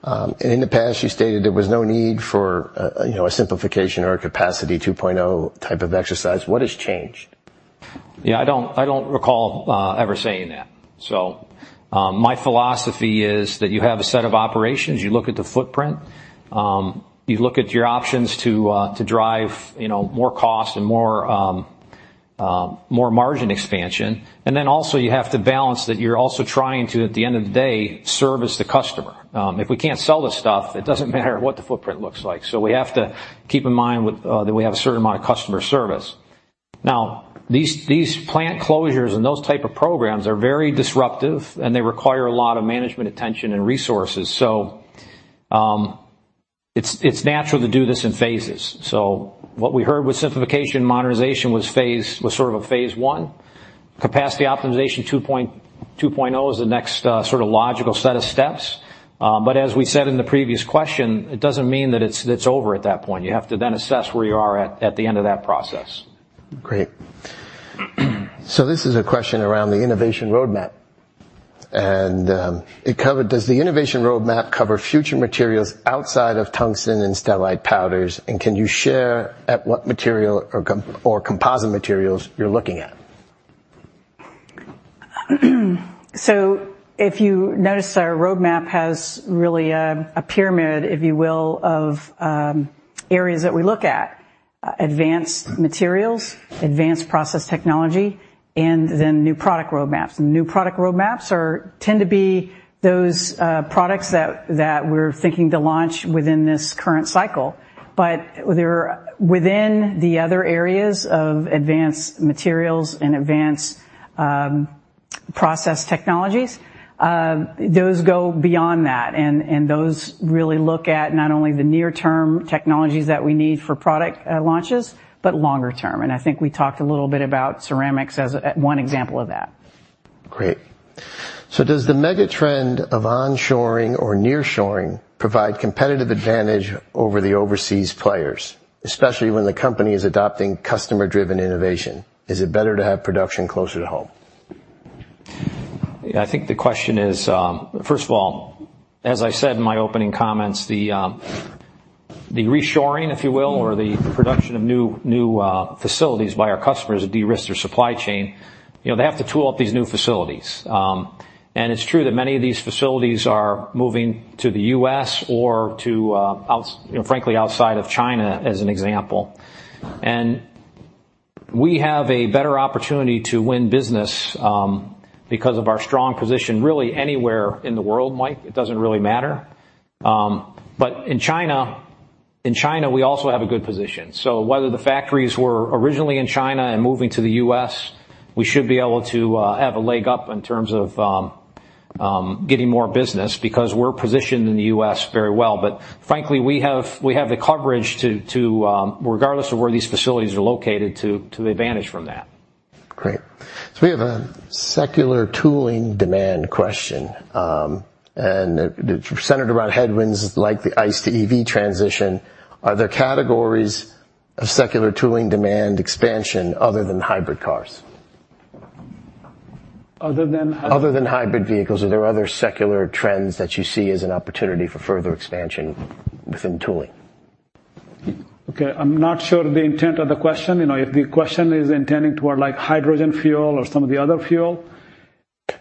2.0. In the past, you stated there was no need for, you know, a simplification or a Capacity 2.0 type of exercise. What has changed? Yeah, I don't, I don't recall ever saying that. So, my philosophy is that you have a set of operations, you look at the footprint, you look at your options to, to drive, you know, more cost and more, more margin expansion. And then also, you have to balance that you're also trying to, at the end of the day, service the customer. If we can't sell the stuff, it doesn't matter what the footprint looks like. So we have to keep in mind with, that we have a certain amount of customer service. Now, these, these plant closures and those type of programs are very disruptive, and they require a lot of management attention and resources, so, it's, it's natural to do this in phases. So what we heard with simplification and modernization was sort of a phase one. Capacity Optimization 2.0 is the next sort of logical set of steps. But as we said in the previous question, it doesn't mean that it's over at that point. You have to then assess where you are at the end of that process. Great. So this is a question around the innovation roadmap, and it covered: Does the innovation roadmap cover future materials outside of tungsten and Stellite powders? And can you share at what material or composite materials you're looking at? So if you notice, our roadmap has really a pyramid, if you will, of areas that we look at. Advanced materials, advanced process technology, and then new product roadmaps. New product roadmaps tend to be those products that we're thinking to launch within this current cycle. But they're within the other areas of advanced materials and advanced process technologies. Those go beyond that, and those really look at not only the near-term technologies that we need for product launches, but longer term. And I think we talked a little bit about ceramics as one example of that. Great. So does the megatrend of onshoring or nearshoring provide competitive advantage over the overseas players, especially when the company is adopting customer-driven innovation? Is it better to have production closer to home? I think the question is, first of all, as I said in my opening comments, the reshoring, if you will, or the production of new facilities by our customers to de-risk their supply chain, you know, they have to tool up these new facilities. And it's true that many of these facilities are moving to the U.S. or to, out, you know, frankly, outside of China, as an example. And we have a better opportunity to win business, because of our strong position, really anywhere in the world, Mike, it doesn't really matter. But in China, in China, we also have a good position. So whether the factories were originally in China and moving to the U.S., we should be able to have a leg up in terms of getting more business because we're positioned in the U.S. very well. But frankly, we have the coverage to regardless of where these facilities are located, to advantage from that. Great. So we have a secular tooling demand question, and it centered around headwinds like the ICE to EV transition. Are there categories of secular tooling demand expansion other than hybrid cars? Other than Other than hybrid vehicles, are there other secular trends that you see as an opportunity for further expansion within tooling? Okay. I'm not sure of the intent of the question. You know, if the question is intending toward like hydrogen fuel or some of the other fuel,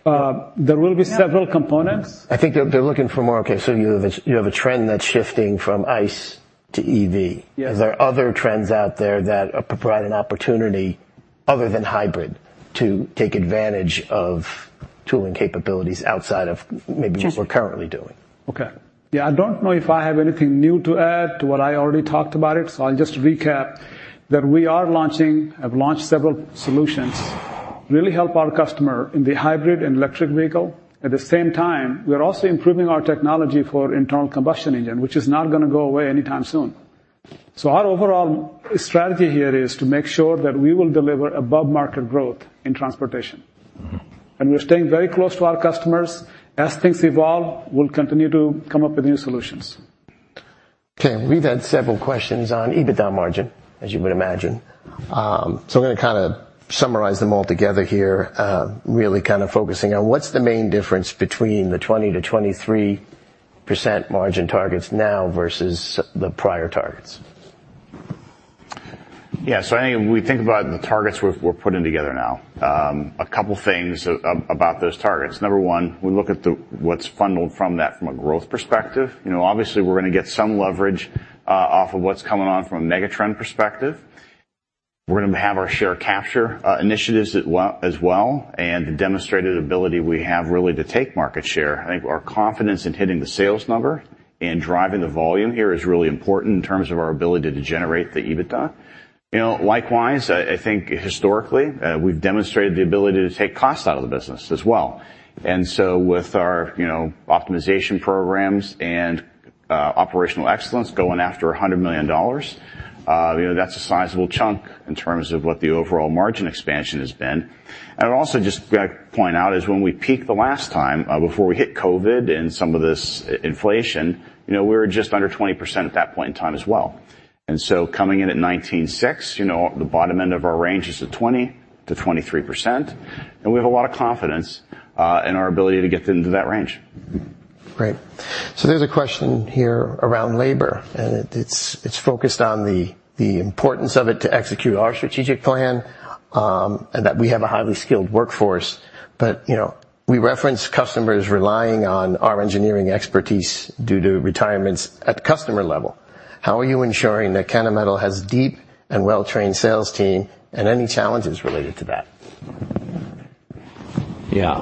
there will be several components. I think they're looking for more... Okay, so you have a trend that's shifting from ICE to EV. Yes. Are there other trends out there that provide an opportunity other than hybrid, to take advantage of tooling capabilities outside of maybe what we're currently doing? Okay. Yeah, I don't know if I have anything new to add to what I already talked about it, so I'll just recap that we are launching, have launched several solutions really help our customer in the hybrid and electric vehicle. At the same time, we are also improving our technology for internal combustion engine, which is not gonna go away anytime soon. So our overall strategy here is to make sure that we will deliver above-market growth in transportation. Mm-hmm. We're staying very close to our customers. As things evolve, we'll continue to come up with new solutions. Okay, we've had several questions on EBITDA margin, as you would imagine. So I'm gonna kinda summarize them all together here, really kind of focusing on what's the main difference between the 20%-23% margin targets now versus the prior targets? Yeah, so I think when we think about the targets we're putting together now, a couple things about those targets. Number one, we look at what's funneled from that from a growth perspective. You know, obviously, we're gonna get some leverage off of what's coming on from a megatrend perspective. We're gonna have our share capture initiatives as well, and the demonstrated ability we have really to take market share. I think our confidence in hitting the sales number and driving the volume here is really important in terms of our ability to generate the EBITDA. You know, likewise, I think historically, we've demonstrated the ability to take costs out of the business as well. And so with our, you know, optimization programs and, Operational Excellence going after $100 million, you know, that's a sizable chunk in terms of what the overall margin expansion has been. And I'd also just like to point out is when we peaked the last time, before we hit COVID and some of this inflation, you know, we were just under 20% at that point in time as well. And so coming in at 19.6%, you know, the bottom end of our range is at 20%-23%, and we have a lot of confidence, in our ability to get into that range. Great. So there's a question here around labor, and it's focused on the importance of it to execute our strategic plan, and that we have a highly skilled workforce. But, you know, we reference customers relying on our engineering expertise due to retirements at the customer level. How are you ensuring that Kennametal has a deep and well-trained sales team, and any challenges related to that? Yeah,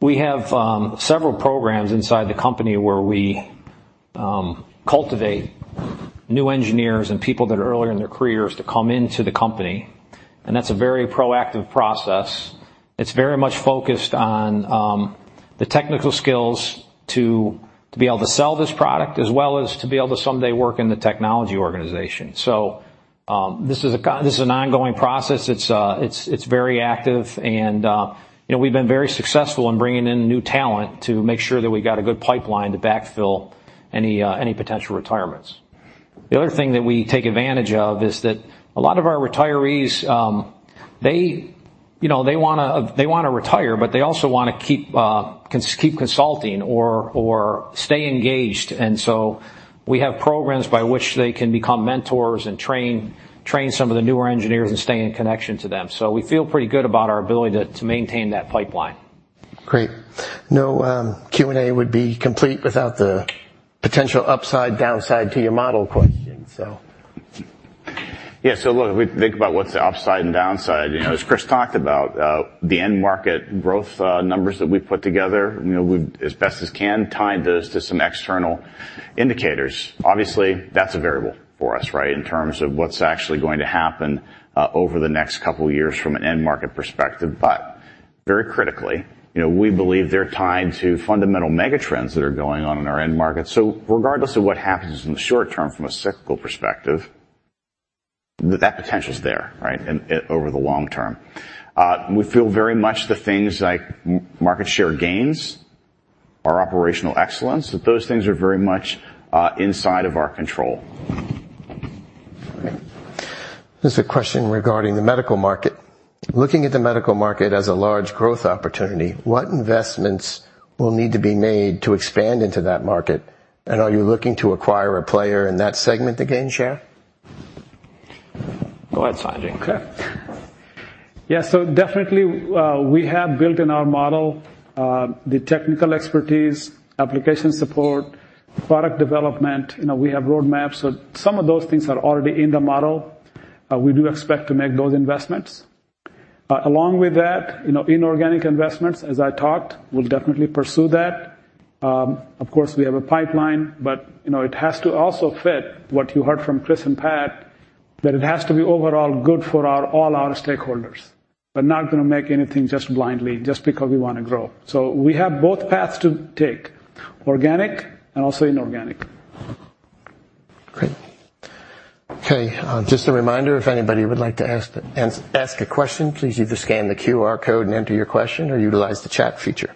we have several programs inside the company where we cultivate new engineers and people that are earlier in their careers to come into the company, and that's a very proactive process. It's very much focused on the technical skills to be able to sell this product, as well as to be able to someday work in the technology organization. So, this is an ongoing process. It's very active and, you know, we've been very successful in bringing in new talent to make sure that we got a good pipeline to backfill any potential retirements. The other thing that we take advantage of is that a lot of our retirees, they, you know, they wanna, they wanna retire, but they also wanna keep, keep consulting or, or stay engaged, and so we have programs by which they can become mentors and train, train some of the newer engineers and stay in connection to them. So we feel pretty good about our ability to maintain that pipeline. Great. No, Q&A would be complete without the potential upside, downside to your model question, so... Yeah, so look, if we think about what's the upside and downside, you know, as Chris talked about, the end market growth numbers that we've put together, you know, we as best as can, tied those to some external indicators. Obviously, that's a variable for us, right? In terms of what's actually going to happen over the next couple of years from an end market perspective. But very critically, you know, we believe they're tied to fundamental megatrends that are going on in our end market. So regardless of what happens in the short term from a cyclical perspective, that potential is there, right? In over the long term. We feel very much the things like market share gains, our Operational Excellence, that those things are very much inside of our control. Great. There's a question regarding the medical market. Looking at the medical market as a large growth opportunity, what investments will need to be made to expand into that market? And are you looking to acquire a player in that segment to gain share? Go ahead, Sanjay. Okay. Yeah, so definitely, we have built in our model the technical expertise, application support, product development, you know, we have roadmaps. So some of those things are already in the model. We do expect to make those investments. Along with that, you know, inorganic investments, as I talked, we'll definitely pursue that. Of course, we have a pipeline, but, you know, it has to also fit what you heard from Chris and Pat, that it has to be overall good for our all our stakeholders, but not gonna make anything just blindly just because we wanna grow. So we have both paths to take, organic and also inorganic. Great. Okay, just a reminder, if anybody would like to ask a question, please either scan the QR code and enter your question or utilize the chat feature.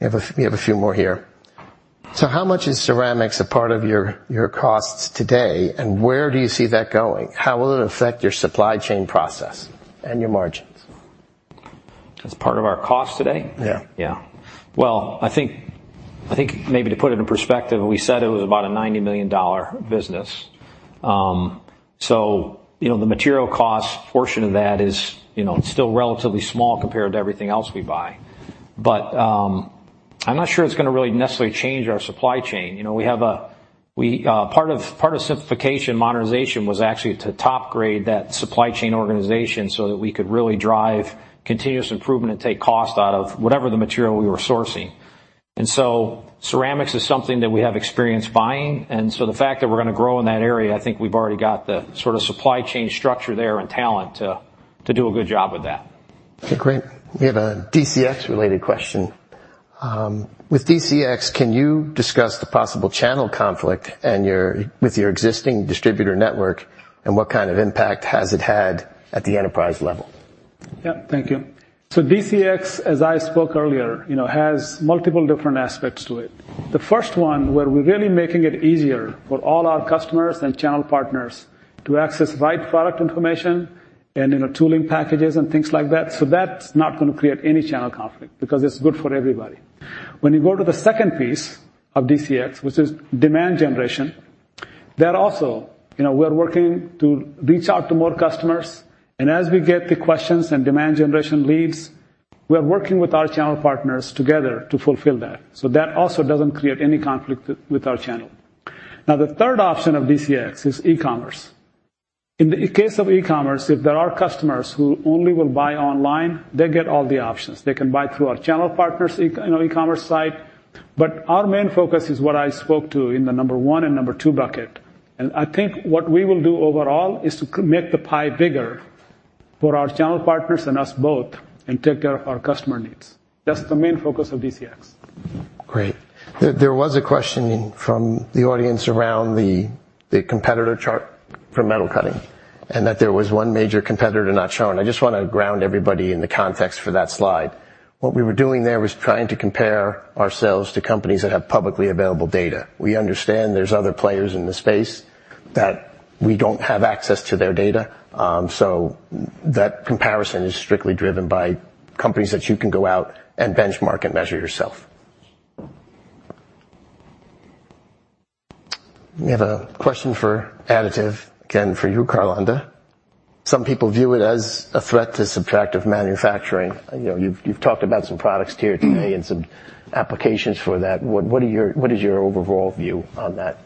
We have a few more here. So how much is ceramics a part of your costs today, and where do you see that going? How will it affect your supply chain process and your margins? As part of our cost today? Yeah. Yeah. Well, I think, I think maybe to put it in perspective, we said it was about a $90 million business. So, you know, the material cost portion of that is, you know, still relatively small compared to everything else we buy. But, I'm not sure it's gonna really necessarily change our supply chain. You know, we have a—we, part of, part of simplification modernization was actually to top-grade that supply chain organization so that we could really drive continuous improvement and take cost out of whatever the material we were sourcing.... And so ceramics is something that we have experience buying, and so the fact that we're gonna grow in that area, I think we've already got the sort of supply chain structure there and talent to, to do a good job with that. Okay, great. We have a DCX-related question. With DCX, can you discuss the possible channel conflict with your existing distributor network, and what kind of impact has it had at the enterprise level? Yeah, thank you. So DCX, as I spoke earlier, you know, has multiple different aspects to it. The first one, where we're really making it easier for all our customers and channel partners to access right product information and, you know, tooling packages and things like that, so that's not gonna create any channel conflict because it's good for everybody. When you go to the second piece of DCX, which is demand generation, that also, you know, we're working to reach out to more customers, and as we get the questions and demand generation leads, we're working with our channel partners together to fulfill that. So that also doesn't create any conflict with, with our channel. Now, the third option of DCX is e-commerce. In the case of e-commerce, if there are customers who only will buy online, they get all the options. They can buy through our channel partners, you know, e-commerce site, but our main focus is what I spoke to in the number one and number two bucket. And I think what we will do overall is to make the pie bigger for our channel partners and us both, and take care of our customer needs. That's the main focus of DCX. Great. There was a question from the audience around the competitor chart Metal Cutting, and that there was one major competitor not shown. I just wanna ground everybody in the context for that slide. What we were doing there was trying to compare ourselves to companies that have publicly available data. We understand there's other players in the space, that we don't have access to their data, so that comparison is strictly driven by companies that you can go out and benchmark and measure yourself. We have a question for additive, again, for you, Carlonda. Some people view it as a threat to subtractive manufacturing. You know, you've talked about some products here today and some applications for that. What are your-- what is your overall view on that?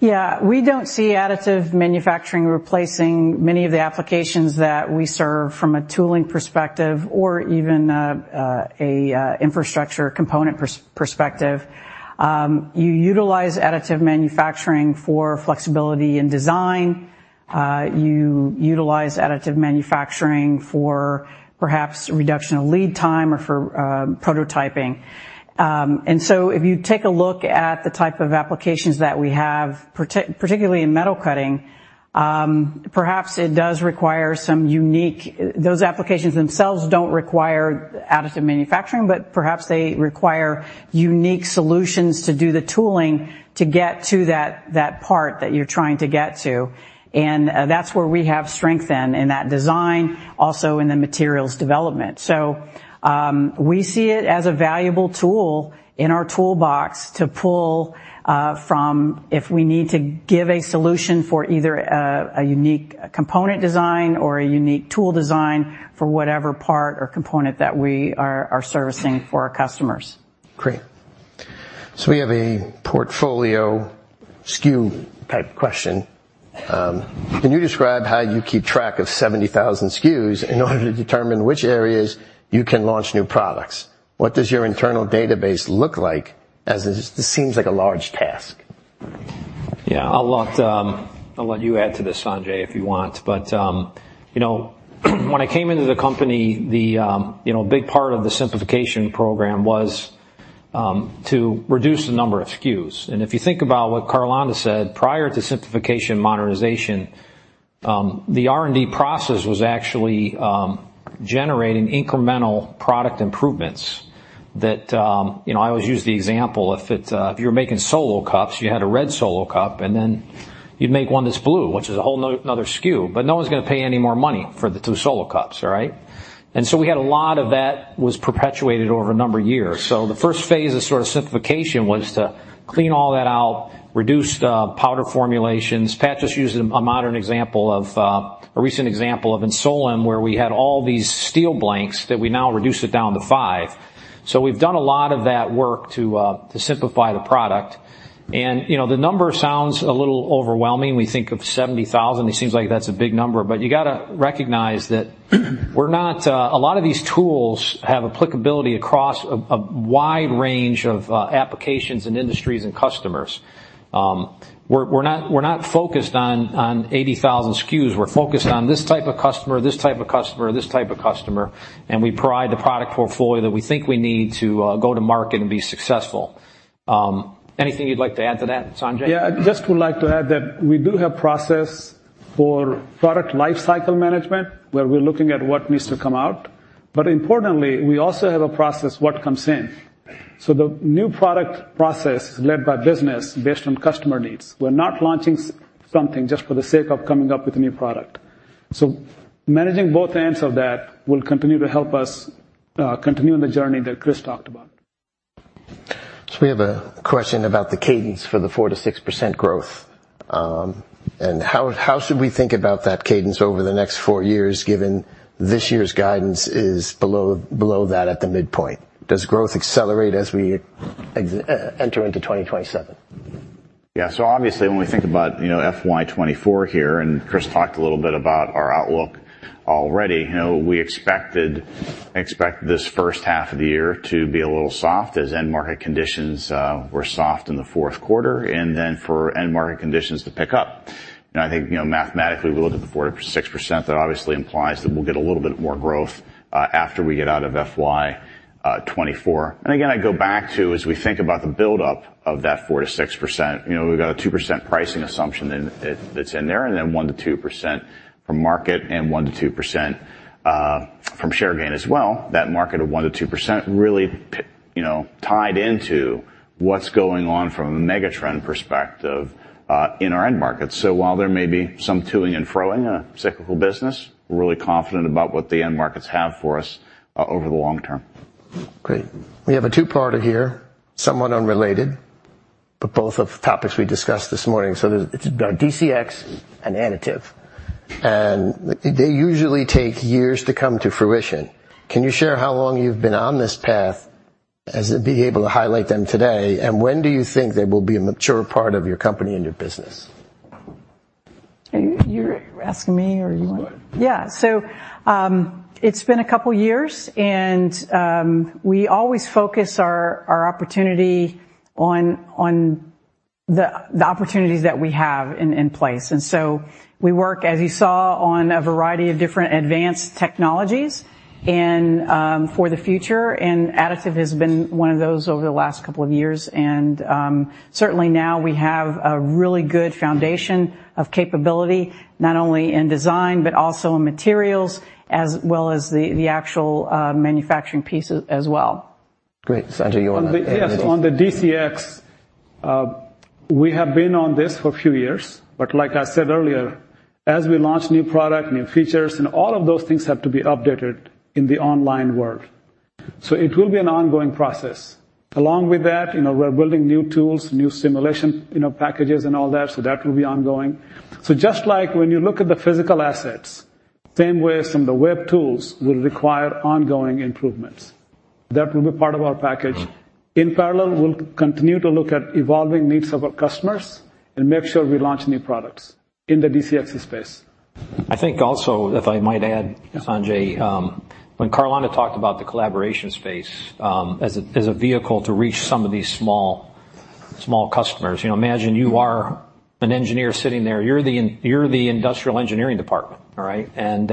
Yeah. We don't see additive manufacturing replacing many of the applications that we serve from a tooling perspective or even a Infrastructure component perspective. You utilize additive manufacturing for flexibility and design. You utilize additive manufacturing for perhaps reduction of lead time or for prototyping. And so if you take a look at the type of applications that we have, particularly Metal Cutting, perhaps it does require. Those applications themselves don't require additive manufacturing, but perhaps they require unique solutions to do the tooling to get to that part that you're trying to get to. And that's where we have strength in that design, also in the materials development. We see it as a valuable tool in our toolbox to pull from if we need to give a solution for either a unique component design or a unique tool design for whatever part or component that we are servicing for our customers. Great. So we have a portfolio SKU-type question. Can you describe how you keep track of 70,000 SKUs in order to determine which areas you can launch new products? What does your internal database look like, as this seems like a large task? Yeah, I'll let you add to this, Sanjay, if you want. But you know, when I came into the company, the big part of the simplification program was to reduce the number of SKUs. And if you think about what Carlonda said, prior to simplification and modernization, the R&D process was actually generating incremental product improvements that... You know, I always use the example, if it were making Solo cups, you had a red Solo cup, and then you'd make one that's blue, which is a whole another SKU, but no one's gonna pay any more money for the two Solo cups, right? And so we had a lot of that was perpetuated over a number of years. So the first phase of sort of simplification was to clean all that out, reduce powder formulations. Pat just used a modern example of a recent example of in Solon, where we had all these steel blanks that we now reduced it down to five. So we've done a lot of that work to simplify the product. And, you know, the number sounds a little overwhelming. We think of 70,000, it seems like that's a big number, but you gotta recognize that a lot of these tools have applicability across a wide range of applications and industries and customers. We're not focused on 80,000 SKUs. We're focused on this type of customer, this type of customer, this type of customer, and we provide the product portfolio that we think we need to go to market and be successful. Anything you'd like to add to that, Sanjay? Yeah, I just would like to add that we do have process for product lifecycle management, where we're looking at what needs to come out, but importantly, we also have a process, what comes in. So the new product process is led by business based on customer needs. We're not launching something just for the sake of coming up with a new product. So managing both ends of that will continue to help us continue on the journey that Chris talked about. So we have a question about the cadence for the 4%-6% growth. And how should we think about that cadence over the next 4 years, given this year's guidance is below that at the midpoint? Does growth accelerate as we enter into 2027?... Yeah, so obviously, when we think about, you know, FY 2024 here, and Chris talked a little bit about our outlook already, you know, we expected, expect this first half of the year to be a little soft as end market conditions were soft in the Q4, and then for end market conditions to pick up. And I think, you know, mathematically, we looked at the 4%-6%, that obviously implies that we'll get a little bit more growth after we get out of FY 2024. And again, I go back to, as we think about the buildup of that 4%-6%, you know, we've got a 2% pricing assumption in, that, that's in there, and then 1%-2% from market and 1%-2% from share gain as well. That market of 1%-2% really you know, tied into what's going on from a megatrend perspective, in our end markets. So while there may be some toing and froing in a cyclical business, we're really confident about what the end markets have for us, over the long term. Great. We have a two-parter here, somewhat unrelated, but both of the topics we discussed this morning. So there's, it's about DCX and additive, and they usually take years to come to fruition. Can you share how long you've been on this path as to be able to highlight them today? And when do you think they will be a mature part of your company and your business? You're asking me, or you want to? Go ahead. Yeah. So, it's been a couple of years, and we always focus our opportunity on the opportunities that we have in place. And so we work, as you saw, on a variety of different advanced technologies and for the future, and additive has been one of those over the last couple of years. And certainly now we have a really good foundation of capability, not only in design, but also in materials, as well as the actual manufacturing pieces as well. Great. Sanjay, you want to- Yes, on the DCX, we have been on this for a few years, but like I said earlier, as we launch new product, new features, and all of those things have to be updated in the online world. So it will be an ongoing process. Along with that, you know, we're building new tools, new simulation, you know, packages and all that, so that will be ongoing. So just like when you look at the physical assets, same way, some of the web tools will require ongoing improvements. That will be part of our package. In parallel, we'll continue to look at evolving needs of our customers and make sure we launch new products in the DCX space. I think also, if I might add, Sanjay, when Carlonda talked about the collaboration space, as a vehicle to reach some of these small, small customers. You know, imagine you are an engineer sitting there. You're the industrial engineering department, all right? And,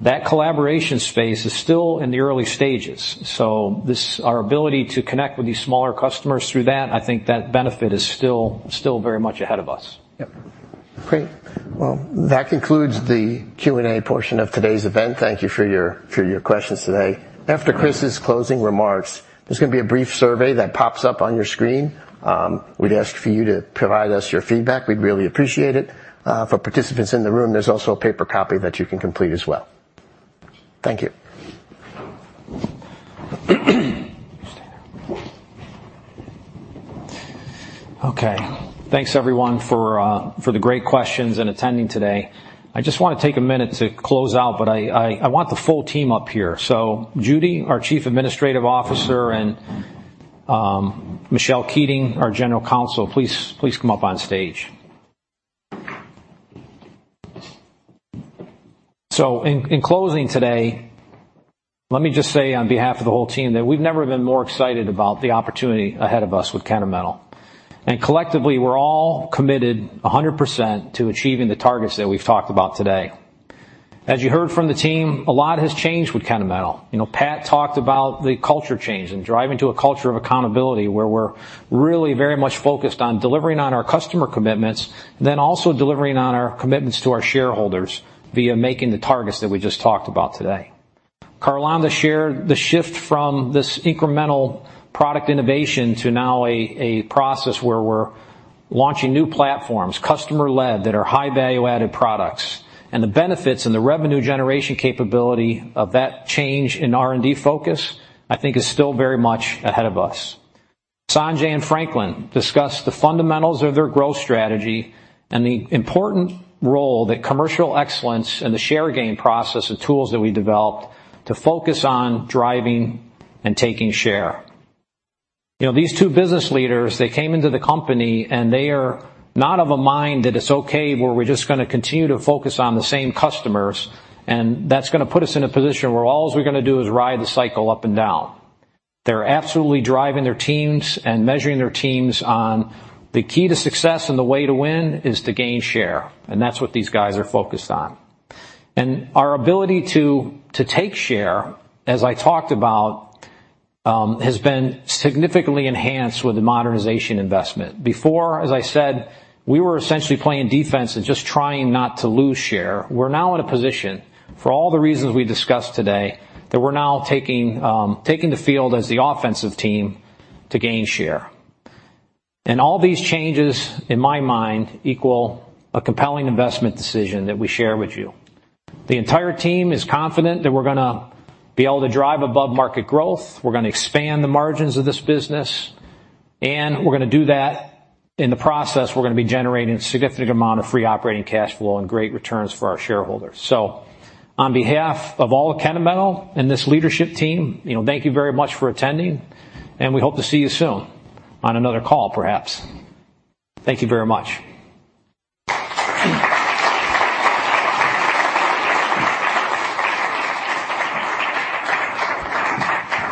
that collaboration space is still in the early stages. So this, our ability to connect with these smaller customers through that, I think that benefit is still, still very much ahead of us. Yep. Great. Well, that concludes the Q&A portion of today's event. Thank you for your questions today. After Chris's closing remarks, there's going to be a brief survey that pops up on your screen. We'd ask for you to provide us your feedback. We'd really appreciate it. For participants in the room, there's also a paper copy that you can complete as well. Thank you. Okay. Thanks, everyone, for the great questions and attending today. I just want to take a minute to close out, but I want the full team up here. So Judy, our Chief Administrative Officer, and Michelle Keating, our General Counsel, please come up on stage. So in closing today, let me just say on behalf of the whole team, that we've never been more excited about the opportunity ahead of us with Kennametal. And collectively, we're all committed 100% - achieving the targets that we've talked about today. As you heard from the team, a lot has changed with Kennametal. You know, Pat talked about the culture change and driving to a culture of accountability, where we're really very much focused on delivering on our customer commitments, then also delivering on our commitments to our shareholders via making the targets that we just talked about today. Carlonda shared the shift from this incremental product innovation to now a, a process where we're launching new platforms, customer-led, that are high value-added products. And the benefits and the revenue generation capability of that change in R&D focus, I think is still very much ahead of us. Sanjay and Franklin discussed the fundamentals of their growth strategy and the important role that Commercial Excellence and the share gain process, the tools that we developed to focus on driving and taking share. You know, these two business leaders, they came into the company, and they are not of a mind that it's okay, where we're just gonna continue to focus on the same customers, and that's gonna put us in a position where all we're gonna do is ride the cycle up and down. They're absolutely driving their teams and measuring their teams on the key to success, and the way to win is to gain share, and that's what these guys are focused on. And our ability to take share, as I talked about, has been significantly enhanced with the modernization investment. Before, as I said, we were essentially playing defense and just trying not to lose share. We're now in a position, for all the reasons we discussed today, that we're now taking the field as the offensive team to gain share. And all these changes, in my mind, equal a compelling investment decision that we share with you. The entire team is confident that we're gonna be able to drive above-market growth, we're gonna expand the margins of this business, and we're gonna do that. In the process, we're gonna be generating a significant amount of free operating cash flow and great returns for our shareholders. So on behalf of all of Kennametal and this leadership team, you know, thank you very much for attending, and we hope to see you soon on another call, perhaps. Thank you very much.